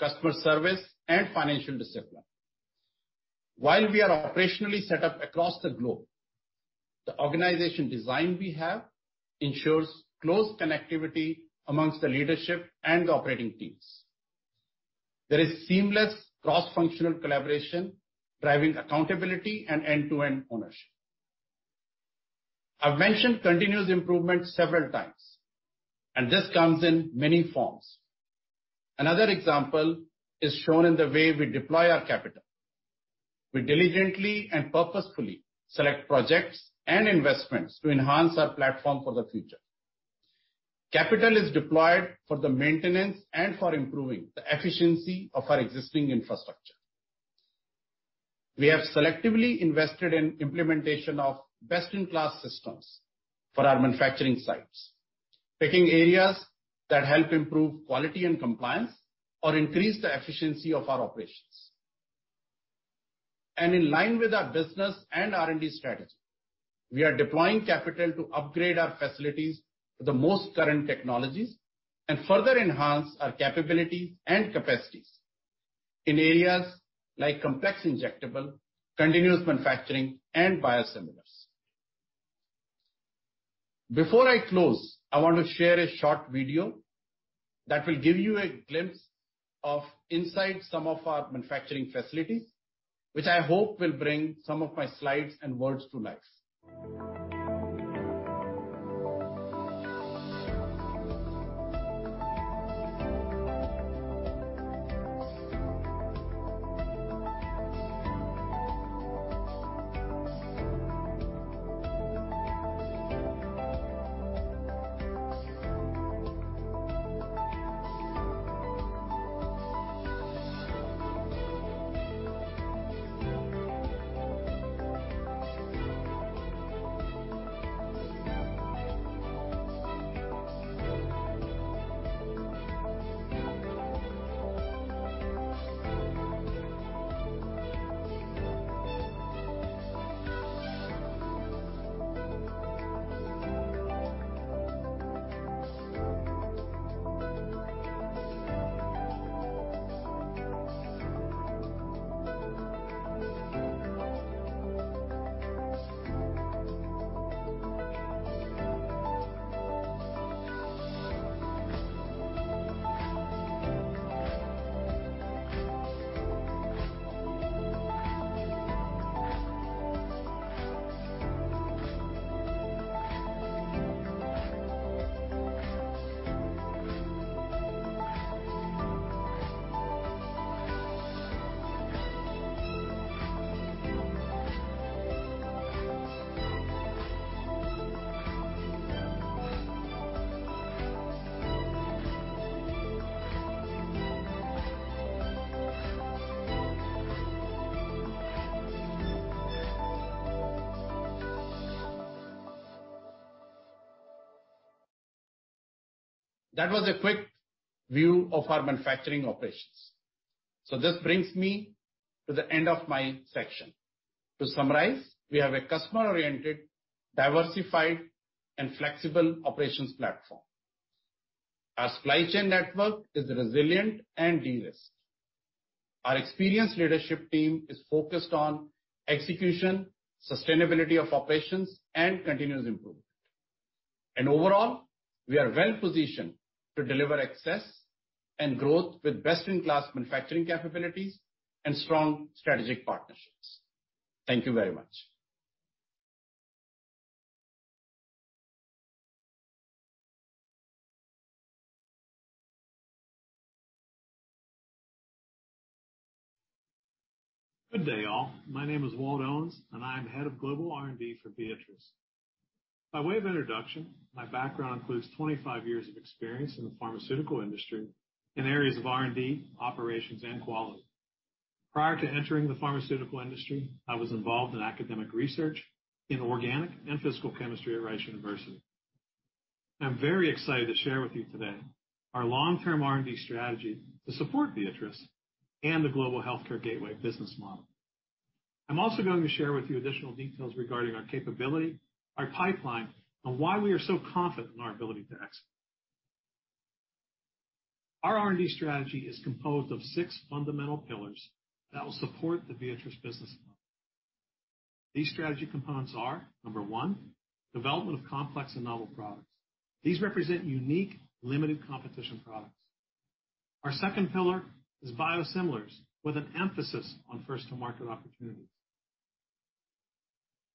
customer service, and financial discipline. While we are operationally set up across the globe, the organization design we have ensures close connectivity amongst the leadership and the operating teams. There is seamless cross-functional collaboration, driving accountability and end-to-end ownership. I've mentioned continuous improvement several times, and this comes in many forms. Another example is shown in the way we deploy our capital. We diligently and purposefully select projects and investments to enhance our platform for the future. Capital is deployed for the maintenance and for improving the efficiency of our existing infrastructure. We have selectively invested in the implementation of best-in-class systems for our manufacturing sites, picking areas that help improve quality and compliance or increase the efficiency of our operations. In line with our business and R&D strategy, we are deploying capital to upgrade our facilities to the most current technologies and further enhance our capabilities and capacities in areas like complex injectable, continuous manufacturing, and biosimilars. Before I close, I want to share a short video that will give you a glimpse of inside some of our manufacturing facilities, which I hope will bring some of my slides and words to life. That was a quick view of our manufacturing operations. This brings me to the end of my section. To summarize, we have a customer-oriented, diversified, and flexible operations platform. Our supply chain network is resilient and de-risked. Our experienced leadership team is focused on execution, sustainability of operations, and continuous improvement. Overall, we are well-positioned to deliver access and growth with best-in-class manufacturing capabilities and strong strategic partnerships. Thank you very much. Good day, all. My name is Walt Owens, and I am Head of Global R&D for Viatris. By way of introduction, my background includes 25 years of experience in the pharmaceutical industry in areas of R&D, operations, and quality. Prior to entering the pharmaceutical industry, I was involved in academic research in organic and physical chemistry at Rice University. I'm very excited to share with you today our long-term R&D strategy to support Viatris and the global healthcare gateway business model. I'm also going to share with you additional details regarding our capability, our pipeline, and why we are so confident in our ability to excel. Our R&D strategy is composed of six fundamental pillars that will support the Viatris business model. These strategy components are, number one, development of complex and novel products. These represent unique, limited-competition products. Our second pillar is biosimilars, with an emphasis on first-to-market opportunities.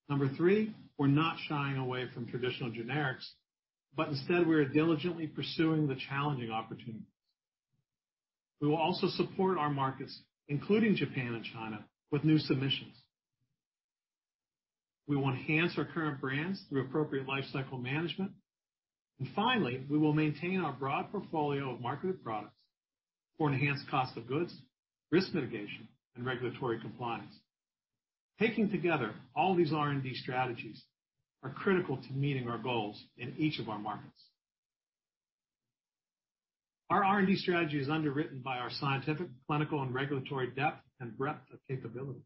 Number three, we're not shying away from traditional generics, but instead, we are diligently pursuing the challenging opportunities. We will also support our markets, including Japan and China, with new submissions. We will enhance our current brands through appropriate lifecycle management. Finally, we will maintain our broad portfolio of marketed products for enhanced cost of goods, risk mitigation, and regulatory compliance. Taking together all these R&D strategies is critical to meeting our goals in each of our markets. Our R&D strategy is underwritten by our scientific, clinical, and regulatory depth and breadth of capability.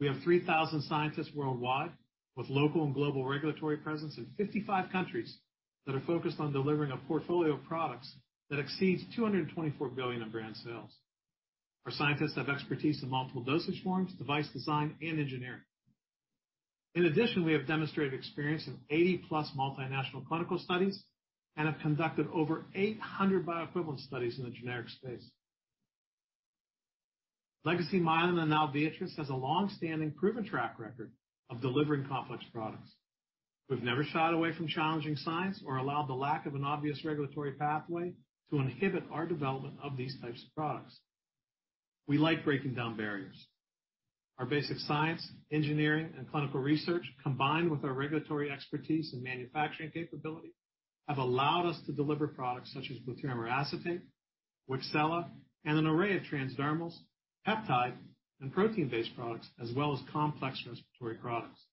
We have 3,000 scientists worldwide with local and global regulatory presence in 55 countries that are focused on delivering a portfolio of products that exceeds $224 billion in brand sales. Our scientists have expertise in multiple dosage forms, device design, and engineering. In addition, we have demonstrated experience in 80-plus multinational clinical studies and have conducted over 800 bioequivalent studies in the generic space. Legacy Mylan and now Viatris has a long-standing proven track record of delivering complex products. We've never shied away from challenging science or allowed the lack of an obvious regulatory pathway to inhibit our development of these types of products. We like breaking down barriers. Our basic science, engineering, and clinical research, combined with our regulatory expertise and manufacturing capability, have allowed us to deliver products such as glatiramer acetate, Wixela, and an array of transdermals, peptide, and protein-based products, as well as complex respiratory products.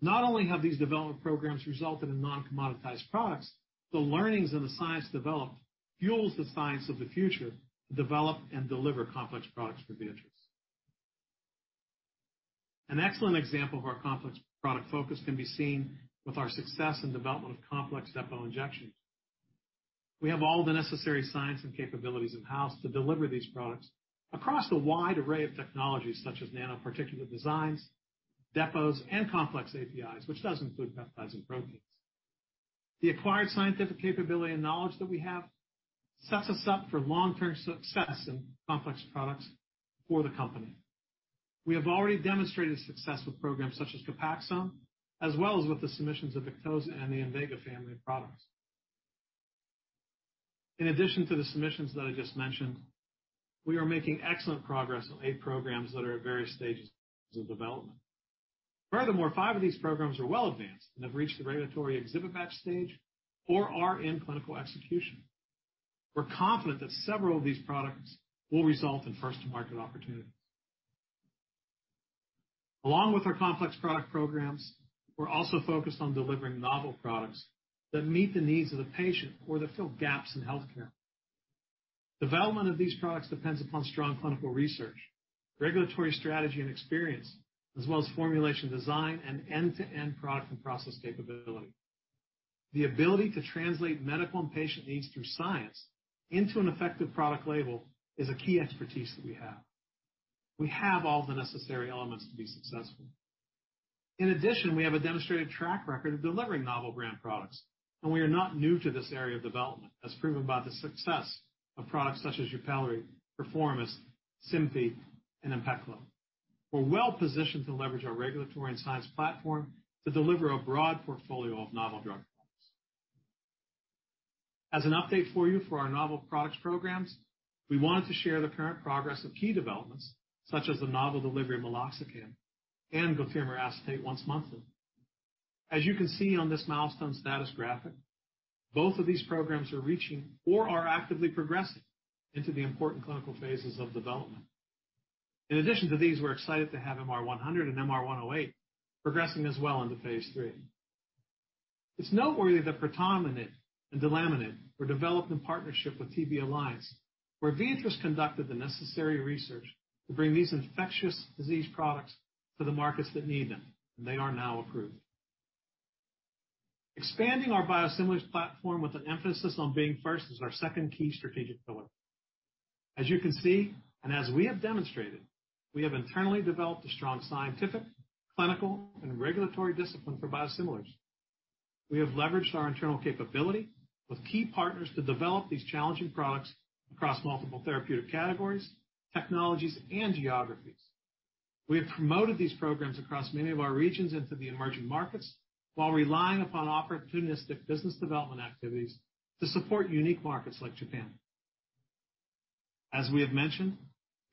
Not only have these development programs resulted in non-commoditized products, the learnings and the science developed fuel the science of the future to develop and deliver complex products for Viatris. An excellent example of our complex product focus can be seen with our success in the development of complex depot injections. We have all the necessary science and capabilities in-house to deliver these products across a wide array of technologies such as nanoparticular designs, depots, and complex APIs, which does include peptides and proteins. The acquired scientific capability and knowledge that we have sets us up for long-term success in complex products for the company. We have already demonstrated success with programs such as Copaxone, as well as with the submissions of Victoza and the Invega family of products. In addition to the submissions that I just mentioned, we are making excellent progress on eigho programs that are at various stages of development. Furthermore, five of these programs are well-advanced and have reached the regulatory exhibit batch stage or are in clinical execution. We're confident that several of these products will result in first-to-market opportunities. Along with our complex product programs, we're also focused on delivering novel products that meet the needs of the patient or that fill gaps in healthcare. Development of these products depends upon strong clinical research, regulatory strategy and experience, as well as formulation design and end-to-end product and process capability. The ability to translate medical and patient needs through science into an effective product label is a key expertise that we have. We have all the necessary elements to be successful. In addition, we have a demonstrated track record of delivering novel brand products, and we are not new to this area of development, as proven by the success of products such as YUPELRI, PERFOROMIST, SYMBICORT, and Impo. We're well-positioned to leverage our regulatory and science platform to deliver a broad portfolio of novel drug products. As an update for you for our novel products programs, we wanted to share the current progress of key developments such as the novel delivery of fast-acting meloxicam and glatiramer acetate depot injection once monthly. As you can see on this milestone status graphic, both of these programs are reaching or are actively progressing into the important clinical phases of development. In addition to these, we're excited to have MR-100 and MR-108 progressing as well into phase three. It's noteworthy that Pertamina and Delamine were developed in partnership with TB Alliance, where Viatris conducted the necessary research to bring these infectious disease products to the markets that need them, and they are now approved. Expanding our biosimilars platform with an emphasis on being first is our second key strategic pillar. As you can see, and as we have demonstrated, we have internally developed a strong scientific, clinical, and regulatory discipline for biosimilars. We have leveraged our internal capability with key partners to develop these challenging products across multiple therapeutic categories, technologies, and geographies. We have promoted these programs across many of our regions into the emerging markets while relying upon opportunistic business development activities to support unique markets like Japan. As we have mentioned,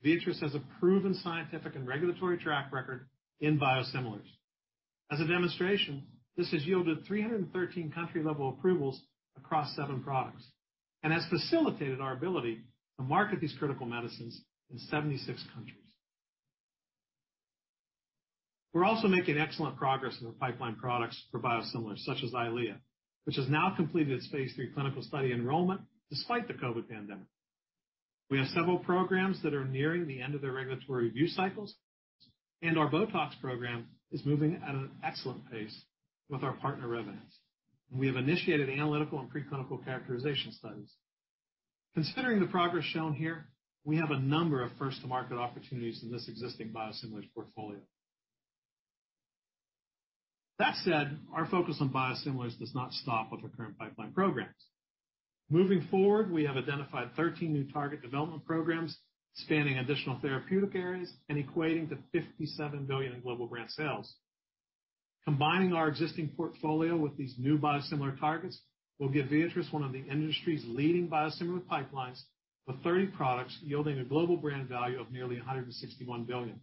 Viatris has a proven scientific and regulatory track record in biosimilars. As a demonstration, this has yielded 313 country-level approvals across seven products and has facilitated our ability to market these critical medicines in 76 countries. We're also making excellent progress in the pipeline products for biosimilars such as Eylea, which has now completed its phase three clinical study enrollment despite the COVID pandemic. We have several programs that are nearing the end of their regulatory review cycles, and our Botox program is moving at an excellent pace with our partner Reverence. We have initiated analytical and preclinical characterization studies. Considering the progress shown here, we have a number of first-to-market opportunities in this existing biosimilars portfolio. That said, our focus on biosimilars does not stop with our current pipeline programs. Moving forward, we have identified 13 new target development programs spanning additional therapeutic areas and equating to $57 billion in global brand sales. Combining our existing portfolio with these new biosimilar targets will give Viatris one of the industry's leading biosimilar pipelines with 30 products yielding a global brand value of nearly $161 billion.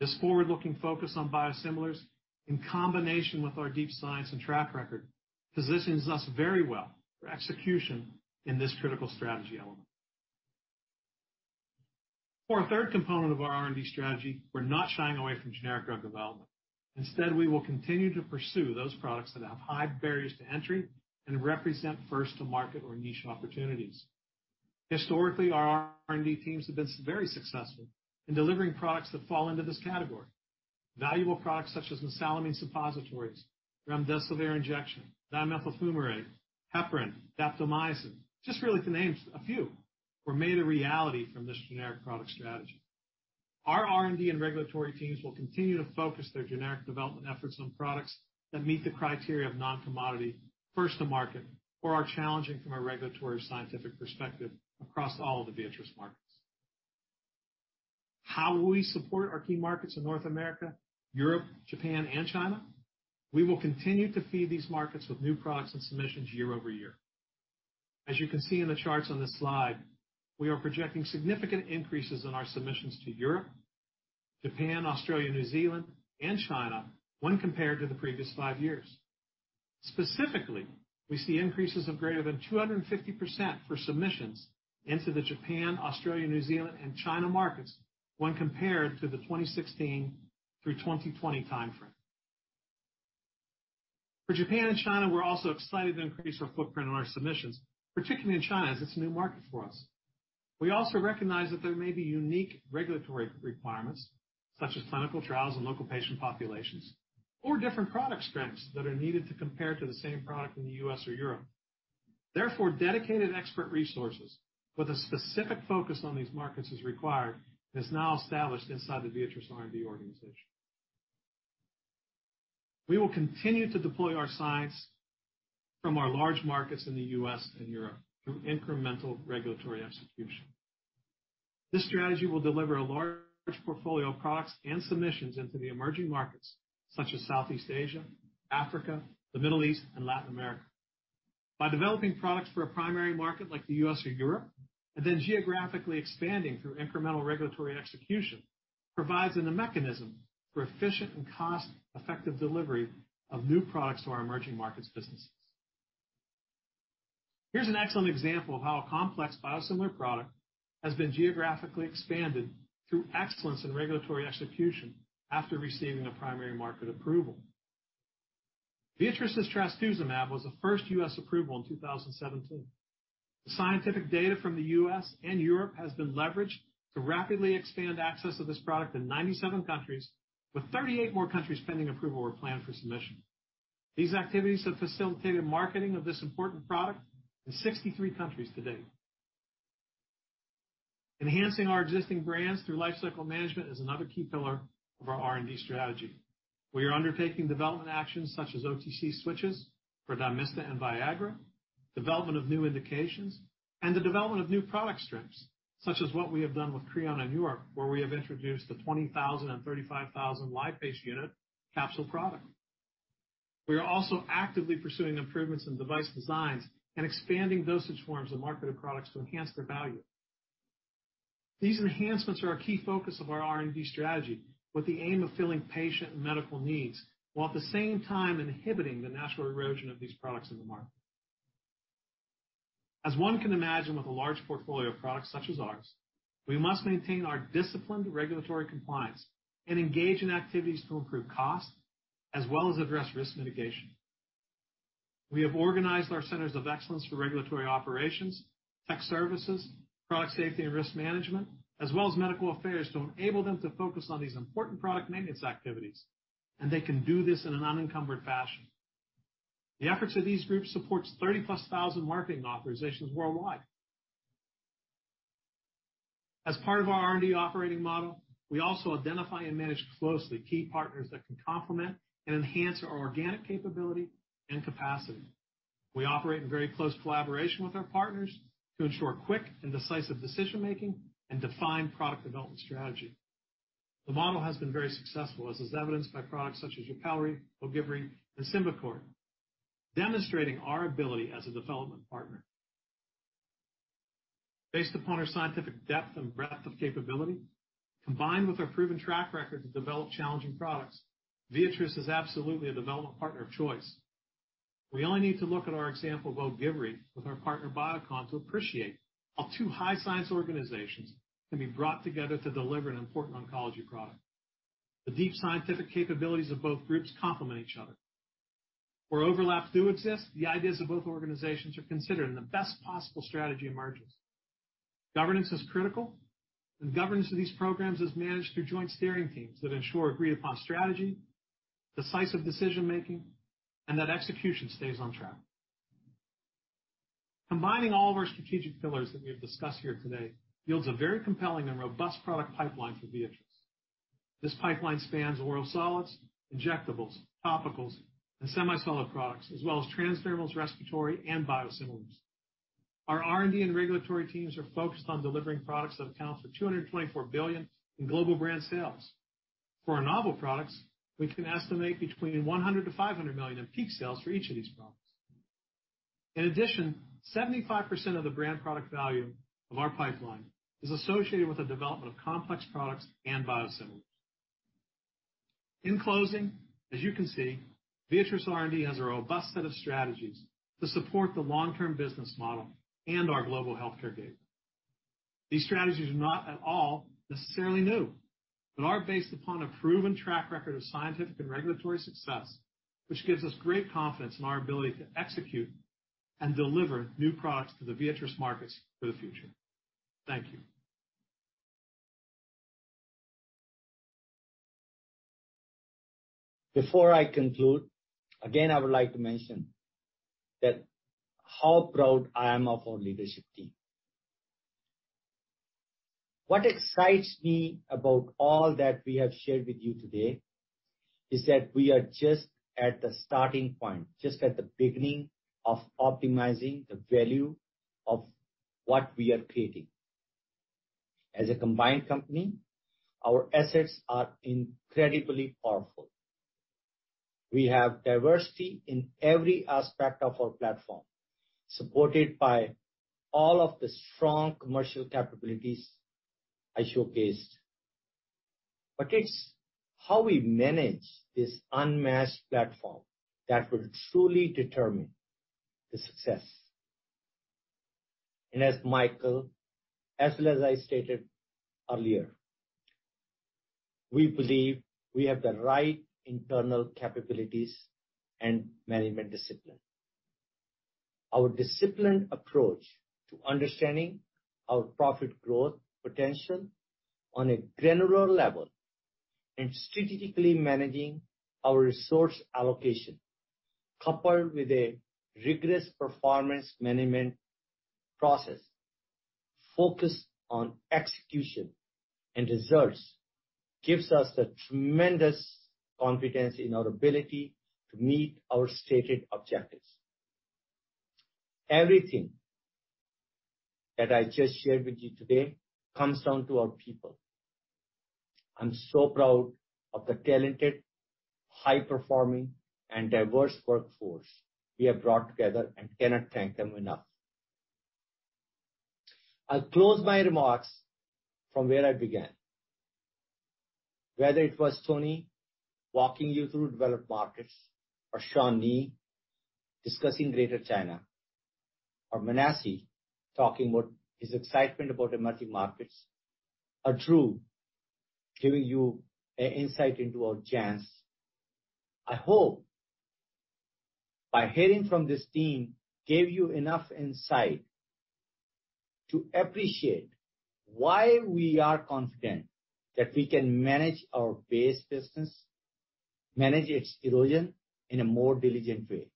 This forward-looking focus on biosimilars, in combination with our deep science and track record, positions us very well for execution in this critical strategy element. For our third component of our R&D strategy, we're not shying away from generic drug development. Instead, we will continue to pursue those products that have high barriers to entry and represent first-to-market or niche opportunities. Historically, our R&D teams have been very successful in delivering products that fall into this category. Valuable products such as mesalamine suppositories, remdesivir injection, Dimethyl fumarate, heparin, daptomycin, just really to name a few, were made a reality from this generic product strategy. Our R&D and regulatory teams will continue to focus their generic development efforts on products that meet the criteria of non-commodity, first-to-market, or are challenging from a regulatory scientific perspective across all of the Viatris markets. How will we support our key markets in North America, Europe, Japan, and China? We will continue to feed these markets with new products and submissions year over year. As you can see in the charts on this slide, we are projecting significant increases in our submissions to Europe, Japan, Australia, New Zealand, and China when compared to the previous five years. Specifically, we see increases of greater than 250% for submissions into the Japan, Australia, New Zealand, and China markets when compared to the 2016 through 2020 timeframe. For Japan and China, we're also excited to increase our footprint on our submissions, particularly in China as it's a new market for us. We also recognize that there may be unique regulatory requirements such as clinical trials and local patient populations or different product strengths that are needed to compare to the same product in the U.S. or Europe. Therefore, dedicated expert resources with a specific focus on these markets is required and is now established inside the Viatris R&D organization. We will continue to deploy our science from our large markets in the U.S. and Europe through incremental regulatory execution. This strategy will deliver a large portfolio of products and submissions into the emerging markets such as Southeast Asia, Africa, the Middle East, and Latin America. By developing products for a primary market like the U.S. or Europe and then geographically expanding through incremental regulatory execution provides a mechanism for efficient and cost-effective delivery of new products to our emerging markets businesses. Here's an excellent example of how a complex biosimilar product has been geographically expanded through excellence in regulatory execution after receiving a primary market approval. Viatris's trastuzumab was the first U.S. approval in 2017. The scientific data from the U.S. and Europe has been leveraged to rapidly expand access to this product in 97 countries, with 38 more countries pending approval or plan for submission. These activities have facilitated marketing of this important product in 63 countries to date. Enhancing our existing brands through lifecycle management is another key pillar of our R&D strategy. We are undertaking development actions such as OTC switches for Dymista and Viagra, development of new indications, and the development of new product strengths such as what we have done with Creon in New York, where we have introduced the 20,000 and 35,000 lipase unit capsule product. We are also actively pursuing improvements in device designs and expanding dosage forms and marketed products to enhance their value. These enhancements are a key focus of our R&D strategy with the aim of filling patient and medical needs while at the same time inhibiting the natural erosion of these products in the market. As one can imagine, with a large portfolio of products such as ours, we must maintain our disciplined regulatory compliance and engage in activities to improve cost as well as address risk mitigation. We have organized our centers of excellence for regulatory operations, tech services, product safety and risk management, as well as medical affairs to enable them to focus on these important product maintenance activities, and they can do this in an unencumbered fashion. The efforts of these groups support 30-plus thousand marketing authorizations worldwide. As part of our R&D operating model, we also identify and manage closely key partners that can complement and enhance our organic capability and capacity. We operate in very close collaboration with our partners to ensure quick and decisive decision-making and defined product development strategy. The model has been very successful, as is evidenced by products such as YUPILRI, OGIVRI, and SYMBICORT, demonstrating our ability as a development partner. Based upon our scientific depth and breadth of capability, combined with our proven track record to develop challenging products, Viatris is absolutely a development partner of choice. We only need to look at our example of OGIVRI with our partner Biocon to appreciate how two high-science organizations can be brought together to deliver an important oncology product. The deep scientific capabilities of both groups complement each other. Where overlaps do exist, the ideas of both organizations are considered in the best possible strategy emergence. Governance is critical, and governance of these programs is managed through joint steering teams that ensure agreed-upon strategy, decisive decision-making, and that execution stays on track. Combining all of our strategic pillars that we have discussed here today yields a very compelling and robust product pipeline for Viatris. This pipeline spans oral solids, injectables, topicals, and semisolid products, as well as transdermals, respiratory, and biosimilars. Our R&D and regulatory teams are focused on delivering products that account for $224 billion in global brand sales. For our novel products, we can estimate between $100 million-$500 million in peak sales for each of these products. In addition, 75% of the brand product value of our pipeline is associated with the development of complex products and biosimilars. In closing, as you can see, Viatris R&D has a robust set of strategies to support the long-term business model and our global healthcare gateway. These strategies are not at all necessarily new, but are based upon a proven track record of scientific and regulatory success, which gives us great confidence in our ability to execute and deliver new products to the Viatris markets for the future. Thank you. Before I conclude, again, I would like to mention how proud I am of our leadership team. What excites me about all that we have shared with you today is that we are just at the starting point, just at the beginning of optimizing the value of what we are creating. As a combined company, our assets are incredibly powerful. We have diversity in every aspect of our platform, supported by all of the strong commercial capabilities I showcased. It is how we manage this unmatched platform that will truly determine the success. As Michael, as well as I stated earlier, we believe we have the right internal capabilities and management discipline. Our disciplined approach to understanding our profit growth potential on a granular level and strategically managing our resource allocation, coupled with a rigorous performance management process focused on execution and results, gives us the tremendous confidence in our ability to meet our stated objectives. Everything that I just shared with you today comes down to our people. I'm so proud of the talented, high-performing, and diverse workforce we have brought together and cannot thank them enough. I'll close my remarks from where I began. Whether it was Tony walking you through developed markets or Sean Ni discussing Greater China or Menassie talking about his excitement about emerging markets or Drew giving you an insight into our chance, I hope by hearing from this team gave you enough insight to appreciate why we are confident that we can manage our base business, manage its erosion in a more diligent way.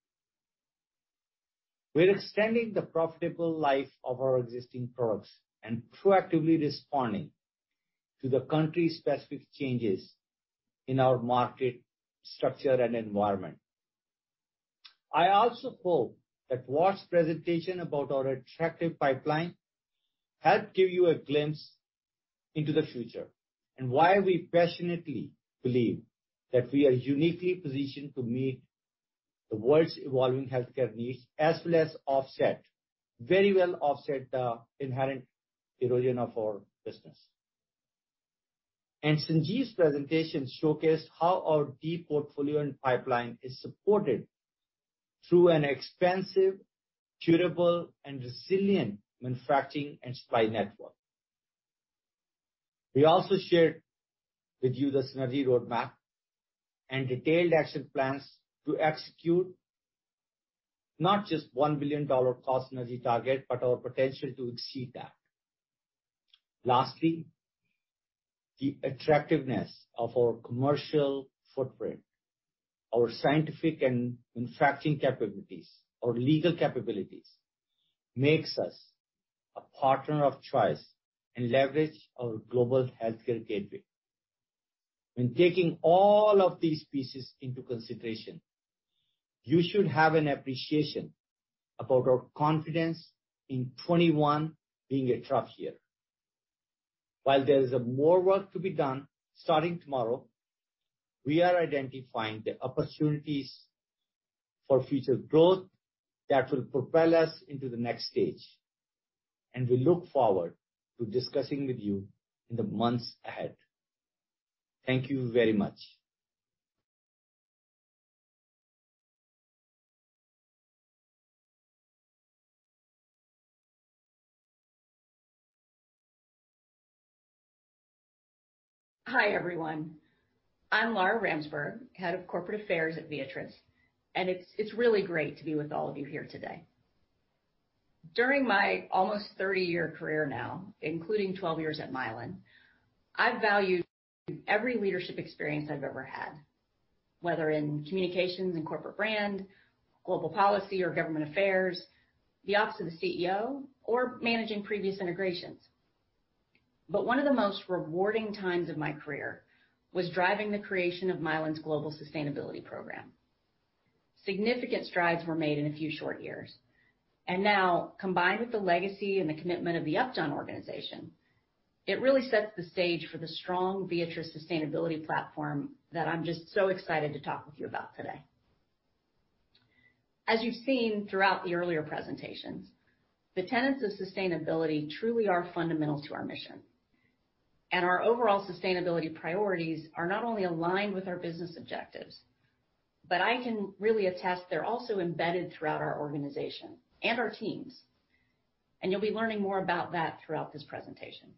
We're extending the profitable life of our existing products and proactively responding to the country-specific changes in our market structure and environment. I also hope that Walt's presentation about our attractive pipeline helped give you a glimpse into the future and why we passionately believe that we are uniquely positioned to meet the world's evolving healthcare needs as well as offset, very well offset, the inherent erosion of our business. Sanjeev's presentation showcased how our deep portfolio and pipeline is supported through an expansive, durable, and resilient manufacturing and supply network. We also shared with you the synergy roadmap and detailed action plans to execute not just the $1 billion cost synergy target, but our potential to exceed that. Lastly, the attractiveness of our commercial footprint, our scientific and manufacturing capabilities, our legal capabilities makes us a partner of choice and leverage our global healthcare gateway. When taking all of these pieces into consideration, you should have an appreciation about our confidence in 2021 being a tough year. While there is more work to be done starting tomorrow, we are identifying the opportunities for future growth that will propel us into the next stage. We look forward to discussing with you in the months ahead. Thank you very much. Hi, everyone. I'm Lara Ramsburg, Head of Corporate Affairs at Viatris, and it's really great to be with all of you here today. During my almost 30-year career now, including 12 years at Mylan, I've valued every leadership experience I've ever had, whether in communications and corporate brand, global policy, or government affairs, the Office of the CEO, or managing previous integrations. One of the most rewarding times of my career was driving the creation of Mylan's global sustainability program. Significant strides were made in a few short years. Now, combined with the legacy and the commitment of the Upjohn organization, it really sets the stage for the strong Viatris sustainability platform that I'm just so excited to talk with you about today. As you've seen throughout the earlier presentations, the tenets of sustainability truly are fundamental to our mission. Our overall sustainability priorities are not only aligned with our business objectives, but I can really attest they're also embedded throughout our organization and our teams. You'll be learning more about that throughout this presentation.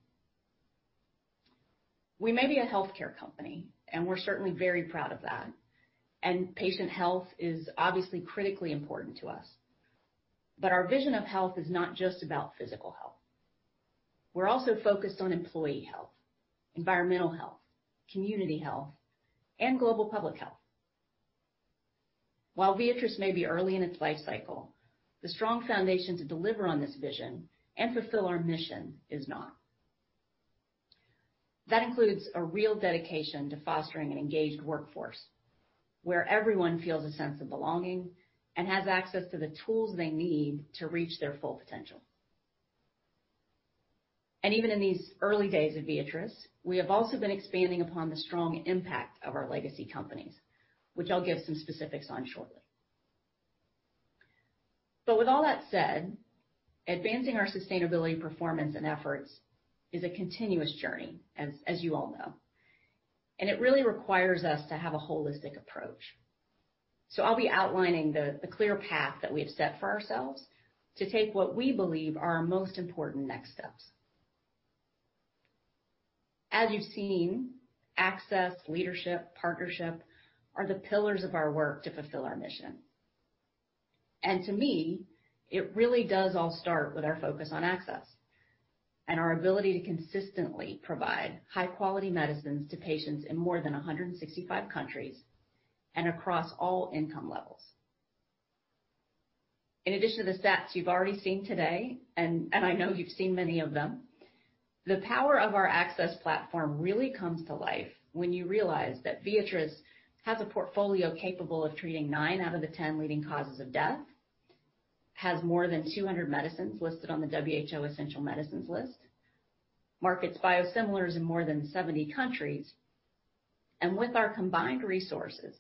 We may be a healthcare company, and we're certainly very proud of that. Patient health is obviously critically important to us. Our vision of health is not just about physical health. We're also focused on employee health, environmental health, community health, and global public health. While Viatris may be early in its life cycle, the strong foundation to deliver on this vision and fulfill our mission is not. That includes a real dedication to fostering an engaged workforce where everyone feels a sense of belonging and has access to the tools they need to reach their full potential. Even in these early days of Viatris, we have also been expanding upon the strong impact of our legacy companies, which I'll give some specifics on shortly. With all that said, advancing our sustainability performance and efforts is a continuous journey, as you all know. It really requires us to have a holistic approach. I'll be outlining the clear path that we have set for ourselves to take what we believe are our most important next steps. As you've seen, access, leadership, and partnership are the pillars of our work to fulfill our mission. To me, it really does all start with our focus on access and our ability to consistently provide high-quality medicines to patients in more than 165 countries and across all income levels. In addition to the stats you've already seen today, and I know you've seen many of them, the power of our access platform really comes to life when you realize that Viatris has a portfolio capable of treating 9 out of the 10 leading causes of death, has more than 200 medicines listed on the WHO essential medicines list, markets biosimilars in more than 70 countries. With our combined resources,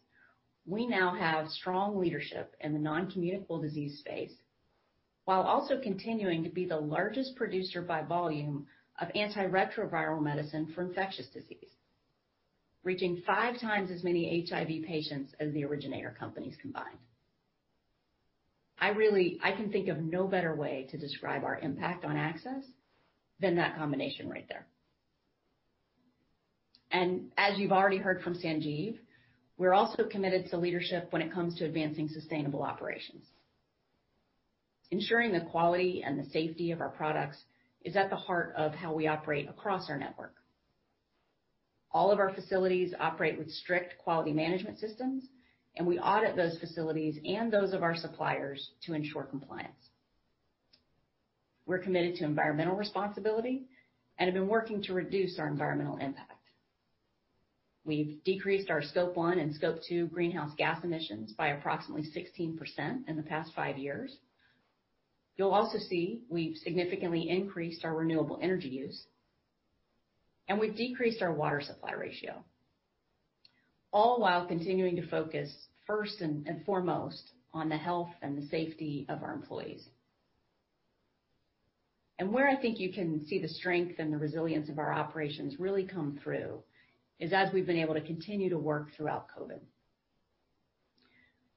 we now have strong leadership in the noncommunicable disease space while also continuing to be the largest producer by volume of antiretroviral medicine for infectious disease, reaching five times as many HIV patients as the originator companies combined. I can think of no better way to describe our impact on access than that combination right there. As you've already heard from Sanjeev, we're also committed to leadership when it comes to advancing sustainable operations. Ensuring the quality and the safety of our products is at the heart of how we operate across our network. All of our facilities operate with strict quality management systems, and we audit those facilities and those of our suppliers to ensure compliance. We're committed to environmental responsibility and have been working to reduce our environmental impact. We've decreased our scope one and scope two greenhouse gas emissions by approximately 16% in the past five years. You'll also see we've significantly increased our renewable energy use, and we've decreased our water supply ratio, all while continuing to focus first and foremost on the health and the safety of our employees. Where I think you can see the strength and the resilience of our operations really come through is as we've been able to continue to work throughout COVID.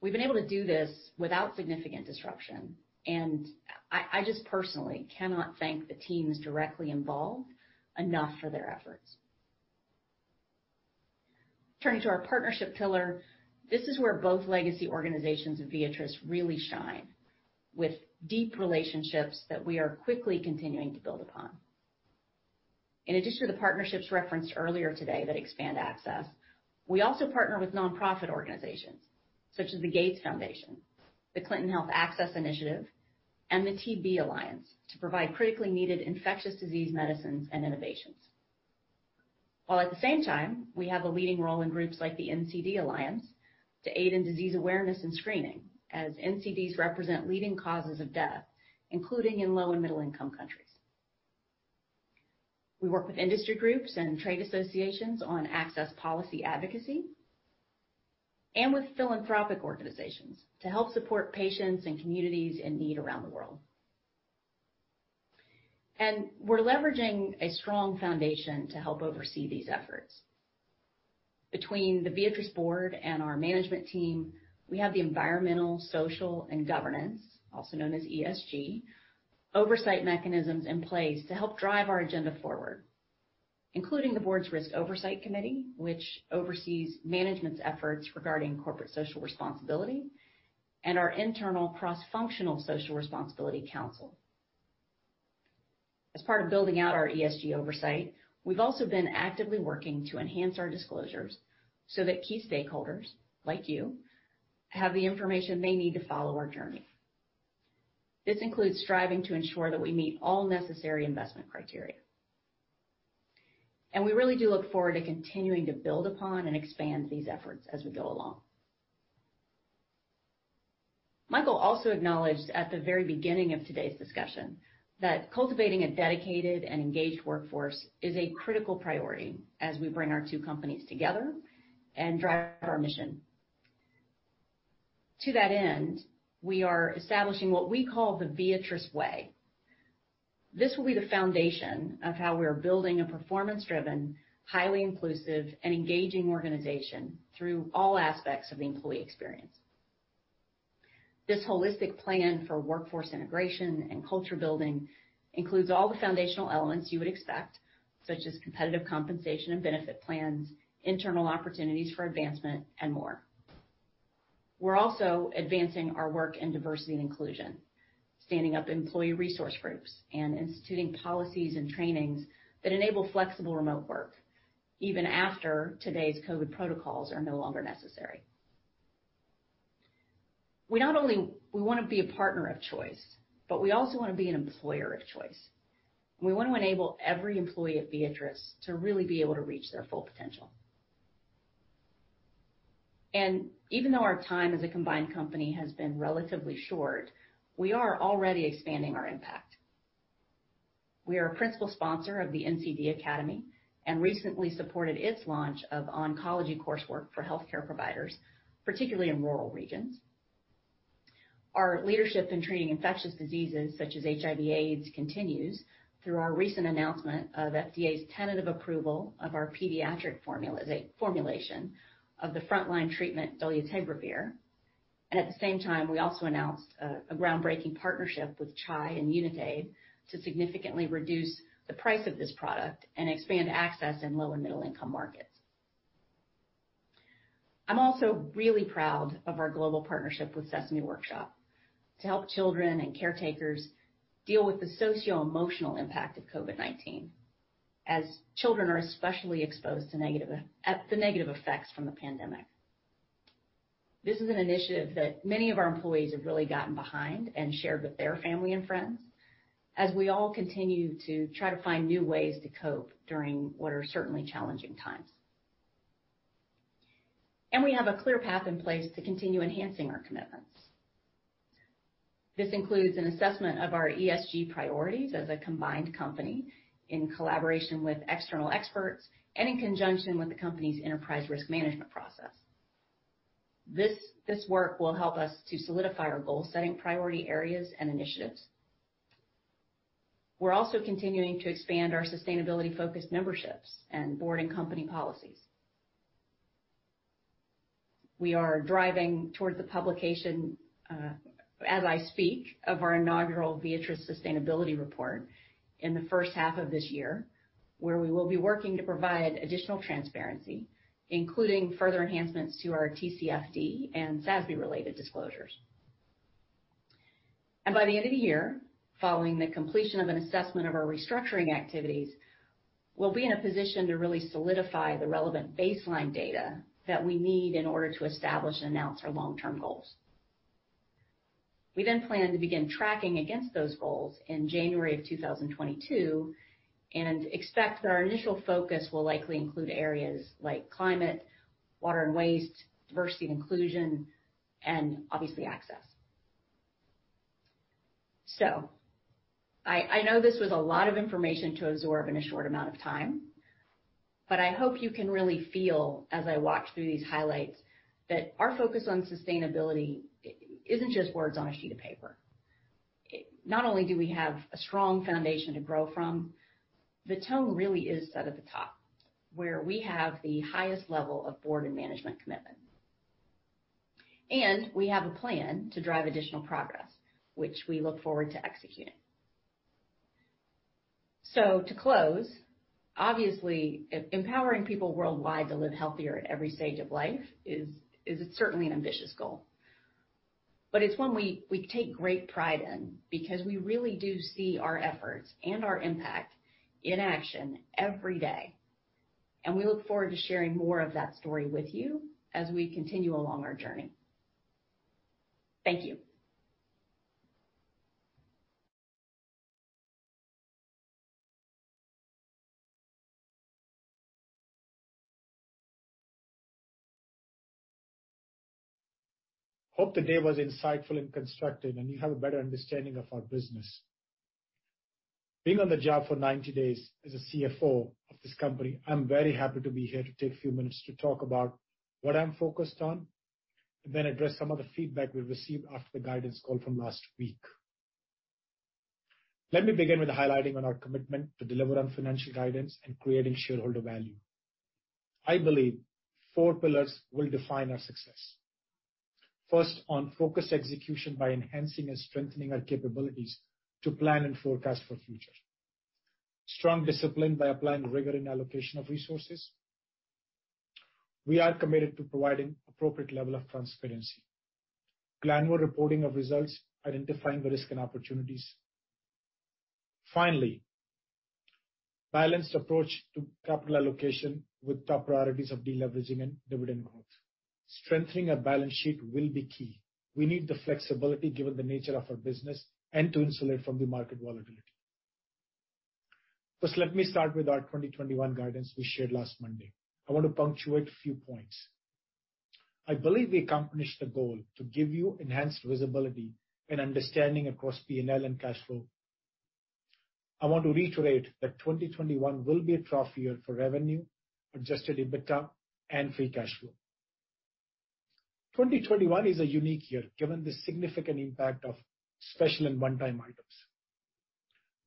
We've been able to do this without significant disruption, and I just personally cannot thank the teams directly involved enough for their efforts. Turning to our partnership pillar, this is where both legacy organizations and Viatris really shine with deep relationships that we are quickly continuing to build upon. In addition to the partnerships referenced earlier today that expand access, we also partner with nonprofit organizations such as the Gates Foundation, the Clinton Health Access Initiative, and the TB Alliance to provide critically needed infectious disease medicines and innovations. While at the same time, we have a leading role in groups like the NCD Alliance to aid in disease awareness and screening, as NCDs represent leading causes of death, including in low and middle-income countries. We work with industry groups and trade associations on access policy advocacy and with philanthropic organizations to help support patients and communities in need around the world. We are leveraging a strong foundation to help oversee these efforts. Between the Viatris board and our management team, we have the environmental, social, and governance, also known as ESG, oversight mechanisms in place to help drive our agenda forward, including the board's risk oversight committee, which oversees management's efforts regarding corporate social responsibility, and our internal cross-functional social responsibility council. As part of building out our ESG oversight, we have also been actively working to enhance our disclosures so that key stakeholders like you have the information they need to follow our journey. This includes striving to ensure that we meet all necessary investment criteria. We really do look forward to continuing to build upon and expand these efforts as we go along. Michael also acknowledged at the very beginning of today's discussion that cultivating a dedicated and engaged workforce is a critical priority as we bring our two companies together and drive our mission. To that end, we are establishing what we call the Viatris Way. This will be the foundation of how we are building a performance-driven, highly inclusive, and engaging organization through all aspects of the employee experience. This holistic plan for workforce integration and culture building includes all the foundational elements you would expect, such as competitive compensation and benefit plans, internal opportunities for advancement, and more. We're also advancing our work in diversity and inclusion, standing up employee resource groups and instituting policies and trainings that enable flexible remote work even after today's COVID protocols are no longer necessary. We not only want to be a partner of choice, but we also want to be an employer of choice. We want to enable every employee at Viatris to really be able to reach their full potential. Even though our time as a combined company has been relatively short, we are already expanding our impact. We are a principal sponsor of the NCD Academy and recently supported its launch of oncology coursework for healthcare providers, particularly in rural regions. Our leadership in treating infectious diseases such as HIV/AIDS continues through our recent announcement of FDA's tentative approval of our pediatric formulation of the frontline treatment, dolutegravir. At the same time, we also announced a groundbreaking partnership with CHAI and Unitaid to significantly reduce the price of this product and expand access in low and middle-income markets. I'm also really proud of our global partnership with Sesame Workshop to help children and caretakers deal with the socio-emotional impact of COVID-19, as children are especially exposed to the negative effects from the pandemic. This is an initiative that many of our employees have really gotten behind and shared with their family and friends as we all continue to try to find new ways to cope during what are certainly challenging times. We have a clear path in place to continue enhancing our commitments. This includes an assessment of our ESG priorities as a combined company in collaboration with external experts and in conjunction with the company's enterprise risk management process. This work will help us to solidify our goal-setting priority areas and initiatives. We're also continuing to expand our sustainability-focused memberships and board and company policies. We are driving towards the publication, as I speak, of our inaugural Viatris Sustainability Report in the first half of this year, where we will be working to provide additional transparency, including further enhancements to our TCFD and SASB-related disclosures. By the end of the year, following the completion of an assessment of our restructuring activities, we will be in a position to really solidify the relevant baseline data that we need in order to establish and announce our long-term goals. We then plan to begin tracking against those goals in January of 2022 and expect that our initial focus will likely include areas like climate, water and waste, diversity and inclusion, and obviously access. I know this was a lot of information to absorb in a short amount of time, but I hope you can really feel as I walk through these highlights that our focus on sustainability isn't just words on a sheet of paper. Not only do we have a strong foundation to grow from, the tone really is set at the top, where we have the highest level of board and management commitment. We have a plan to drive additional progress, which we look forward to executing. To close, obviously, empowering people worldwide to live healthier at every stage of life is certainly an ambitious goal. It is one we take great pride in because we really do see our efforts and our impact in action every day. We look forward to sharing more of that story with you as we continue along our journey. Thank you. Hope today was insightful and constructive, and you have a better understanding of our business. Being on the job for 90 days as CFO of this company, I'm very happy to be here to take a few minutes to talk about what I'm focused on and then address some of the feedback we received after the guidance call from last week. Let me begin with highlighting our commitment to deliver on financial guidance and creating shareholder value. I believe four pillars will define our success. First, on focused execution by enhancing and strengthening our capabilities to plan and forecast for the future. Strong discipline by applying rigor in allocation of resources. We are committed to providing an appropriate level of transparency. Granular reporting of results, identifying the risk and opportunities. Finally, balanced approach to capital allocation with top priorities of deleveraging and dividend growth. Strengthening our balance sheet will be key. We need the flexibility given the nature of our business and to insulate from the market volatility. First, let me start with our 2021 guidance we shared last Monday. I want to punctuate a few points. I believe we accomplished the goal to give you enhanced visibility and understanding across P&L and cash flow. I want to reiterate that 2021 will be a trough year for revenue, adjusted EBITDA, and free cash flow. 2021 is a unique year given the significant impact of special and one-time items.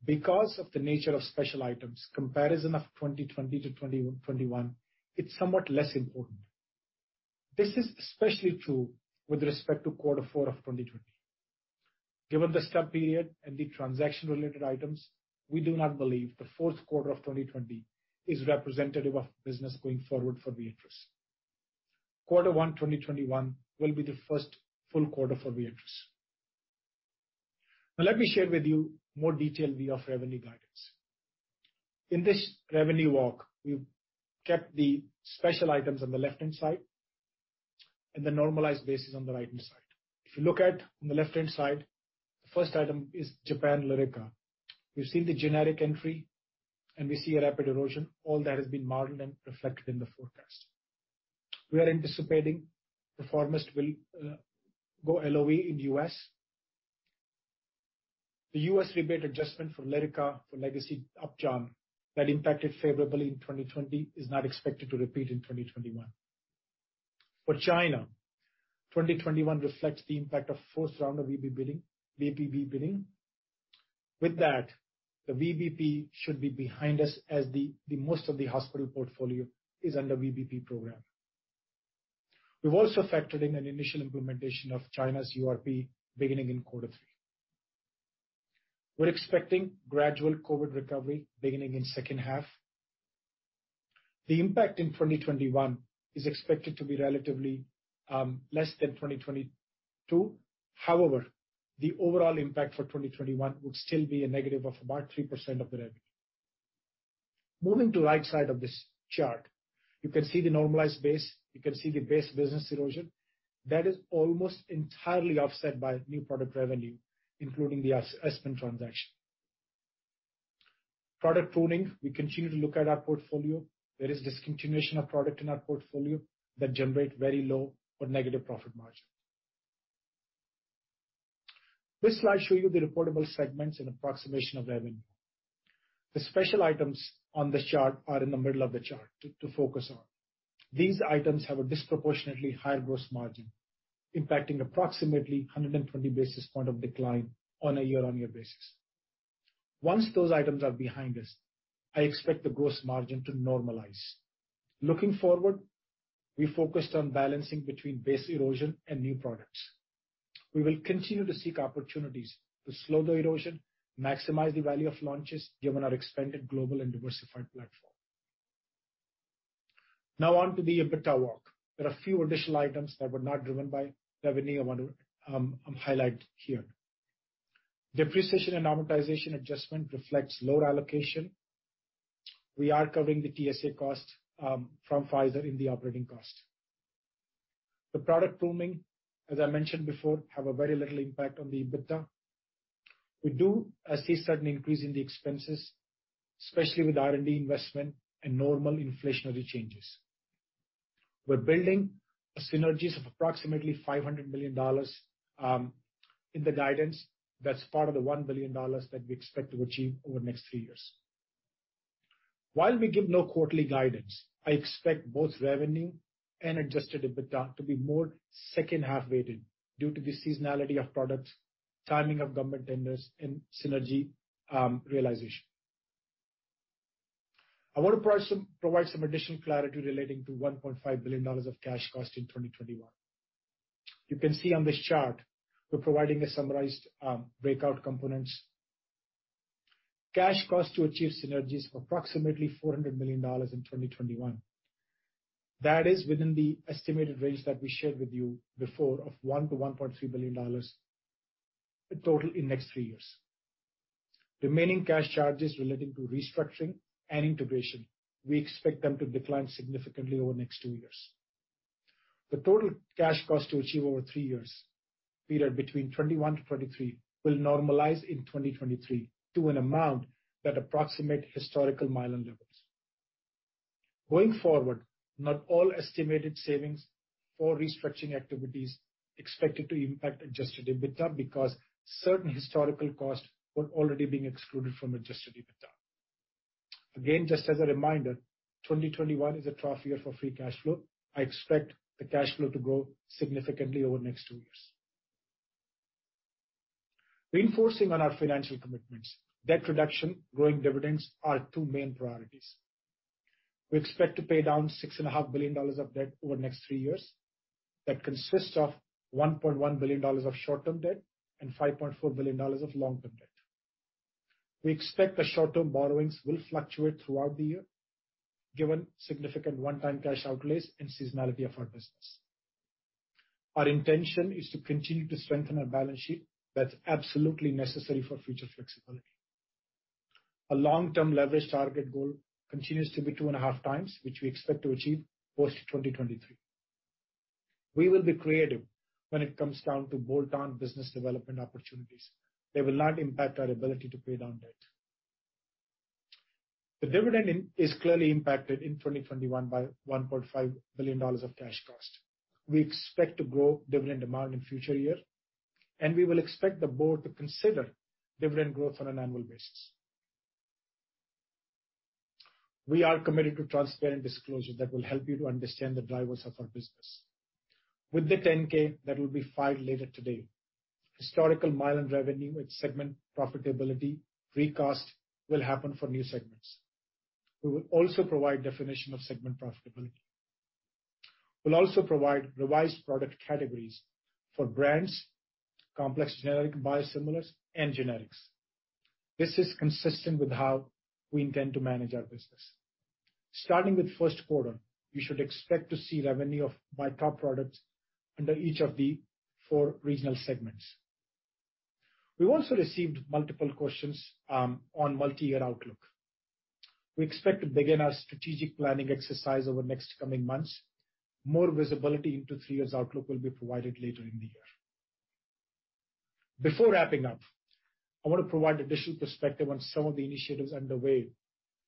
Because of the nature of special items, comparison of 2020 to 2021, it's somewhat less important. This is especially true with respect to quarter four of 2020. Given the stub period and the transaction-related items, we do not believe the fourth quarter of 2020 is representative of business going forward for Viatris. Quarter one 2021 will be the first full quarter for Viatris. Now, let me share with you more detail of revenue guidance. In this revenue walk, we've kept the special items on the left-hand side and the normalized basis on the right-hand side. If you look at the left-hand side, the first item is Japan Lyrica. We've seen the generic entry, and we see a rapid erosion. All that has been modeled and reflected in the forecast. We are anticipating performance will go LOE in the U.S. The U.S. rebate adjustment for Lyrica for legacy Upjohn that impacted favorably in 2020 is not expected to repeat in 2021. For China, 2021 reflects the impact of fourth round of VBP billing. With that, the VBP should be behind us as most of the hospital portfolio is under VBP program. We've also factored in an initial implementation of China's URP beginning in quarter three. We're expecting gradual COVID recovery beginning in the second half. The impact in 2021 is expected to be relatively less than 2022. However, the overall impact for 2021 would still be a negative of about 3% of the revenue. Moving to the right side of this chart, you can see the normalized base. You can see the base business erosion. That is almost entirely offset by new product revenue, including the Aspen transaction. Product pruning, we continue to look at our portfolio. There is discontinuation of product in our portfolio that generates very low or negative profit margin. This slide shows you the reportable segments and approximation of revenue. The special items on the chart are in the middle of the chart to focus on. These items have a disproportionately higher gross margin, impacting approximately 120 basis points of decline on a year-on-year basis. Once those items are behind us, I expect the gross margin to normalize. Looking forward, we focused on balancing between base erosion and new products. We will continue to seek opportunities to slow the erosion, maximize the value of launches given our expanded global and diversified platform. Now, on to the EBITDA walk. There are a few additional items that were not driven by revenue I want to highlight here. Depreciation and amortization adjustment reflects lower allocation. We are covering the TSA cost from Pfizer in the operating cost. The product pruning, as I mentioned before, has a very little impact on the EBITDA. We do see a sudden increase in the expenses, especially with R&D investment and normal inflationary changes. We're building a synergies of approximately $500 million in the guidance. That's part of the $1 billion that we expect to achieve over the next three years. While we give no quarterly guidance, I expect both revenue and adjusted EBITDA to be more second-half weighted due to the seasonality of products, timing of government tenders, and synergy realization. I want to provide some additional clarity relating to $1.5 billion of cash cost in 2021. You can see on this chart, we're providing a summarized breakout components. Cash cost to achieve synergies of approximately $400 million in 2021. That is within the estimated range that we shared with you before of $1 billion-$1.3 billion total in the next three years. Remaining cash charges relating to restructuring and integration, we expect them to decline significantly over the next two years. The total cash cost to achieve over three years period between 2021 to 2023 will normalize in 2023 to an amount that approximates historical milestone levels. Going forward, not all estimated savings for restructuring activities are expected to impact adjusted EBITDA because certain historical costs were already being excluded from adjusted EBITDA. Again, just as a reminder, 2021 is a trough year for free cash flow. I expect the cash flow to grow significantly over the next two years. Reinforcing on our financial commitments, debt reduction, and growing dividends are two main priorities. We expect to pay down $6.5 billion of debt over the next three years. That consists of $1.1 billion of short-term debt and $5.4 billion of long-term debt. We expect the short-term borrowings will fluctuate throughout the year given significant one-time cash outlays and seasonality of our business. Our intention is to continue to strengthen our balance sheet. That's absolutely necessary for future flexibility. Our long-term leverage target goal continues to be two and a half times, which we expect to achieve post-2023. We will be creative when it comes down to bolt-on business development opportunities. They will not impact our ability to pay down debt. The dividend is clearly impacted in 2021 by $1.5 billion of cash cost. We expect to grow dividend demand in the future year, and we will expect the board to consider dividend growth on an annual basis. We are committed to transparent disclosure that will help you to understand the drivers of our business. With the 10-K that will be filed later today, historical milestone revenue and segment profitability recast will happen for new segments. We will also provide definition of segment profitability. We'll also provide revised product categories for brands, complex generic biosimilars, and generics. This is consistent with how we intend to manage our business. Starting with first quarter, you should expect to see revenue by top products under each of the four regional segments. We also received multiple questions on multi-year outlook. We expect to begin our strategic planning exercise over the next coming months. More visibility into three years' outlook will be provided later in the year. Before wrapping up, I want to provide additional perspective on some of the initiatives underway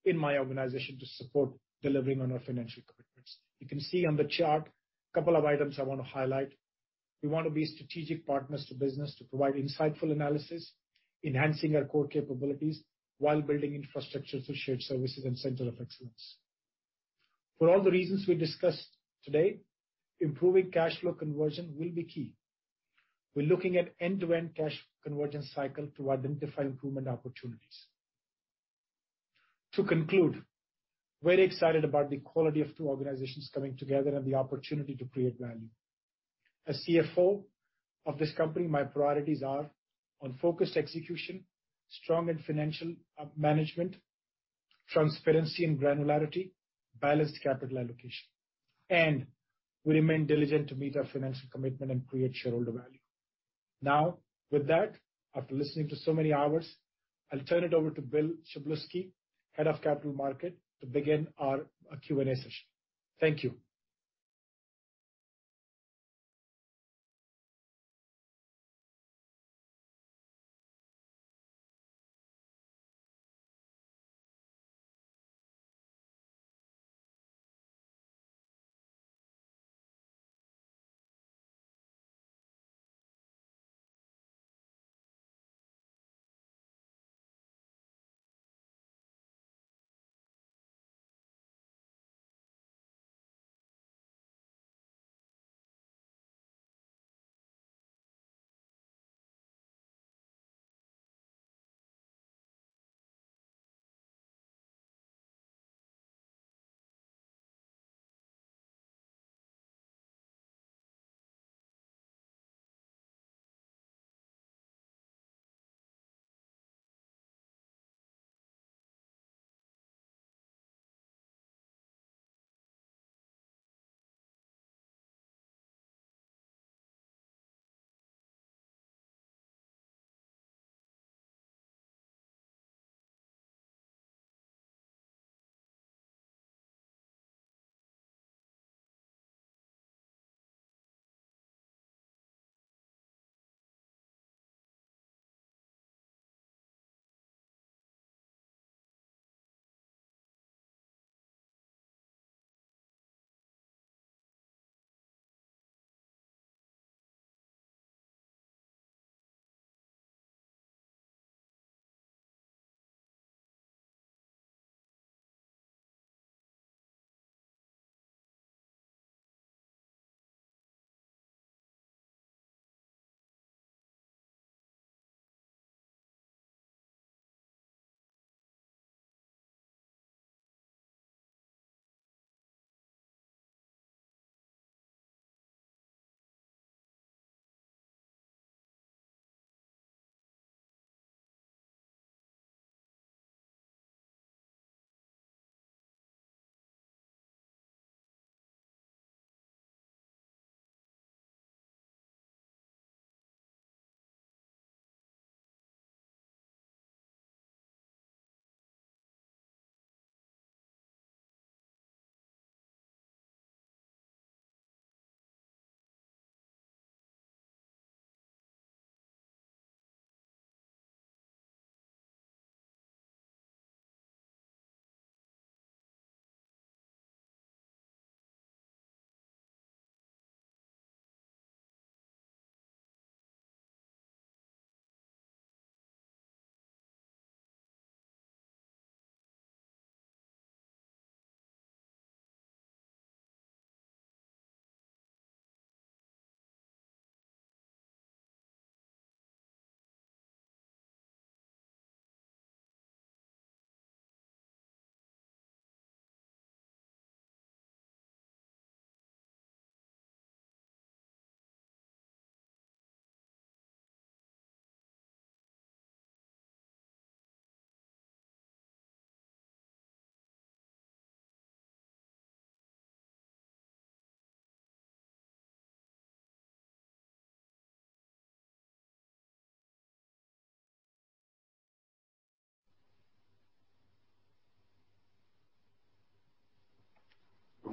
in my organization to support delivering on our financial commitments. You can see on the chart a couple of items I want to highlight. We want to be strategic partners to business to provide insightful analysis, enhancing our core capabilities while building infrastructure to share services and centers of excellence. For all the reasons we discussed today, improving cash flow conversion will be key. We're looking at end-to-end cash conversion cycle to identify improvement opportunities. To conclude, I'm very excited about the quality of two organizations coming together and the opportunity to create value. As CFO of this company, my priorities are on focused execution, strong financial management, transparency and granularity, and balanced capital allocation. We remain diligent to meet our financial commitment and create shareholder value. Now, with that, after listening to so many hours, I'll turn it over to Bill Szablewski, Head of Capital Markets, to begin our Q&A session. Thank you.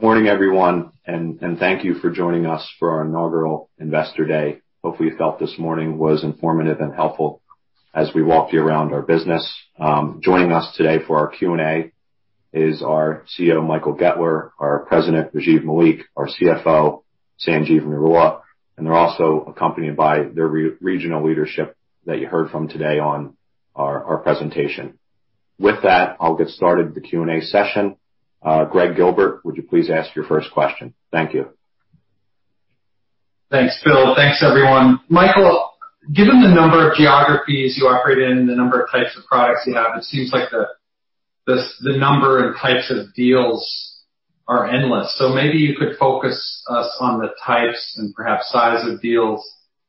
Good morning, everyone, and thank you for joining us for our inaugural Investor Day. Hopefully, you felt this morning was informative and helpful as we walked you around our business. Joining us today for our Q&A is our CEO, Michael Goettler, our President, Rajiv Malik, our CFO, Sanjeev Narula, and they're also accompanied by their regional leadership that you heard from today on our presentation. With that, I'll get started with the Q&A session. Greg Gilbert, would you please ask your first question? Thank you. Thanks, Bill. Thanks, everyone. Michael, given the number of geographies you operate in and the number of types of products you have, it seems like the number and types of deals are endless. Maybe you could focus us on the types and perhaps size of deals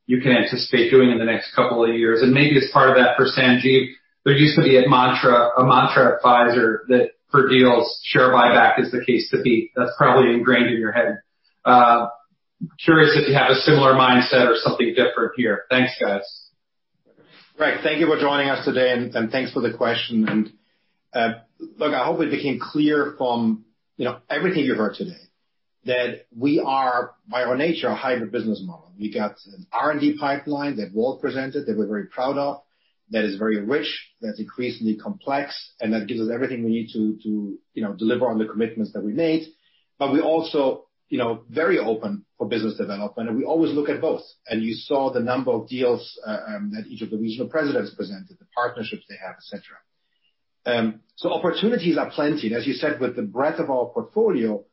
you can anticipate doing in the next couple of years. Maybe as part of that for Sanjeev, there used to be a mantra advisor for deals, "Share buyback is the case to beat." That's probably ingrained in your head. Curious if you have a similar mindset or something different here. Thanks, guys. Right. Thank you for joining us today, and thanks for the question. I hope it became clear from everything you've heard today that we are, by our nature, a hybrid business model. We've got an R&D pipeline that Walt presented that we're very proud of, that is very rich, that's increasingly complex, and that gives us everything we need to deliver on the commitments that we made. We are also very open for business development, and we always look at both. You saw the number of deals that each of the regional presidents presented, the partnerships they have, etc. Opportunities are plenty. As you said, with the breadth of our portfolio,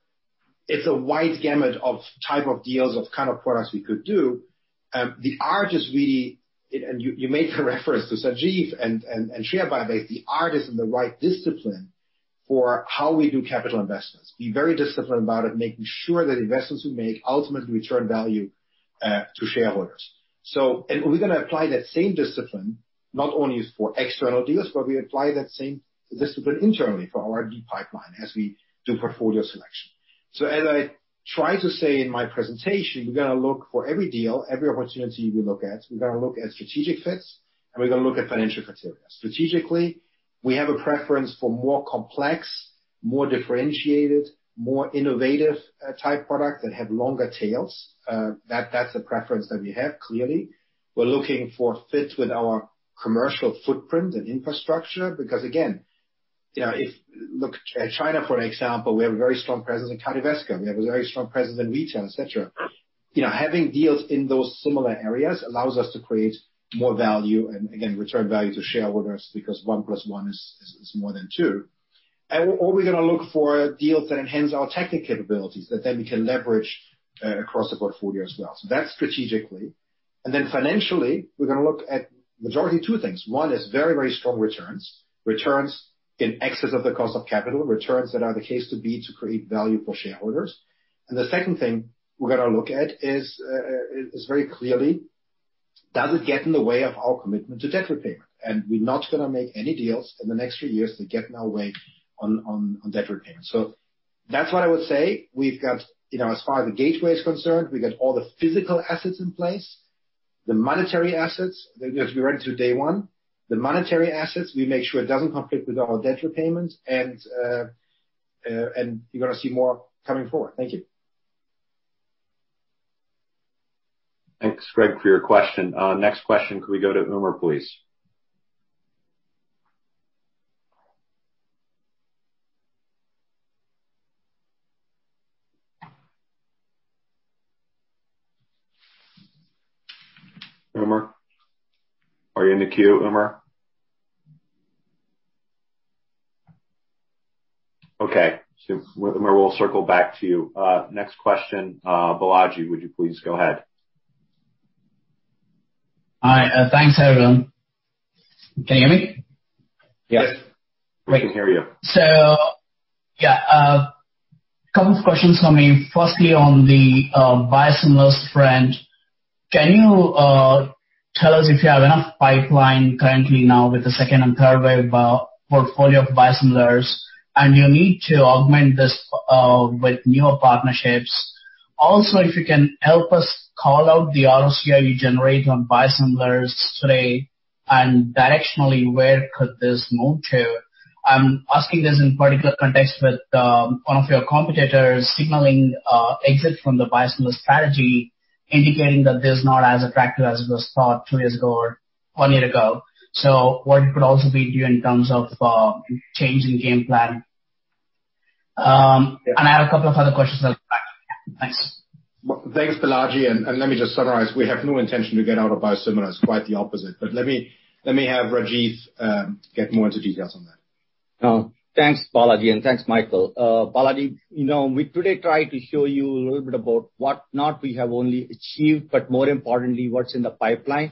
it's a wide gamut of type of deals, of kind of products we could do. The art is really—you made the reference to Sanjeev and share buyback—the art is in the right discipline for how we do capital investments. Be very disciplined about it, making sure that investments we make ultimately return value to shareholders. We're going to apply that same discipline not only for external deals, but we apply that same discipline internally for our R&D pipeline as we do portfolio selection. As I try to say in my presentation, we're going to look for every deal, every opportunity we look at. We're going to look at strategic fits, and we're going to look at financial criteria. Strategically, we have a preference for more complex, more differentiated, more innovative type products that have longer tails. That's a preference that we have, clearly. We're looking for fits with our commercial footprint and infrastructure because, again, if you look at China, for example, we have a very strong presence in Cardiovascular. We have a very strong presence in retail, etc. Having deals in those similar areas allows us to create more value and, again, return value to shareholders because one plus one is more than two. We are going to look for deals that enhance our technical capabilities that then we can leverage across the portfolio as well. That is strategically. Financially, we're going to look at majority of two things. One is very, very strong returns, returns in excess of the cost of capital, returns that are the case to be to create value for shareholders. The second thing we're going to look at is very clearly, does it get in the way of our commitment to debt repayment? We're not going to make any deals in the next three years that get in our way on debt repayment. That's what I would say. As far as the gateway is concerned, we've got all the physical assets in place, the monetary assets that we're ready to day one. The monetary assets, we make sure it doesn't conflict with our debt repayments, and you're going to see more coming forward. Thank you. Thanks, Greg, for your question. Next question, could we go to Umer, please? Umer, are you in the queue, Umer? Okay. We'll circle back to you. Next question, Balaji, would you please go ahead? Hi. Thanks, everyone. Can you hear me? Yes. We can hear you. Yeah, a couple of questions for me. Firstly, on the biosimilars front, can you tell us if you have enough pipeline currently now with the second and third wave portfolio of biosimilars, and do you need to augment this with newer partnerships? Also, if you can help us call out the ROCI you generate on biosimilars today and directionally where could this move to? I'm asking this in particular context with one of your competitors signaling exit from the biosimilar strategy, indicating that this is not as attractive as it was thought two years ago or one year ago. What could also be due in terms of changing game plan? I have a couple of other questions that I'll come back to. Thanks. Thanks, Balaji. Let me just summarize. We have no intention to get out of biosimilars. Quite the opposite. Let me have Rajiv get more into details on that. Thanks, Balaji, and thanks, Michael. Balaji, we today tried to show you a little bit about what not we have only achieved, but more importantly, what's in the pipeline.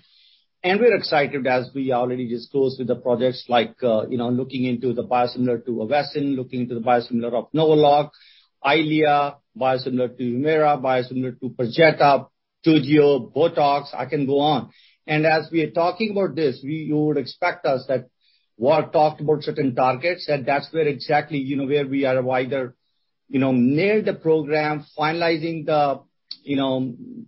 We are excited as we already disclosed with the projects like looking into the biosimilar to Avastin, looking into the biosimilar of NovoLog, Eylea, biosimilar to Humira, biosimilar to Perjeta, Toujeo, Botox. I can go on. As we are talking about this, you would expect us that Walt talked about certain targets, and that's where exactly where we are either near the program, finalizing the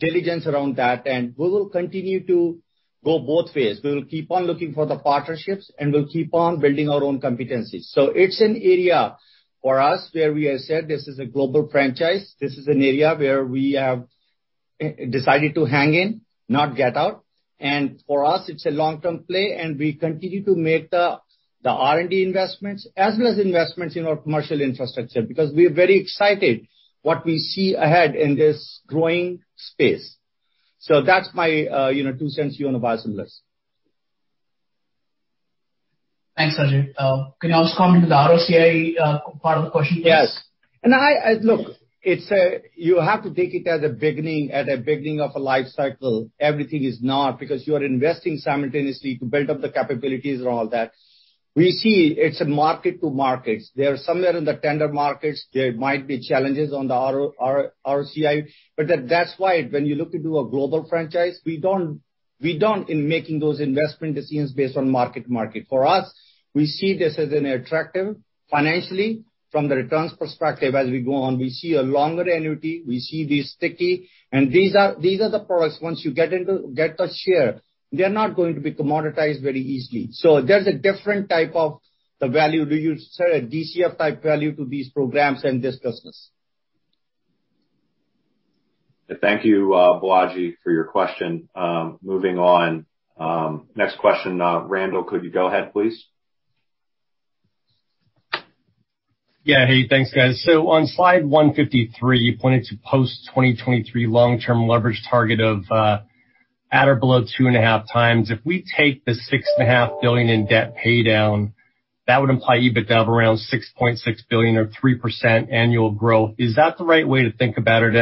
diligence around that, and we will continue to go both ways. We will keep on looking for the partnerships, and we'll keep on building our own competencies. It is an area for us where we have said this is a global franchise. This is an area where we have decided to hang in, not get out. For us, it's a long-term play, and we continue to make the R&D investments as well as investments in our commercial infrastructure because we are very excited what we see ahead in this growing space. That's my two cents here on the biosimilars. Thanks, Rajiv. Can you also comment on the ROCI part of the question, please? Yes. Look, you have to take it at the beginning of a life cycle. Everything is not because you are investing simultaneously to build up the capabilities and all that. We see it's a market to markets. They are somewhere in the tender markets. There might be challenges on the ROCI, but that's why when you look into a global franchise, we don't in making those investment decisions based on market to market. For us, we see this as attractive financially from the returns perspective as we go on. We see a longer annuity. We see these sticky, and these are the products once you get the share. They're not going to be commoditized very easily. So there's a different type of the value. Do you set a DCF-type value to these programs and this business? Thank you, Balaji, for your question. Moving on. Next question, Randall, could you go ahead, please? Yeah. Hey, thanks, guys. On slide 153, you pointed to post-2023 long-term leverage target of at or below two and a half times. If we take the $6.5 billion in debt paydown, that would imply EBITDA of around $6.6 billion or 3% annual growth. Is that the right way to think about it?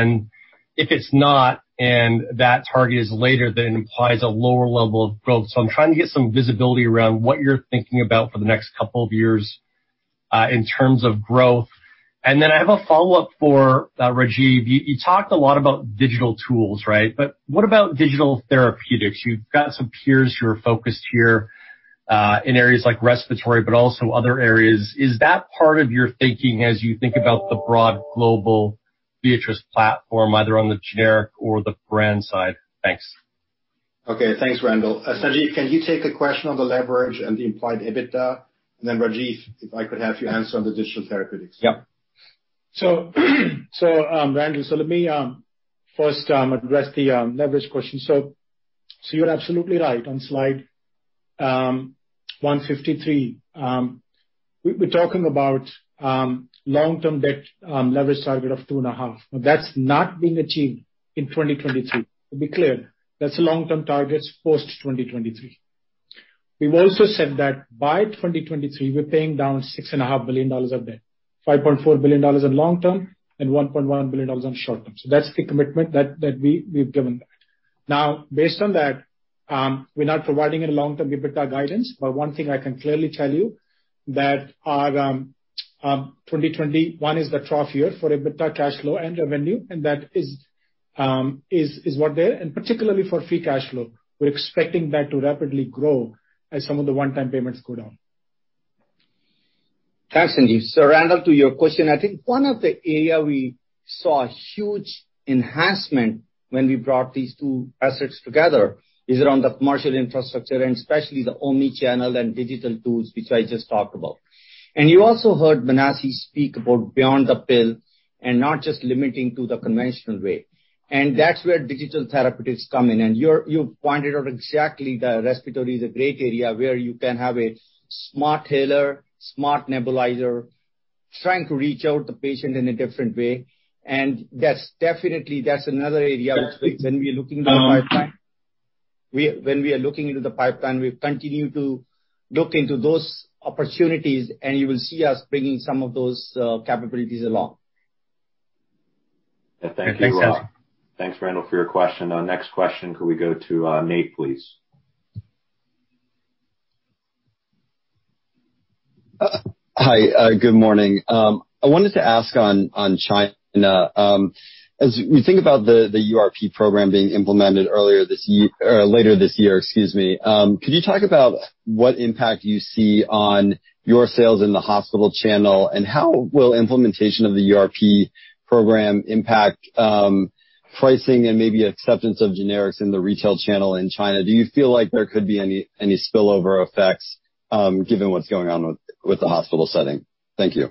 If it's not and that target is later, then it implies a lower level of growth. I'm trying to get some visibility around what you're thinking about for the next couple of years in terms of growth. I have a follow-up for Rajiv. You talked a lot about digital tools, right? What about digital therapeutics? You've got some peers who are focused here in areas like respiratory, but also other areas. Is that part of your thinking as you think about the broad global Viatris platform, either on the generic or the brand side? Thanks. Okay. Thanks, Randall. Sanjeev, can you take a question on the leverage and the implied EBITDA? Rajiv, if I could have you answer on the digital therapeutics. Yep. Randall, let me first address the leverage question. You're absolutely right on slide 153. We're talking about long-term debt leverage target of two and a half. That's not being achieved in 2023. To be clear, that's a long-term target post-2023. We've also said that by 2023, we're paying down $6.5 billion of debt, $5.4 billion in long-term, and $1.1 billion on short-term. That's the commitment that we've given. Now, based on that, we're not providing any long-term EBITDA guidance, but one thing I can clearly tell you is that 2021 is the trough year for EBITDA, cash flow, and revenue, and that is what there. Particularly for free cash flow, we're expecting that to rapidly grow as some of the one-time payments go down. Thanks, Sanjeev. Randall, to your question, I think one of the areas we saw a huge enhancement when we brought these two assets together is around the commercial infrastructure and especially the omnichannel and digital tools, which I just talked about. You also heard Menassie speak about beyond the pill and not just limiting to the conventional way. That is where digital therapeutics come in. You pointed out exactly that respiratory is a great area where you can have a smart tailor, smart nebulizer, trying to reach out to the patient in a different way. Definitely, that is another area which, when we are looking at the pipeline, when we are looking into the pipeline, we continue to look into those opportunities, and you will see us bringing some of those capabilities along. Thank you, Rajiv. Thanks, Randall, for your question. Next question, could we go to Nate, please? Hi. Good morning. I wanted to ask on China. As we think about the URP program being implemented later this year, excuse me, could you talk about what impact you see on your sales in the hospital channel and how will implementation of the URP program impact pricing and maybe acceptance of generics in the retail channel in China? Do you feel like there could be any spillover effects given what's going on with the hospital setting? Thank you.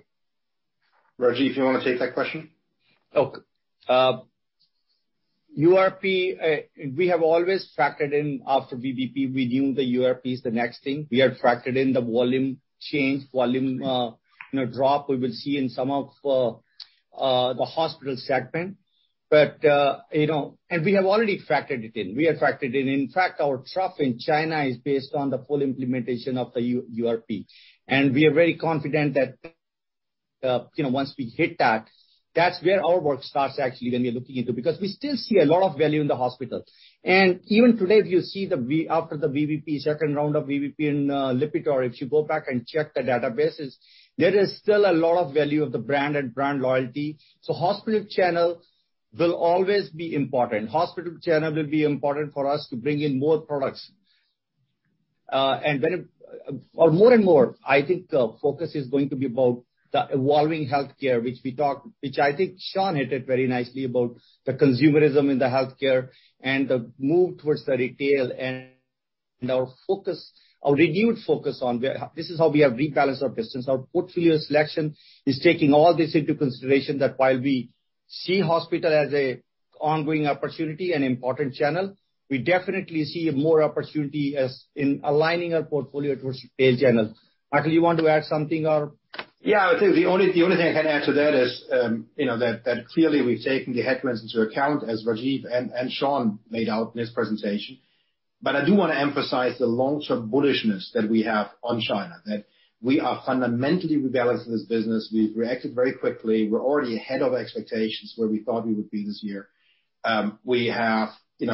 Rajiv, you want to take that question? Okay. We have always factored in after VBP, we knew the URP is the next thing. We had factored in the volume change, volume drop we would see in some of the hospital segment. And we have already factored it in. We have factored it in. In fact, our trough in China is based on the full implementation of the URP. We are very confident that once we hit that, that's where our work starts actually when we're looking into because we still see a lot of value in the hospital. Even today, if you see after the VBP, second round of VBP in Lipitor, if you go back and check the databases, there is still a lot of value of the brand and brand loyalty. Hospital channel will always be important. Hospital channel will be important for us to bring in more products. More and more, I think the focus is going to be about the evolving healthcare, which I think Sean hit it very nicely about the consumerism in the healthcare and the move towards the retail and our renewed focus on this is how we have rebalanced our distance. Our portfolio selection is taking all this into consideration that while we see hospital as an ongoing opportunity and important channel, we definitely see more opportunity in aligning our portfolio towards the tail channel. Michael, you want to add something or? Yeah. I think the only thing I can add to that is that clearly we've taken the headwinds into account as Rajiv and Sean laid out in this presentation. I do want to emphasize the long-term bullishness that we have on China, that we are fundamentally rebalancing this business. We've reacted very quickly. We're already ahead of expectations where we thought we would be this year. We have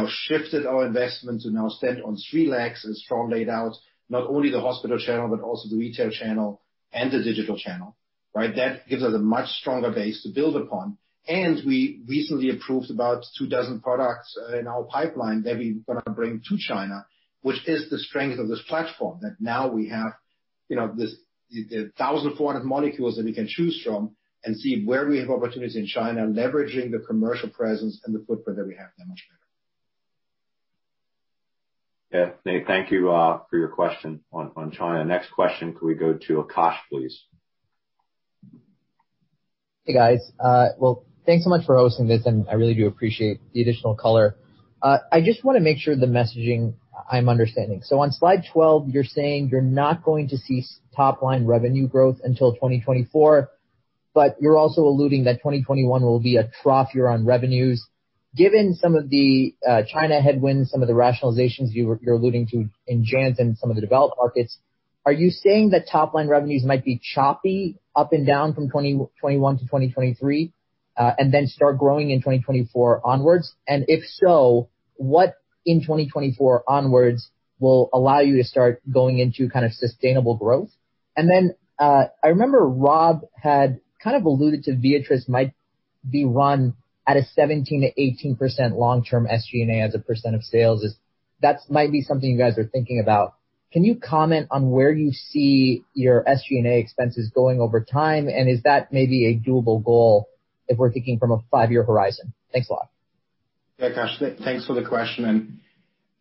shifted our investment to now spend on three legs as Sean laid out, not only the hospital channel, but also the retail channel and the digital channel, right? That gives us a much stronger base to build upon. We recently approved about two dozen products in our pipeline that we're going to bring to China, which is the strength of this platform that now we have 1,400 molecules that we can choose from and see where we have opportunities in China, leveraging the commercial presence and the footprint that we have that much better. Thank you for your question on China. Next question, could we go to Akash, please? Hey, guys. Thanks so much for hosting this, and I really do appreciate the additional color. I just want to make sure the messaging I'm understanding. On slide 12, you're saying you're not going to see top-line revenue growth until 2024, but you're also alluding that 2021 will be a trough year on revenues. Given some of the China headwinds, some of the rationalizations you're alluding to in JANZ and some of the developed markets, are you saying that top-line revenues might be choppy up and down from 2021 to 2023 and then start growing in 2024 onwards? If so, what in 2024 onwards will allow you to start going into kind of sustainable growth? I remember Rob had kind of alluded to Viatris might be run at a 17%-18% long-term SG&A as a percent of sales. That might be something you guys are thinking about. Can you comment on where you see your SG&A expenses going over time, and is that maybe a doable goal if we're thinking from a five-year horizon? Thanks a lot. Yeah, Akash, thanks for the question.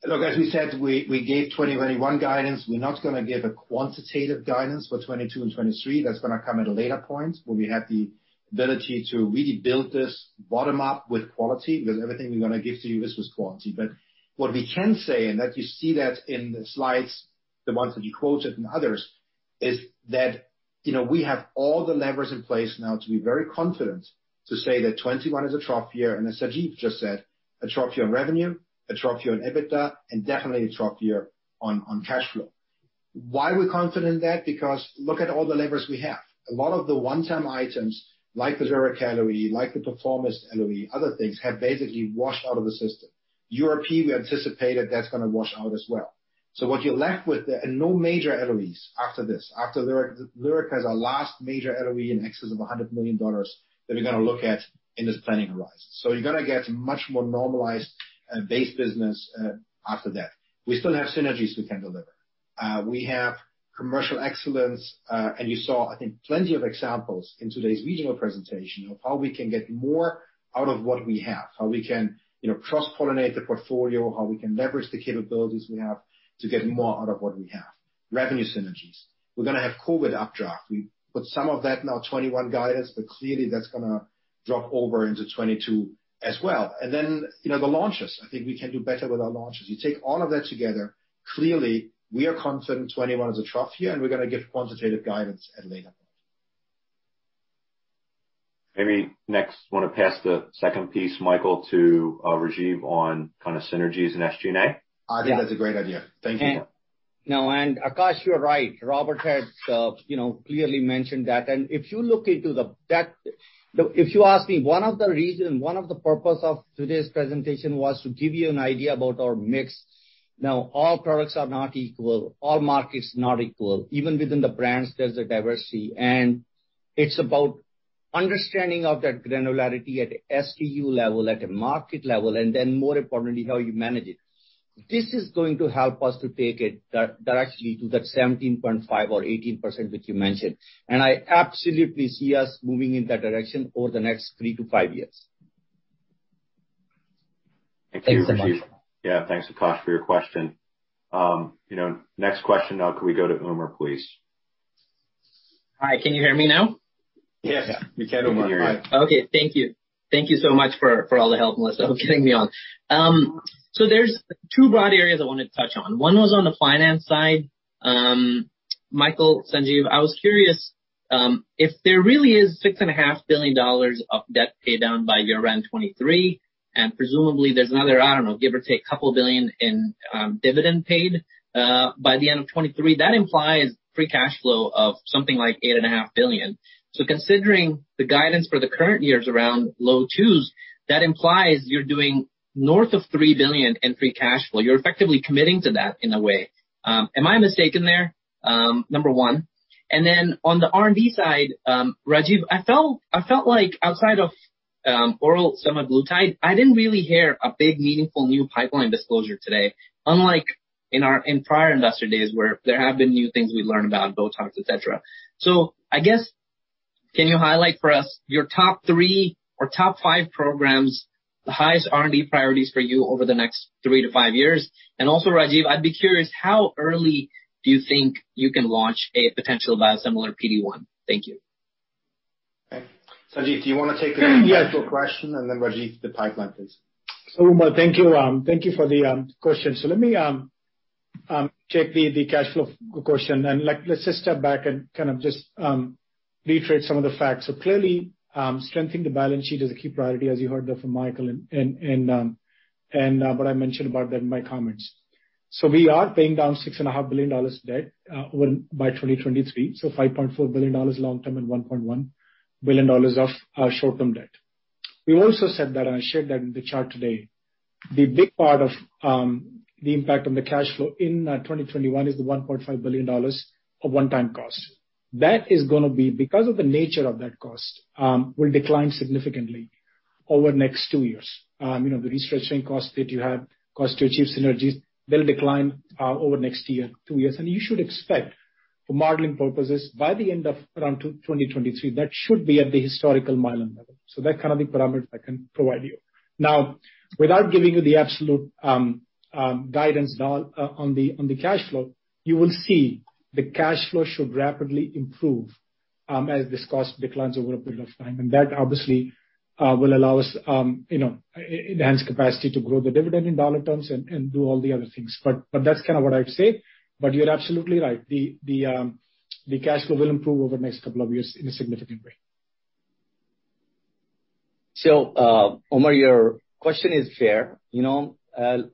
Look, as we said, we gave 2021 guidance. We're not going to give a quantitative guidance for 2022 and 2023. That's going to come at a later point where we have the ability to really build this bottom-up with quality because everything we're going to give to you is with quality. What we can say, and you see that in the slides, the ones that you quoted and others, is that we have all the levers in place now to be very confident to say that 2021 is a trough year, and as Sanjeev just said, a trough year on revenue, a trough year on EBITDA, and definitely a trough year on cash flow. Why are we confident in that? Look at all the levers we have. A lot of the one-time items like the Lyrica LOE, like the Perforomist LOE, other things have basically washed out of the system. URP, we anticipated that's going to wash out as well. What you're left with are no major LOEs after this. After Lyrica is our last major LOE in excess of $100 million that we're going to look at in this planning horizon. You're going to get a much more normalized base business after that. We still have synergies we can deliver. We have commercial excellence, and you saw, I think, plenty of examples in today's regional presentation of how we can get more out of what we have, how we can cross-pollinate the portfolio, how we can leverage the capabilities we have to get more out of what we have. Revenue synergies. We're going to have COVID updraft. We put some of that in our 2021 guidance, but clearly that's going to drop over into 2022 as well. The launches. I think we can do better with our launches. You take all of that together, clearly, we are confident 2021 is a trough year, and we're going to give quantitative guidance at a later point. Maybe next, want to pass the second piece, Michael, to Rajiv on kind of synergies and SG&A? I think that's a great idea. Thank you. No, and Akash, you're right. Robert had clearly mentioned that. If you look into the—if you ask me, one of the reasons, one of the purposes of today's presentation was to give you an idea about our mix. Now, all products are not equal. All markets are not equal. Even within the brands, there's a diversity. It's about understanding of that granularity at SDU level, at a market level, and then more importantly, how you manage it. This is going to help us to take it directly to that 17.5% or 18% which you mentioned. I absolutely see us moving in that direction over the next three to five years. Thank you so much. Yeah. Thanks, Akash, for your question. Next question, now, could we go to Umer, please? Hi. Can you hear me now? Yes. We can hear you. Okay. Thank you. Thank you so much for all the help, Melissa, for getting me on. There are two broad areas I wanted to touch on. One was on the finance side. Michael, Sanjeev, I was curious if there really is $6.5 billion of debt paydown by year-end 2023, and presumably there is another, I do not know, give or take a couple of billion in dividend paid by the end of 2023. That implies free cash flow of something like $8.5 billion. Considering the guidance for the current year is around low $2 billion, that implies you are doing north of $3 billion in free cash flow. You are effectively committing to that in a way. Am I mistaken there? Number one. On the R&D side, Rajiv, I felt like outside of oral semaglutide, I did not really hear a big meaningful new pipeline disclosure today, unlike in prior investor days where there have been new things we learn about Botox, etc. I guess, can you highlight for us your top three or top five programs, the highest R&D priorities for you over the next three to five years? Also, Rajiv, I would be curious, how early do you think you can launch a potential biosimilar PD1? Thank you. Okay. Sanjeev, do you want to take the cash flow question? Rajiv, the pipeline, please. Umer, thank you. Thank you for the question. Let me take the cash flow question. Let's just step back and kind of just reiterate some of the facts. Clearly, strengthening the balance sheet is a key priority, as you heard there from Michael and what I mentioned about that in my comments. We are paying down $6.5 billion debt by 2023, so $5.4 billion long-term and $1.1 billion of short-term debt. We also said that, and I shared that in the chart today, the big part of the impact on the cash flow in 2021 is the $1.5 billion of one-time cost. That is going to be, because of the nature of that cost, will decline significantly over the next two years. The restructuring costs that you have, costs to achieve synergies, they'll decline over the next two years. You should expect, for modeling purposes, by the end of around 2023, that should be at the historical mileage level. That's kind of the parameters I can provide you. Now, without giving you the absolute guidance on the cash flow, you will see the cash flow should rapidly improve as this cost declines over a period of time. That obviously will allow us, enhance capacity to grow the dividend in dollar terms and do all the other things. That's kind of what I would say. You're absolutely right. The cash flow will improve over the next couple of years in a significant way. Umer, your question is fair.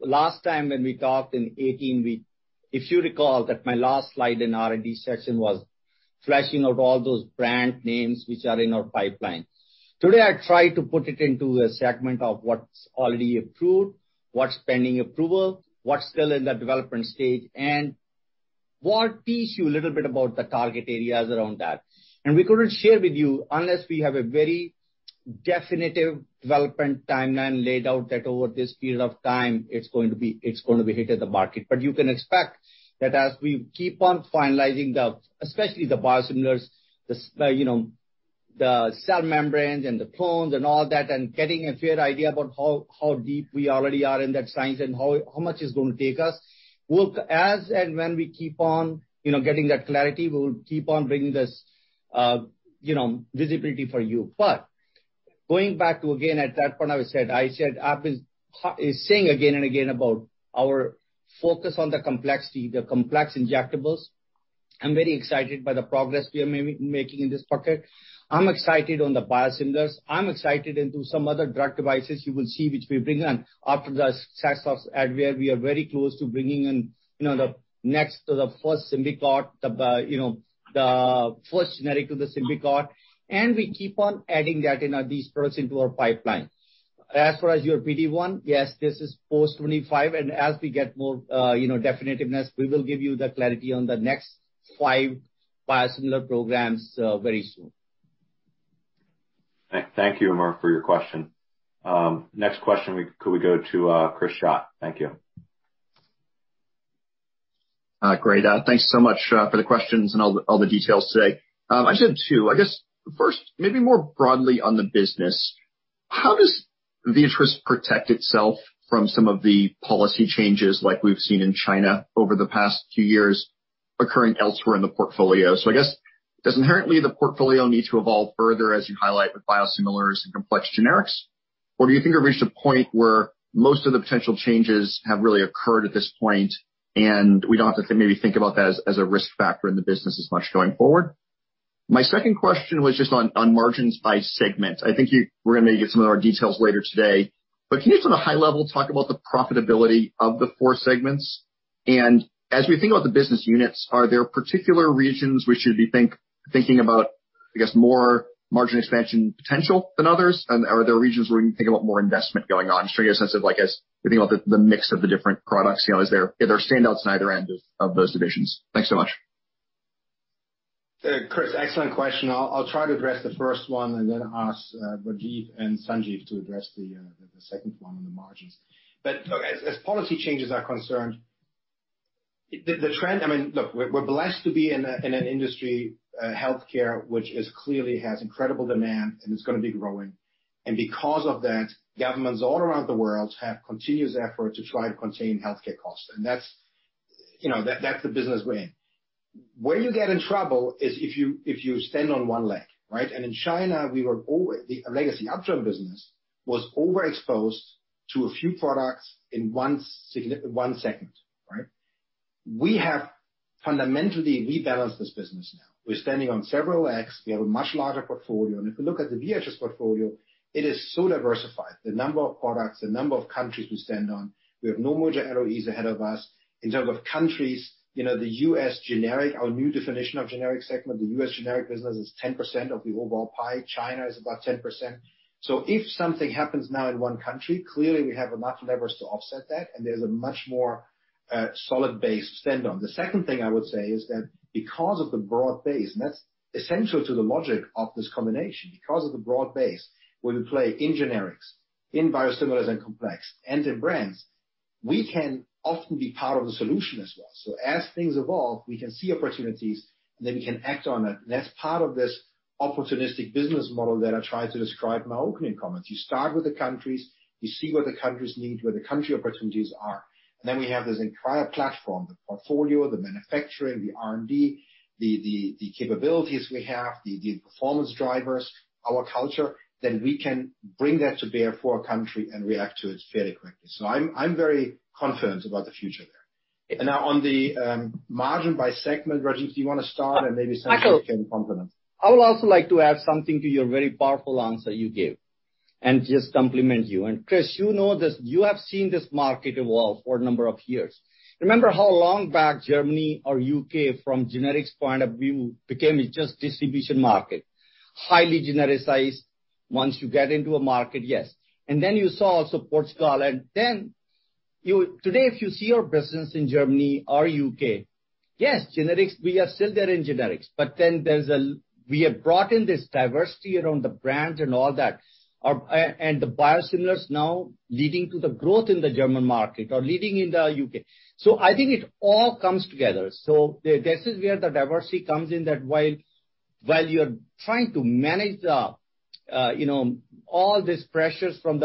Last time when we talked in 2018, if you recall that my last slide in R&D section was fleshing out all those brand names which are in our pipeline. Today, I tried to put it into a segment of what's already approved, what's pending approval, what's still in the development stage, and what teach you a little bit about the target areas around that. We couldn't share with you unless we have a very definitive development timeline laid out that over this period of time, it's going to be hit at the market. You can expect that as we keep on finalizing the, especially the biosimilars, the cell membranes and the clones and all that, and getting a fair idea about how deep we already are in that science and how much it's going to take us, as and when we keep on getting that clarity, we will keep on bringing this visibility for you. Going back to, again, at that point, I said, I've been saying again and again about our focus on the complexity, the complex injectables. I'm very excited by the progress we are making in this pocket. I'm excited on the biosimilars. I'm excited into some other drug devices you will see which we bring. After the success of Advair, we are very close to bringing in the first SYMBICORT, the first generic to the SYMBICORT. We keep on adding these products into our pipeline. As far as your PD1, yes, this is post 2025. As we get more definitiveness, we will give you the clarity on the next five biosimilar programs very soon. Thank you, Umer, for your question. Next question, could we go to Chris Schott? Thank you. Great. Thanks so much for the questions and all the details today. I just have two. I guess, first, maybe more broadly on the business, how does Viatris protect itself from some of the policy changes like we've seen in China over the past few years occurring elsewhere in the portfolio? I guess, does inherently the portfolio need to evolve further, as you highlight, with biosimilars and complex generics? Do you think we have reached a point where most of the potential changes have really occurred at this point, and we do not have to maybe think about that as a risk factor in the business as much going forward? My second question was just on margins by segment. I think we are going to get some of our details later today. Can you, just on a high level, talk about the profitability of the four segments? As we think about the business units, are there particular regions we should be thinking about, I guess, more margin expansion potential than others? Are there regions where we can think about more investment going on? Just trying to get a sense of, I guess, if you think about the mix of the different products, are there standouts on either end of those divisions? Thanks so much. Chris, excellent question. I'll try to address the first one and then ask Rajiv and Sanjeev to address the second one on the margins. Look, as policy changes are concerned, the trend, I mean, look, we're blessed to be in an industry, healthcare, which clearly has incredible demand, and it's going to be growing. Because of that, governments all around the world have continuous efforts to try to contain healthcare costs. That's the business we're in. Where you get in trouble is if you stand on one leg, right? In China, the legacy Upjohn business was overexposed to a few products in one segment, right? We have fundamentally rebalanced this business now. We're standing on several legs. We have a much larger portfolio. If we look at the Viatris portfolio, it is so diversified, the number of products, the number of countries we stand on. We have no major LOEs ahead of us. In terms of countries, the U.S. generic, our new definition of generic segment, the U.S. generic business is 10% of the overall pie. China is about 10%. If something happens now in one country, clearly, we have enough levers to offset that, and there is a much more solid base to stand on. The second thing I would say is that because of the broad base, and that is essential to the logic of this combination, because of the broad base where we play in generics, in biosimilars and complex, and in brands, we can often be part of the solution as well. As things evolve, we can see opportunities, and then we can act on it. That is part of this opportunistic business model that I tried to describe in my opening comments. You start with the countries. You see what the countries need, where the country opportunities are. We have this entire platform, the portfolio, the manufacturing, the R&D, the capabilities we have, the performance drivers, our culture, that we can bring that to bear for a country and react to it fairly quickly. I am very confident about the future there. Now, on the margin by segment, Rajiv, do you want to start and maybe Sanjeev can complement? I would also like to add something to your very powerful answer you gave and just complement you. Chris, you know this. You have seen this market evolve for a number of years. Remember how long back Germany or U.K., from generics point of view, became just a distribution market, highly genericized once you get into a market, yes. You saw also Portugal. Today, if you see our business in Germany or the U.K., yes, generics, we are still there in generics. We have brought in this diversity around the brand and all that. The biosimilars now leading to the growth in the German market or leading in the U.K. I think it all comes together. This is where the diversity comes in that while you're trying to manage all this pressure from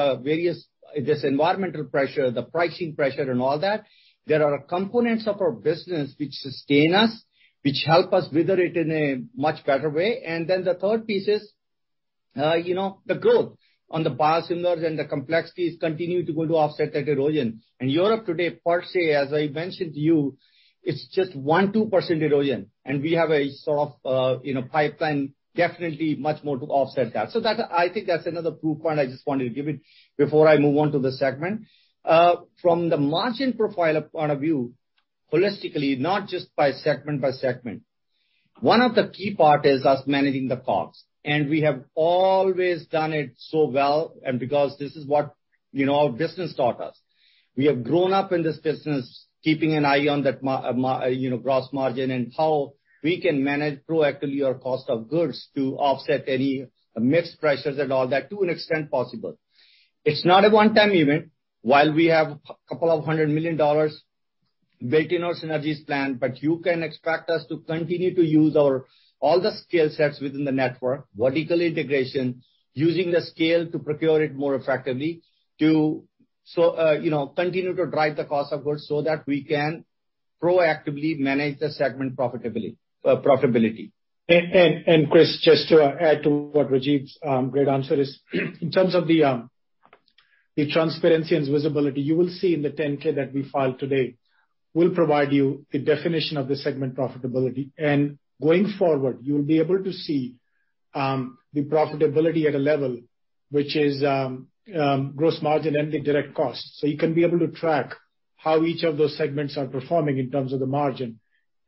this environmental pressure, the pricing pressure, and all that, there are components of our business which sustain us, which help us wither it in a much better way. The third piece is the growth on the biosimilars and the complexities continue to go to offset that erosion. Europe today, per se, as I mentioned to you, it's just 1-2% erosion. We have a sort of pipeline, definitely much more to offset that. I think that's another proof point I just wanted to give before I move on to the segment. From the margin profile point of view, holistically, not just by segment by segment, one of the key parts is us managing the costs. We have always done it so well. Because this is what our business taught us, we have grown up in this business, keeping an eye on that gross margin and how we can manage proactively our cost of goods to offset any mixed pressures and all that to an extent possible. It's not a one-time event. While we have a couple of hundred million dollars built in our synergies plan, you can expect us to continue to use all the skill sets within the network, vertical integration, using the scale to procure it more effectively to continue to drive the cost of goods so that we can proactively manage the segment profitability. Chris, just to add to what Rajiv's great answer is, in terms of the transparency and visibility, you will see in the 10K that we filed today, we will provide you the definition of the segment profitability. Going forward, you will be able to see the profitability at a level which is gross margin and the direct cost. You can be able to track how each of those segments are performing in terms of the margin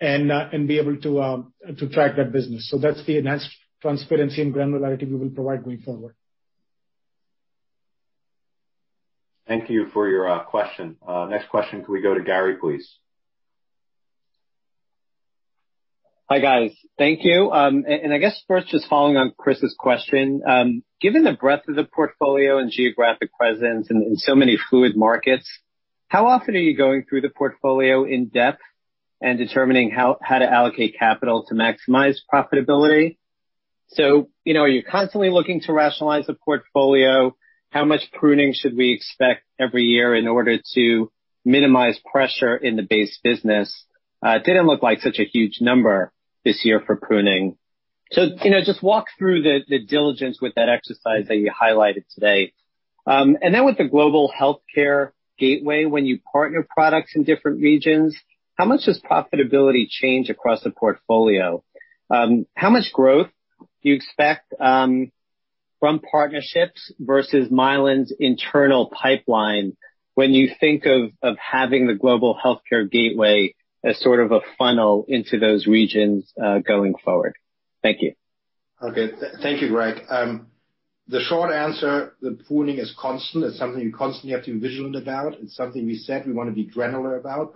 and be able to track that business. That's the enhanced transparency and granularity we will provide going forward. Thank you for your question. Next question, can we go to Gary, please? Hi, guys. Thank you. I guess first, just following on Chris's question, given the breadth of the portfolio and geographic presence and so many fluid markets, how often are you going through the portfolio in depth and determining how to allocate capital to maximize profitability? Are you constantly looking to rationalize the portfolio? How much pruning should we expect every year in order to minimize pressure in the base business? It did not look like such a huge number this year for pruning. Just walk through the diligence with that exercise that you highlighted today. With the global healthcare gateway, when you partner products in different regions, how much does profitability change across the portfolio? How much growth do you expect from partnerships versus Mylan's internal pipeline when you think of having the global healthcare gateway as sort of a funnel into those regions going forward? Thank you. Okay. Thank you, Greg. The short answer, the pruning is constant. It's something you constantly have to be vigilant about. It's something we said we want to be granular about.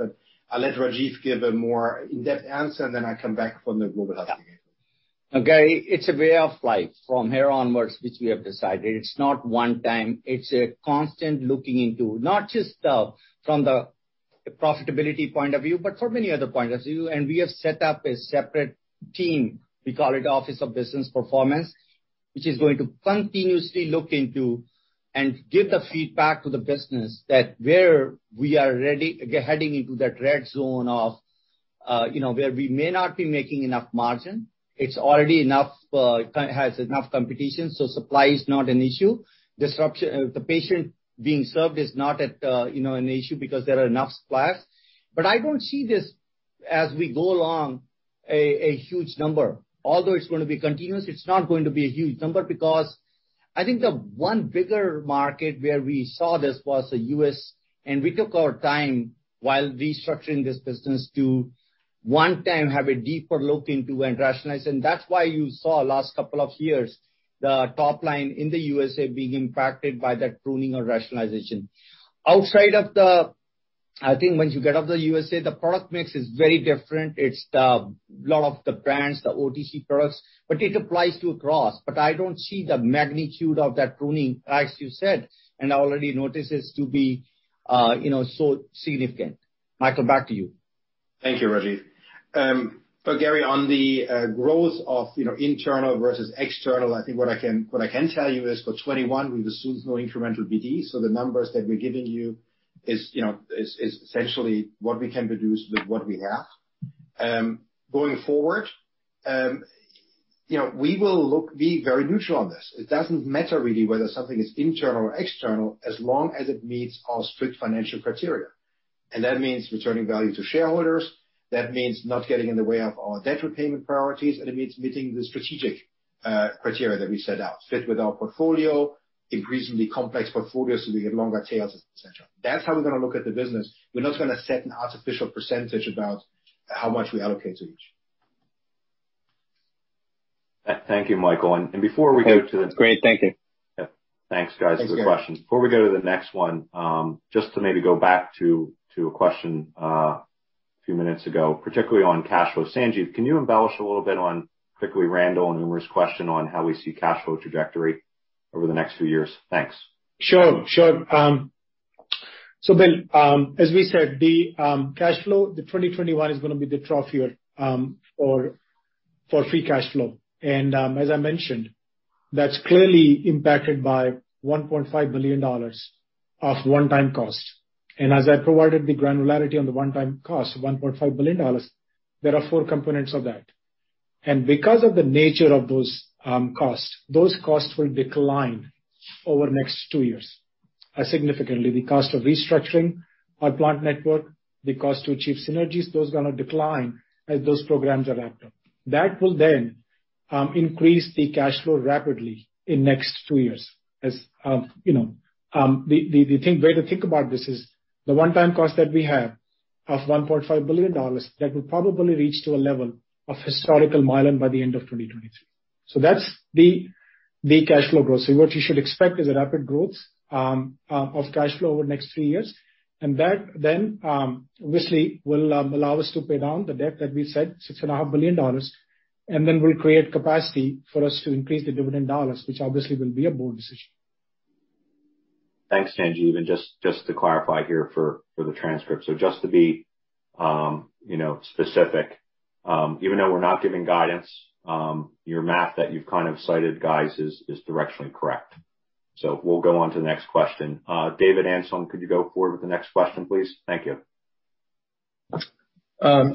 I'll let Rajiv give a more in-depth answer, and then I come back from the global healthcare gateway. Okay. It's a way of life from here onwards which we have decided. It's not one time. It's a constant looking into not just from the profitability point of view, but from many other points of view. We have set up a separate team. We call it Office of Business Performance, which is going to continuously look into and give the feedback to the business that where we are heading into that red zone of where we may not be making enough margin. It is already enough, has enough competition. So supply is not an issue. The patient being served is not an issue because there are enough suppliers. I do not see this, as we go along, a huge number. Although it is going to be continuous, it is not going to be a huge number because I think the one bigger market where we saw this was the U.S. We took our time while restructuring this business to one time have a deeper look into and rationalize. That is why you saw last couple of years the top line in the U.S.A. being impacted by that pruning or rationalization. Outside of the, I think once you get out of the U.S.A., the product mix is very different. It's a lot of the brands, the OTC products, but it applies to across. I don't see the magnitude of that pruning, as you said, and I already noticed it to be so significant. Michael, back to you. Thank you, Rajiv. Gary, on the growth of internal versus external, I think what I can tell you is for 2021, we've assumed no incremental BD. The numbers that we're giving you is essentially what we can produce with what we have. Going forward, we will be very neutral on this. It doesn't matter really whether something is internal or external as long as it meets our strict financial criteria. That means returning value to shareholders. That means not getting in the way of our debt repayment priorities. It means meeting the strategic criteria that we set out, fit with our portfolio, increasingly complex portfolios so we get longer tails, etc. That is how we are going to look at the business. We are not going to set an artificial percentage about how much we allocate to each. Thank you, Michael. Before we go to the— That is great. Thank you. Thanks, guys, for the questions. Before we go to the next one, just to maybe go back to a question a few minutes ago, particularly on cash flow. Sanjeev, can you embellish a little bit on particularly Randall and Umer's question on how we see cash flow trajectory over the next few years? Thanks. Sure. Sure. Bill, as we said, the cash flow, the 2021 is going to be the trophy year for free cash flow. As I mentioned, that's clearly impacted by $1.5 billion of one-time cost. As I provided the granularity on the one-time cost, $1.5 billion, there are four components of that. Because of the nature of those costs, those costs will decline over the next two years significantly. The cost of restructuring our plant network, the cost to achieve synergies, those are going to decline as those programs are wrapped up. That will then increase the cash flow rapidly in the next two years. The way to think about this is the one-time cost that we have of $1.5 billion that will probably reach to a level of historical Mylan by the end of 2023. That's the cash flow growth. What you should expect is a rapid growth of cash flow over the next three years. That then, obviously, will allow us to pay down the debt that we said, $6.5 billion. That will create capacity for us to increase the dividend dollars, which obviously will be a bold decision. Thanks, Sanjeev. Just to clarify here for the transcript, just to be specific, even though we're not giving guidance, your math that you've kind of cited, guys, is directionally correct. We will go on to the next question. David Amsellem, could you go forward with the next question, please? Thank you.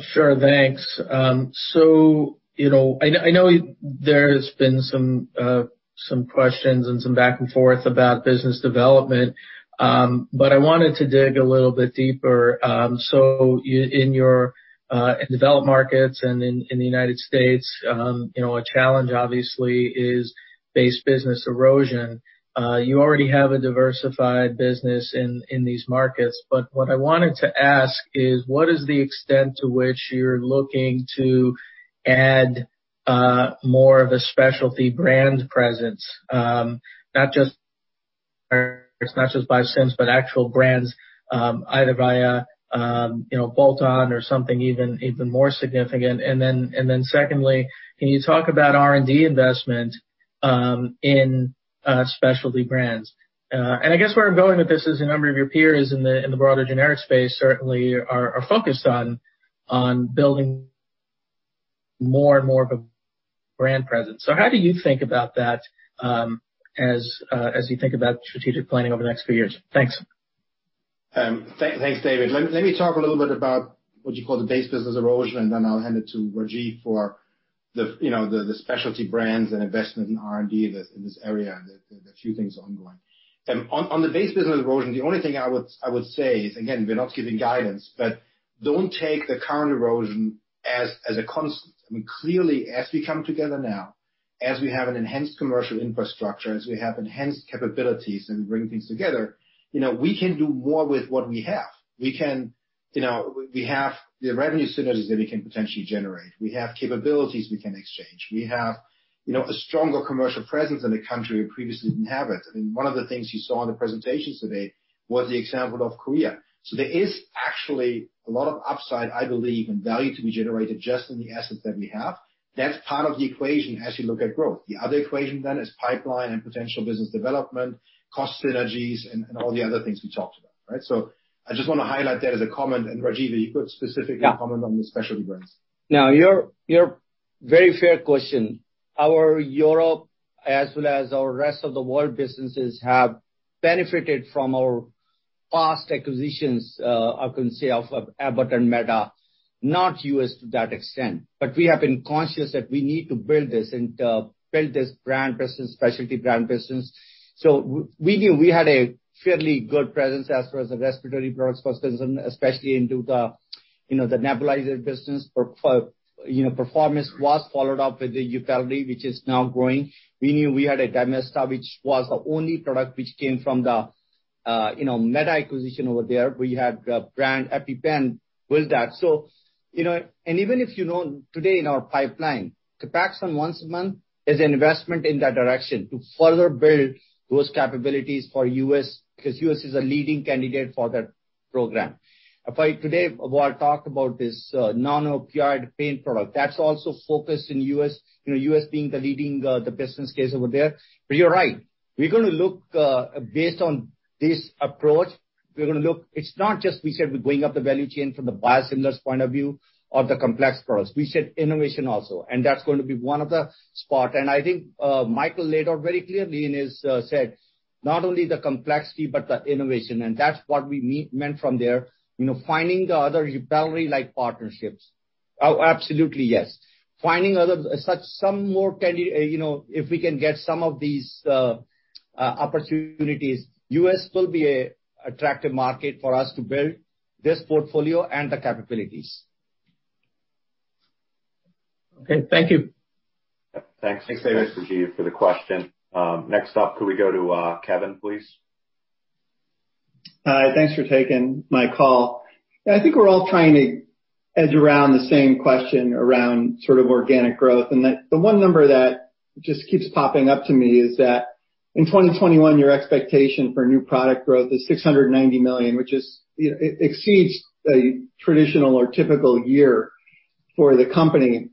Sure. Thanks. I know there's been some questions and some back and forth about business development, but I wanted to dig a little bit deeper. In developed markets and in the United States, a challenge, obviously, is base business erosion. You already have a diversified business in these markets. What I wanted to ask is, what is the extent to which you're looking to add more of a specialty brand presence, not just by SIMs, but actual brands, either via bolt-on or something even more significant? Secondly, can you talk about R&D investment in specialty brands? I guess where I'm going with this is a number of your peers in the broader generic space certainly are focused on building more and more of a brand presence. How do you think about that as you think about strategic planning over the next few years? Thanks. Thanks, David. Let me talk a little bit about what you call the base business erosion, and then I'll hand it to Rajiv for the specialty brands and investment in R&D in this area. There's a few things ongoing. On the base business erosion, the only thing I would say is, again, we're not giving guidance, but don't take the current erosion as a constant. I mean, clearly, as we come together now, as we have an enhanced commercial infrastructure, as we have enhanced capabilities and bring things together, we can do more with what we have. We have the revenue synergies that we can potentially generate. We have capabilities we can exchange. We have a stronger commercial presence in the country we previously didn't have it. I mean, one of the things you saw in the presentations today was the example of Korea. There is actually a lot of upside, I believe, and value to be generated just in the assets that we have. That's part of the equation as you look at growth. The other equation then is pipeline and potential business development, cost synergies, and all the other things we talked about, right? I just want to highlight that as a comment. Rajiv, are you good specifically to comment on the specialty brands? Now, your very fair question. Our Europe, as well as our rest of the world businesses, have benefited from our past acquisitions, I can say, of Abbott and Mylan, not U.S. to that extent. We have been conscious that we need to build this and build this brand business, specialty brand business. We knew we had a fairly good presence as far as the respiratory products was concerned, especially into the nebulizer business. Perforomist was followed up with YUPELRI, which is now growing. We knew we had a Dymista, which was the only product which came from the Mylan acquisition over there. We had a brand, EpiPen, built that. And even if you know today in our pipeline, Copaxone once a month is an investment in that direction to further build those capabilities for U.S. because U.S. is a leading candidate for that program. Today, while I talked about this nano-paired pain product, that's also focused in U.S., U.S. being the leading business case over there. But you're right. We're going to look based on this approach. We're going to look—it's not just we said we're going up the value chain from the biosimilars point of view or the complex products. We said innovation also. And that's going to be one of the spots. And I think Michael laid out very clearly in his said, not only the complexity, but the innovation. And that's what we meant from there, finding the other YUPELRI-like partnerships. Absolutely, yes. Finding some more candidates, if we can get some of these opportunities, U.S. will be an attractive market for us to build this portfolio and the capabilities. Okay. Thank you. Thanks. Thanks, David, for the question. Next up, could we go to Kevin, please? Hi. Thanks for taking my call. I think we're all trying to edge around the same question around sort of organic growth. The one number that just keeps popping up to me is that in 2021, your expectation for new product growth is $690 million, which exceeds a traditional or typical year for the company.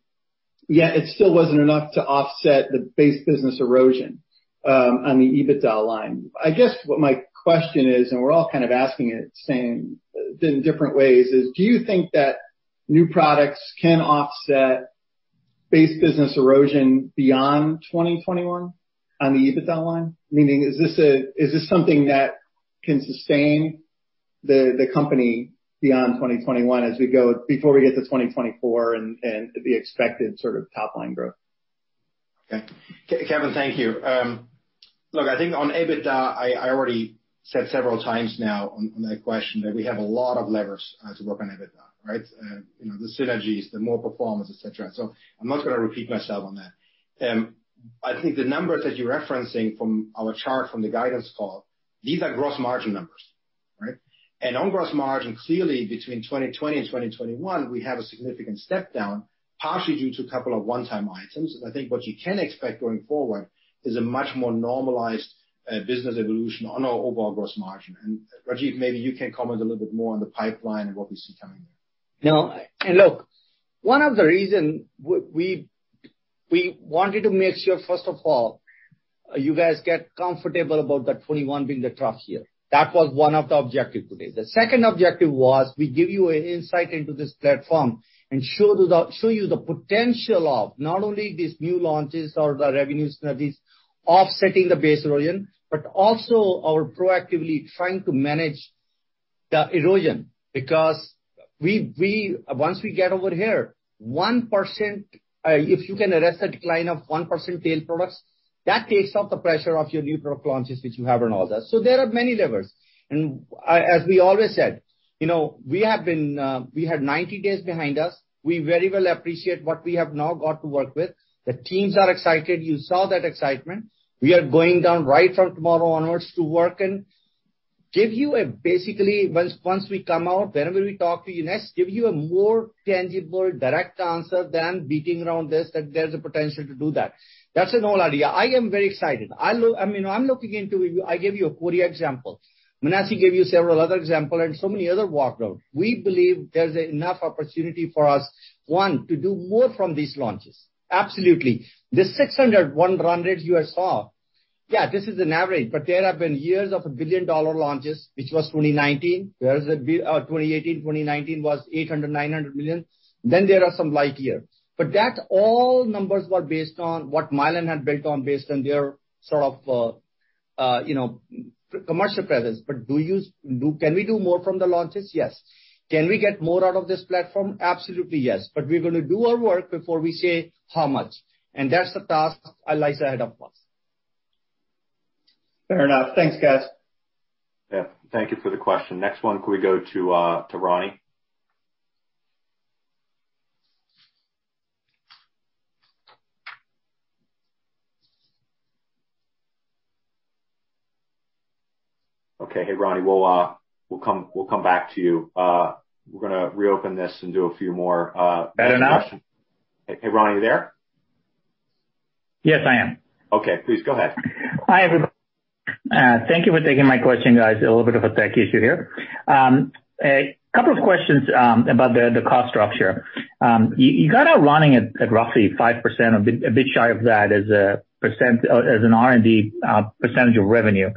Yet it still wasn't enough to offset the base business erosion on the EBITDA line. I guess what my question is, and we're all kind of asking it, saying it in different ways, is do you think that new products can offset base business erosion beyond 2021 on the EBITDA line? Meaning, is this something that can sustain the company beyond 2021 before we get to 2024 and the expected sort of top-line growth? Okay. Kevin, thank you. Look, I think on EBITDA, I already said several times now on that question that we have a lot of levers to work on EBITDA, right? The synergies, the more performance, etc. I am not going to repeat myself on that. I think the numbers that you're referencing from our chart from the guidance call, these are gross margin numbers, right? On gross margin, clearly, between 2020 and 2021, we have a significant step down, partially due to a couple of one-time items. I think what you can expect going forward is a much more normalized business evolution on our overall gross margin. Rajiv, maybe you can comment a little bit more on the pipeline and what we see coming there. One of the reasons we wanted to make sure, first of all, you guys get comfortable about the 2021 being the tough year. That was one of the objectives today. The second objective was we give you an insight into this platform and show you the potential of not only these new launches or the revenue synergies offsetting the base erosion, but also our proactively trying to manage the erosion because once we get over here, if you can arrest the decline of 1% tail products, that takes off the pressure of your new product launches that you have and all that. There are many levers. As we always said, we have 90 days behind us. We very well appreciate what we have now got to work with. The teams are excited. You saw that excitement. We are going down right from tomorrow onwards to work and give you a basically, once we come out, whenever we talk to you next, give you a more tangible direct answer than beating around this that there's a potential to do that. That's an old idea. I am very excited. I'm looking into—I gave you a Korea example. Menassie gave you several other examples and so many other walkthroughs. We believe there's enough opportunity for us, one, to do more from these launches. Absolutely. The 600, 100 you saw, yeah, this is an average, but there have been years of a billion-dollar launches, which was 2019. 2018, 2019 was 800, 900 million. Then there are some light years. All numbers were based on what Mylan had built on based on their sort of commercial presence. Can we do more from the launches? Yes. Can we get more out of this platform? Absolutely, yes. We are going to do our work before we say how much. That is the task that lies ahead of us. Fair enough. Thanks, guys. Yeah. Thank you for the question. Next one, could we go to Ronnie? Okay. Hey, Ronnie, we will come back to you. We are going to reopen this and do a few more questions. Bad enough? Hey, Ronnie, you there? Yes, I am. Okay. Please go ahead. Hi, everybody. Thank you for taking my question, guys. A little bit of a tech issue here. A couple of questions about the cost structure. You got out running at roughly 5%, a bit shy of that as an R&D percentage of revenue.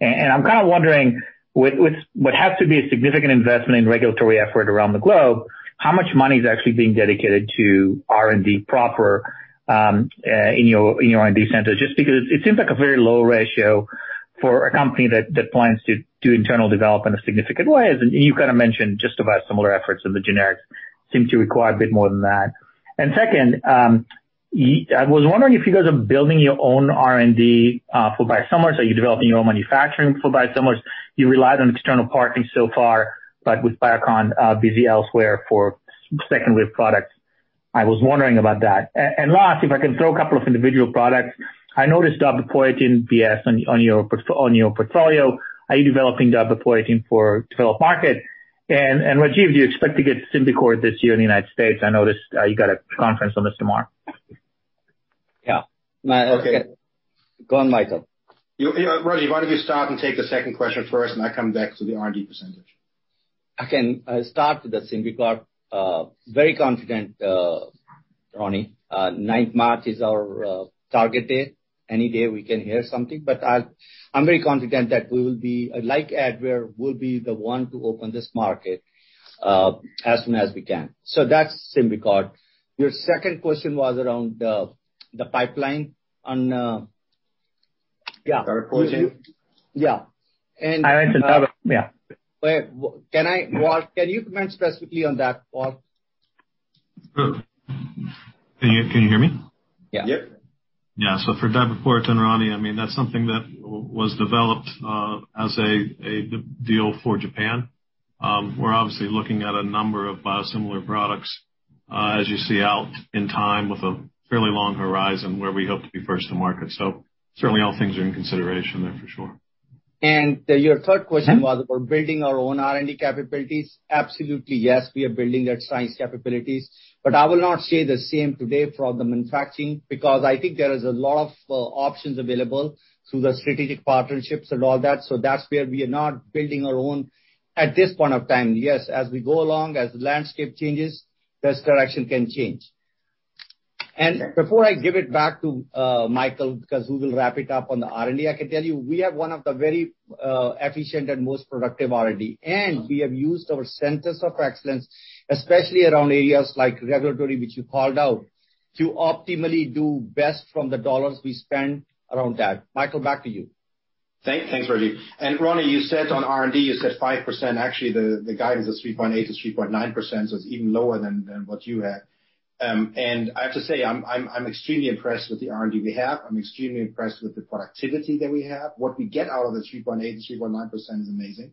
I'm kind of wondering, with what has to be a significant investment in regulatory effort around the globe, how much money is actually being dedicated to R&D proper in your R&D centers? Just because it seems like a very low ratio for a company that plans to do internal development in a significant way. You kind of mentioned just about similar efforts in the generics seem to require a bit more than that. Second, I was wondering if you guys are building your own R&D for biosimilars, or are you developing your own manufacturing for biosimilars? You relied on external partners so far, but with Biocon busy elsewhere for second-wave products. I was wondering about that. Last, if I can throw a couple of individual products, I noticed darbepoetin BS on your portfolio. Are you developing darbepoetin for developed market? Rajiv, do you expect to get SYMBICORT this year in the United States? I noticed you got a conference on this tomorrow. Yeah. Go on, Michael. Rajiv, why don't you start and take the second question first, and I'll come back to the R&D percentage? I can start with the SYMBICORT. Very confident, Ronnie. March 9 is our target date. Any day we can hear something. I am very confident that we will be—like Advair—we'll be the one to open this market as soon as we can. That is SYMBICORT. Your second question was around the pipeline on—yeah. Double Epoetin? Yeah. I went to Double—yeah. Can you comment specifically on that, Paul? Can you hear me? Yeah. Yeah. For Double Epoetin, Ronnie, I mean, that is something that was developed as a deal for Japan. We're obviously looking at a number of biosimilar products, as you see, out in time with a fairly long horizon where we hope to be first to market. Certainly, all things are in consideration there, for sure. Your third question was, we're building our own R&D capabilities. Absolutely, yes. We are building that science capabilities. I will not say the same today for the manufacturing because I think there are a lot of options available through the strategic partnerships and all that. That's where we are not building our own at this point of time. Yes, as we go along, as the landscape changes, this direction can change. Before I give it back to Michael because we will wrap it up on the R&D, I can tell you we have one of the very efficient and most productive R&D. We have used our centers of excellence, especially around areas like regulatory, which you called out, to optimally do best from the dollars we spend around that. Michael, back to you. Thanks, Rajiv. Ronnie, you said on R&D, you said 5%. Actually, the guidance is 3.8%-3.9%, so it is even lower than what you had. I have to say, I am extremely impressed with the R&D we have. I am extremely impressed with the productivity that we have. What we get out of the 3.8%-3.9% is amazing.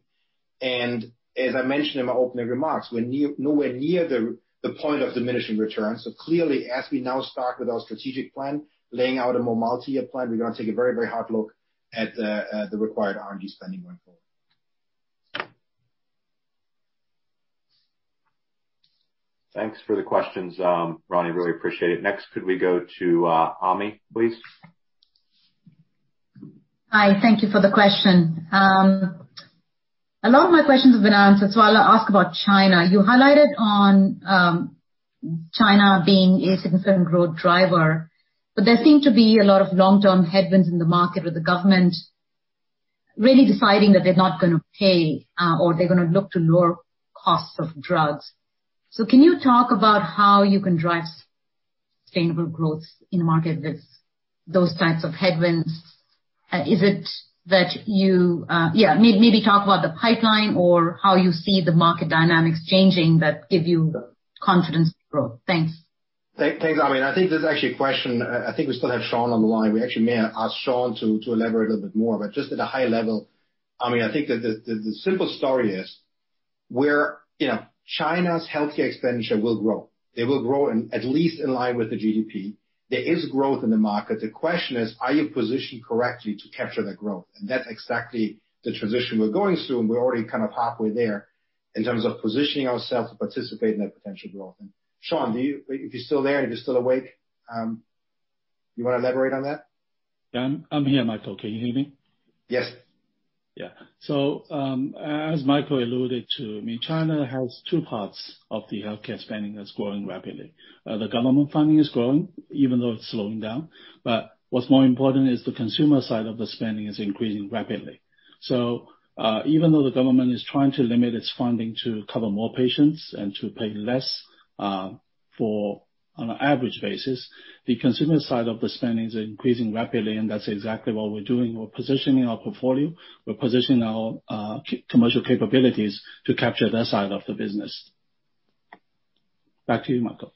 As I mentioned in my opening remarks, we are nowhere near the point of diminishing returns. Clearly, as we now start with our strategic plan, laying out a more multi-year plan, we are going to take a very, very hard look at the required R&D spending going forward. Thanks for the questions, Ronnie. Really appreciate it. Next, could we go to Ami, please? Hi. Thank you for the question. A lot of my questions have been answered. I will ask about China. You highlighted on China being a significant growth driver, but there seem to be a lot of long-term headwinds in the market with the government really deciding that they are not going to pay or they are going to look to lower costs of drugs. Can you talk about how you can drive sustainable growth in the market with those types of headwinds? Is it that you—yeah, maybe talk about the pipeline or how you see the market dynamics changing that give you confidence for growth. Thanks. Thanks, Ami. I think there is actually a question. I think we still have Sean on the line. We actually may ask Sean to elaborate a little bit more. Just at a high level, Ami, I think that the simple story is China's healthcare expenditure will grow. They will grow at least in line with the GDP. There is growth in the market. The question is, are you positioned correctly to capture that growth? That is exactly the transition we are going through, and we are already kind of halfway there in terms of positioning ourselves to participate in that potential growth. Sean, if you are still there and if you are still awake, you want to elaborate on that? Yeah. I am here, Michael. Can you hear me? Yes. Yeah. As Michael alluded to, I mean, China has two parts of the healthcare spending that is growing rapidly. The government funding is growing, even though it is slowing down. What is more important is the consumer side of the spending is increasing rapidly. Even though the government is trying to limit its funding to cover more patients and to pay less on an average basis, the consumer side of the spending is increasing rapidly, and that's exactly what we're doing. We're positioning our portfolio. We're positioning our commercial capabilities to capture that side of the business. Back to you, Michael.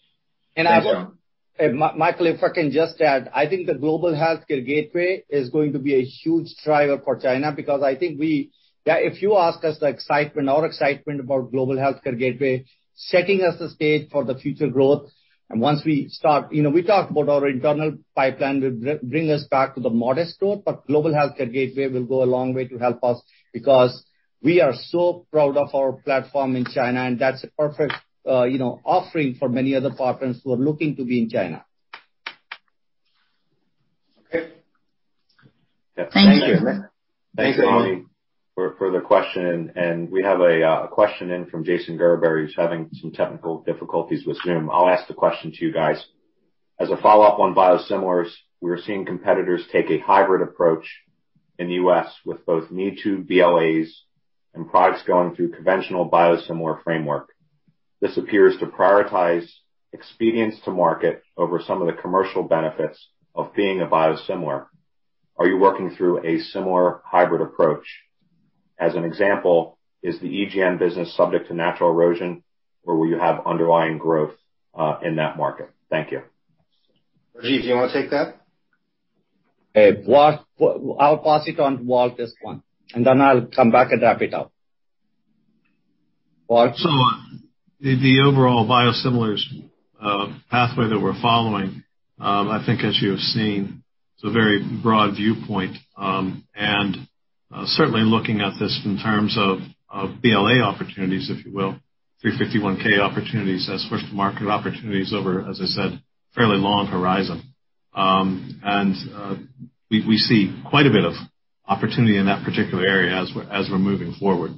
Michael, if I can just add, I think the global healthcare gateway is going to be a huge driver for China because I think if you ask us the excitement, our excitement about global healthcare gateway, setting us the stage for the future growth. Once we start, we talked about our internal pipeline will bring us back to the modest growth, but global healthcare gateway will go a long way to help us because we are so proud of our platform in China, and that's a perfect offering for many other partners who are looking to be in China. Okay. Thank you. Thank you, Ami, for the question. We have a question in from Jason Gerber. He's having some technical difficulties with Zoom. I'll ask the question to you guys. As a follow-up on biosimilars, we're seeing competitors take a hybrid approach in the U.S. with both need-to BLAs and products going through conventional biosimilar framework. This appears to prioritize expedience to market over some of the commercial benefits of being a biosimilar. Are you working through a similar hybrid approach? As an example, is the EGN business subject to natural erosion, or will you have underlying growth in that market? Thank you. Rajiv, do you want to take that? I'll pass it on to Walt this one. And then I'll come back and wrap it up. Walt? The overall biosimilars pathway that we're following, I think, as you have seen, it's a very broad viewpoint. Certainly looking at this in terms of BLA opportunities, if you will, 351K opportunities as first-to-market opportunities over, as I said, a fairly long horizon. We see quite a bit of opportunity in that particular area as we're moving forward.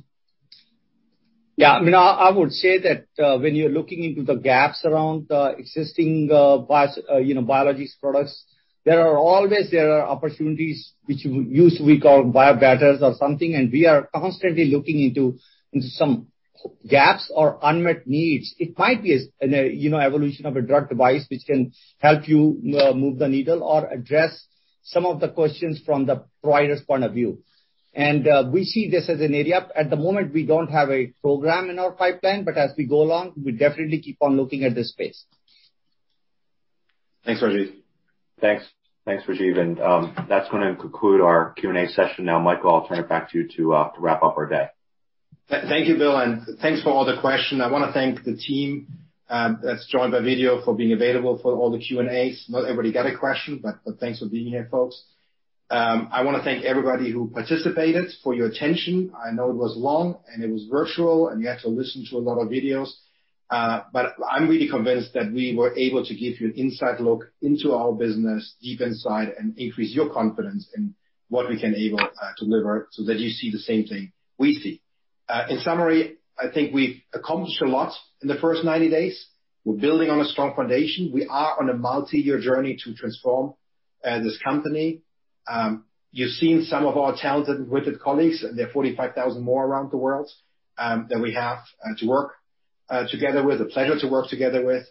Yeah. I mean, I would say that when you're looking into the gaps around existing biologics products, there are always opportunities which used to be called biobattles or something. We are constantly looking into some gaps or unmet needs. It might be an evolution of a drug device which can help you move the needle or address some of the questions from the provider's point of view. We see this as an area. At the moment, we do not have a program in our pipeline, but as we go along, we definitely keep on looking at this space. Thanks, Rajiv. Thanks. Thanks, Rajiv. That is going to conclude our Q&A session now. Michael, I will turn it back to you to wrap up our day. Thank you, Bill. Thanks for all the questions. I want to thank the team that has joined by video for being available for all the Q&As. Not everybody got a question, but thanks for being here, folks. I want to thank everybody who participated for your attention. I know it was long, it was virtual, and you had to listen to a lot of videos. I'm really convinced that we were able to give you an inside look into our business deep inside and increase your confidence in what we can able to deliver so that you see the same thing we see. In summary, I think we've accomplished a lot in the first 90 days. We're building on a strong foundation. We are on a multi-year journey to transform this company. You've seen some of our talented and wicked colleagues, and there are 45,000 more around the world that we have to work together with, a pleasure to work together with.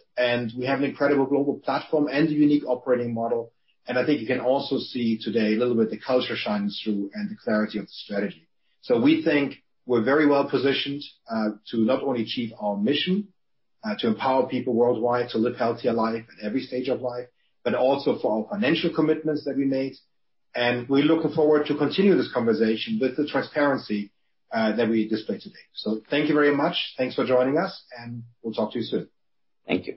We have an incredible global platform and a unique operating model. I think you can also see today a little bit the culture shines through and the clarity of the strategy. We think we're very well positioned to not only achieve our mission to empower people worldwide to live healthier life at every stage of life, but also for our financial commitments that we made. We're looking forward to continuing this conversation with the transparency that we display today. Thank you very much. Thanks for joining us, and we'll talk to you soon. Thank you.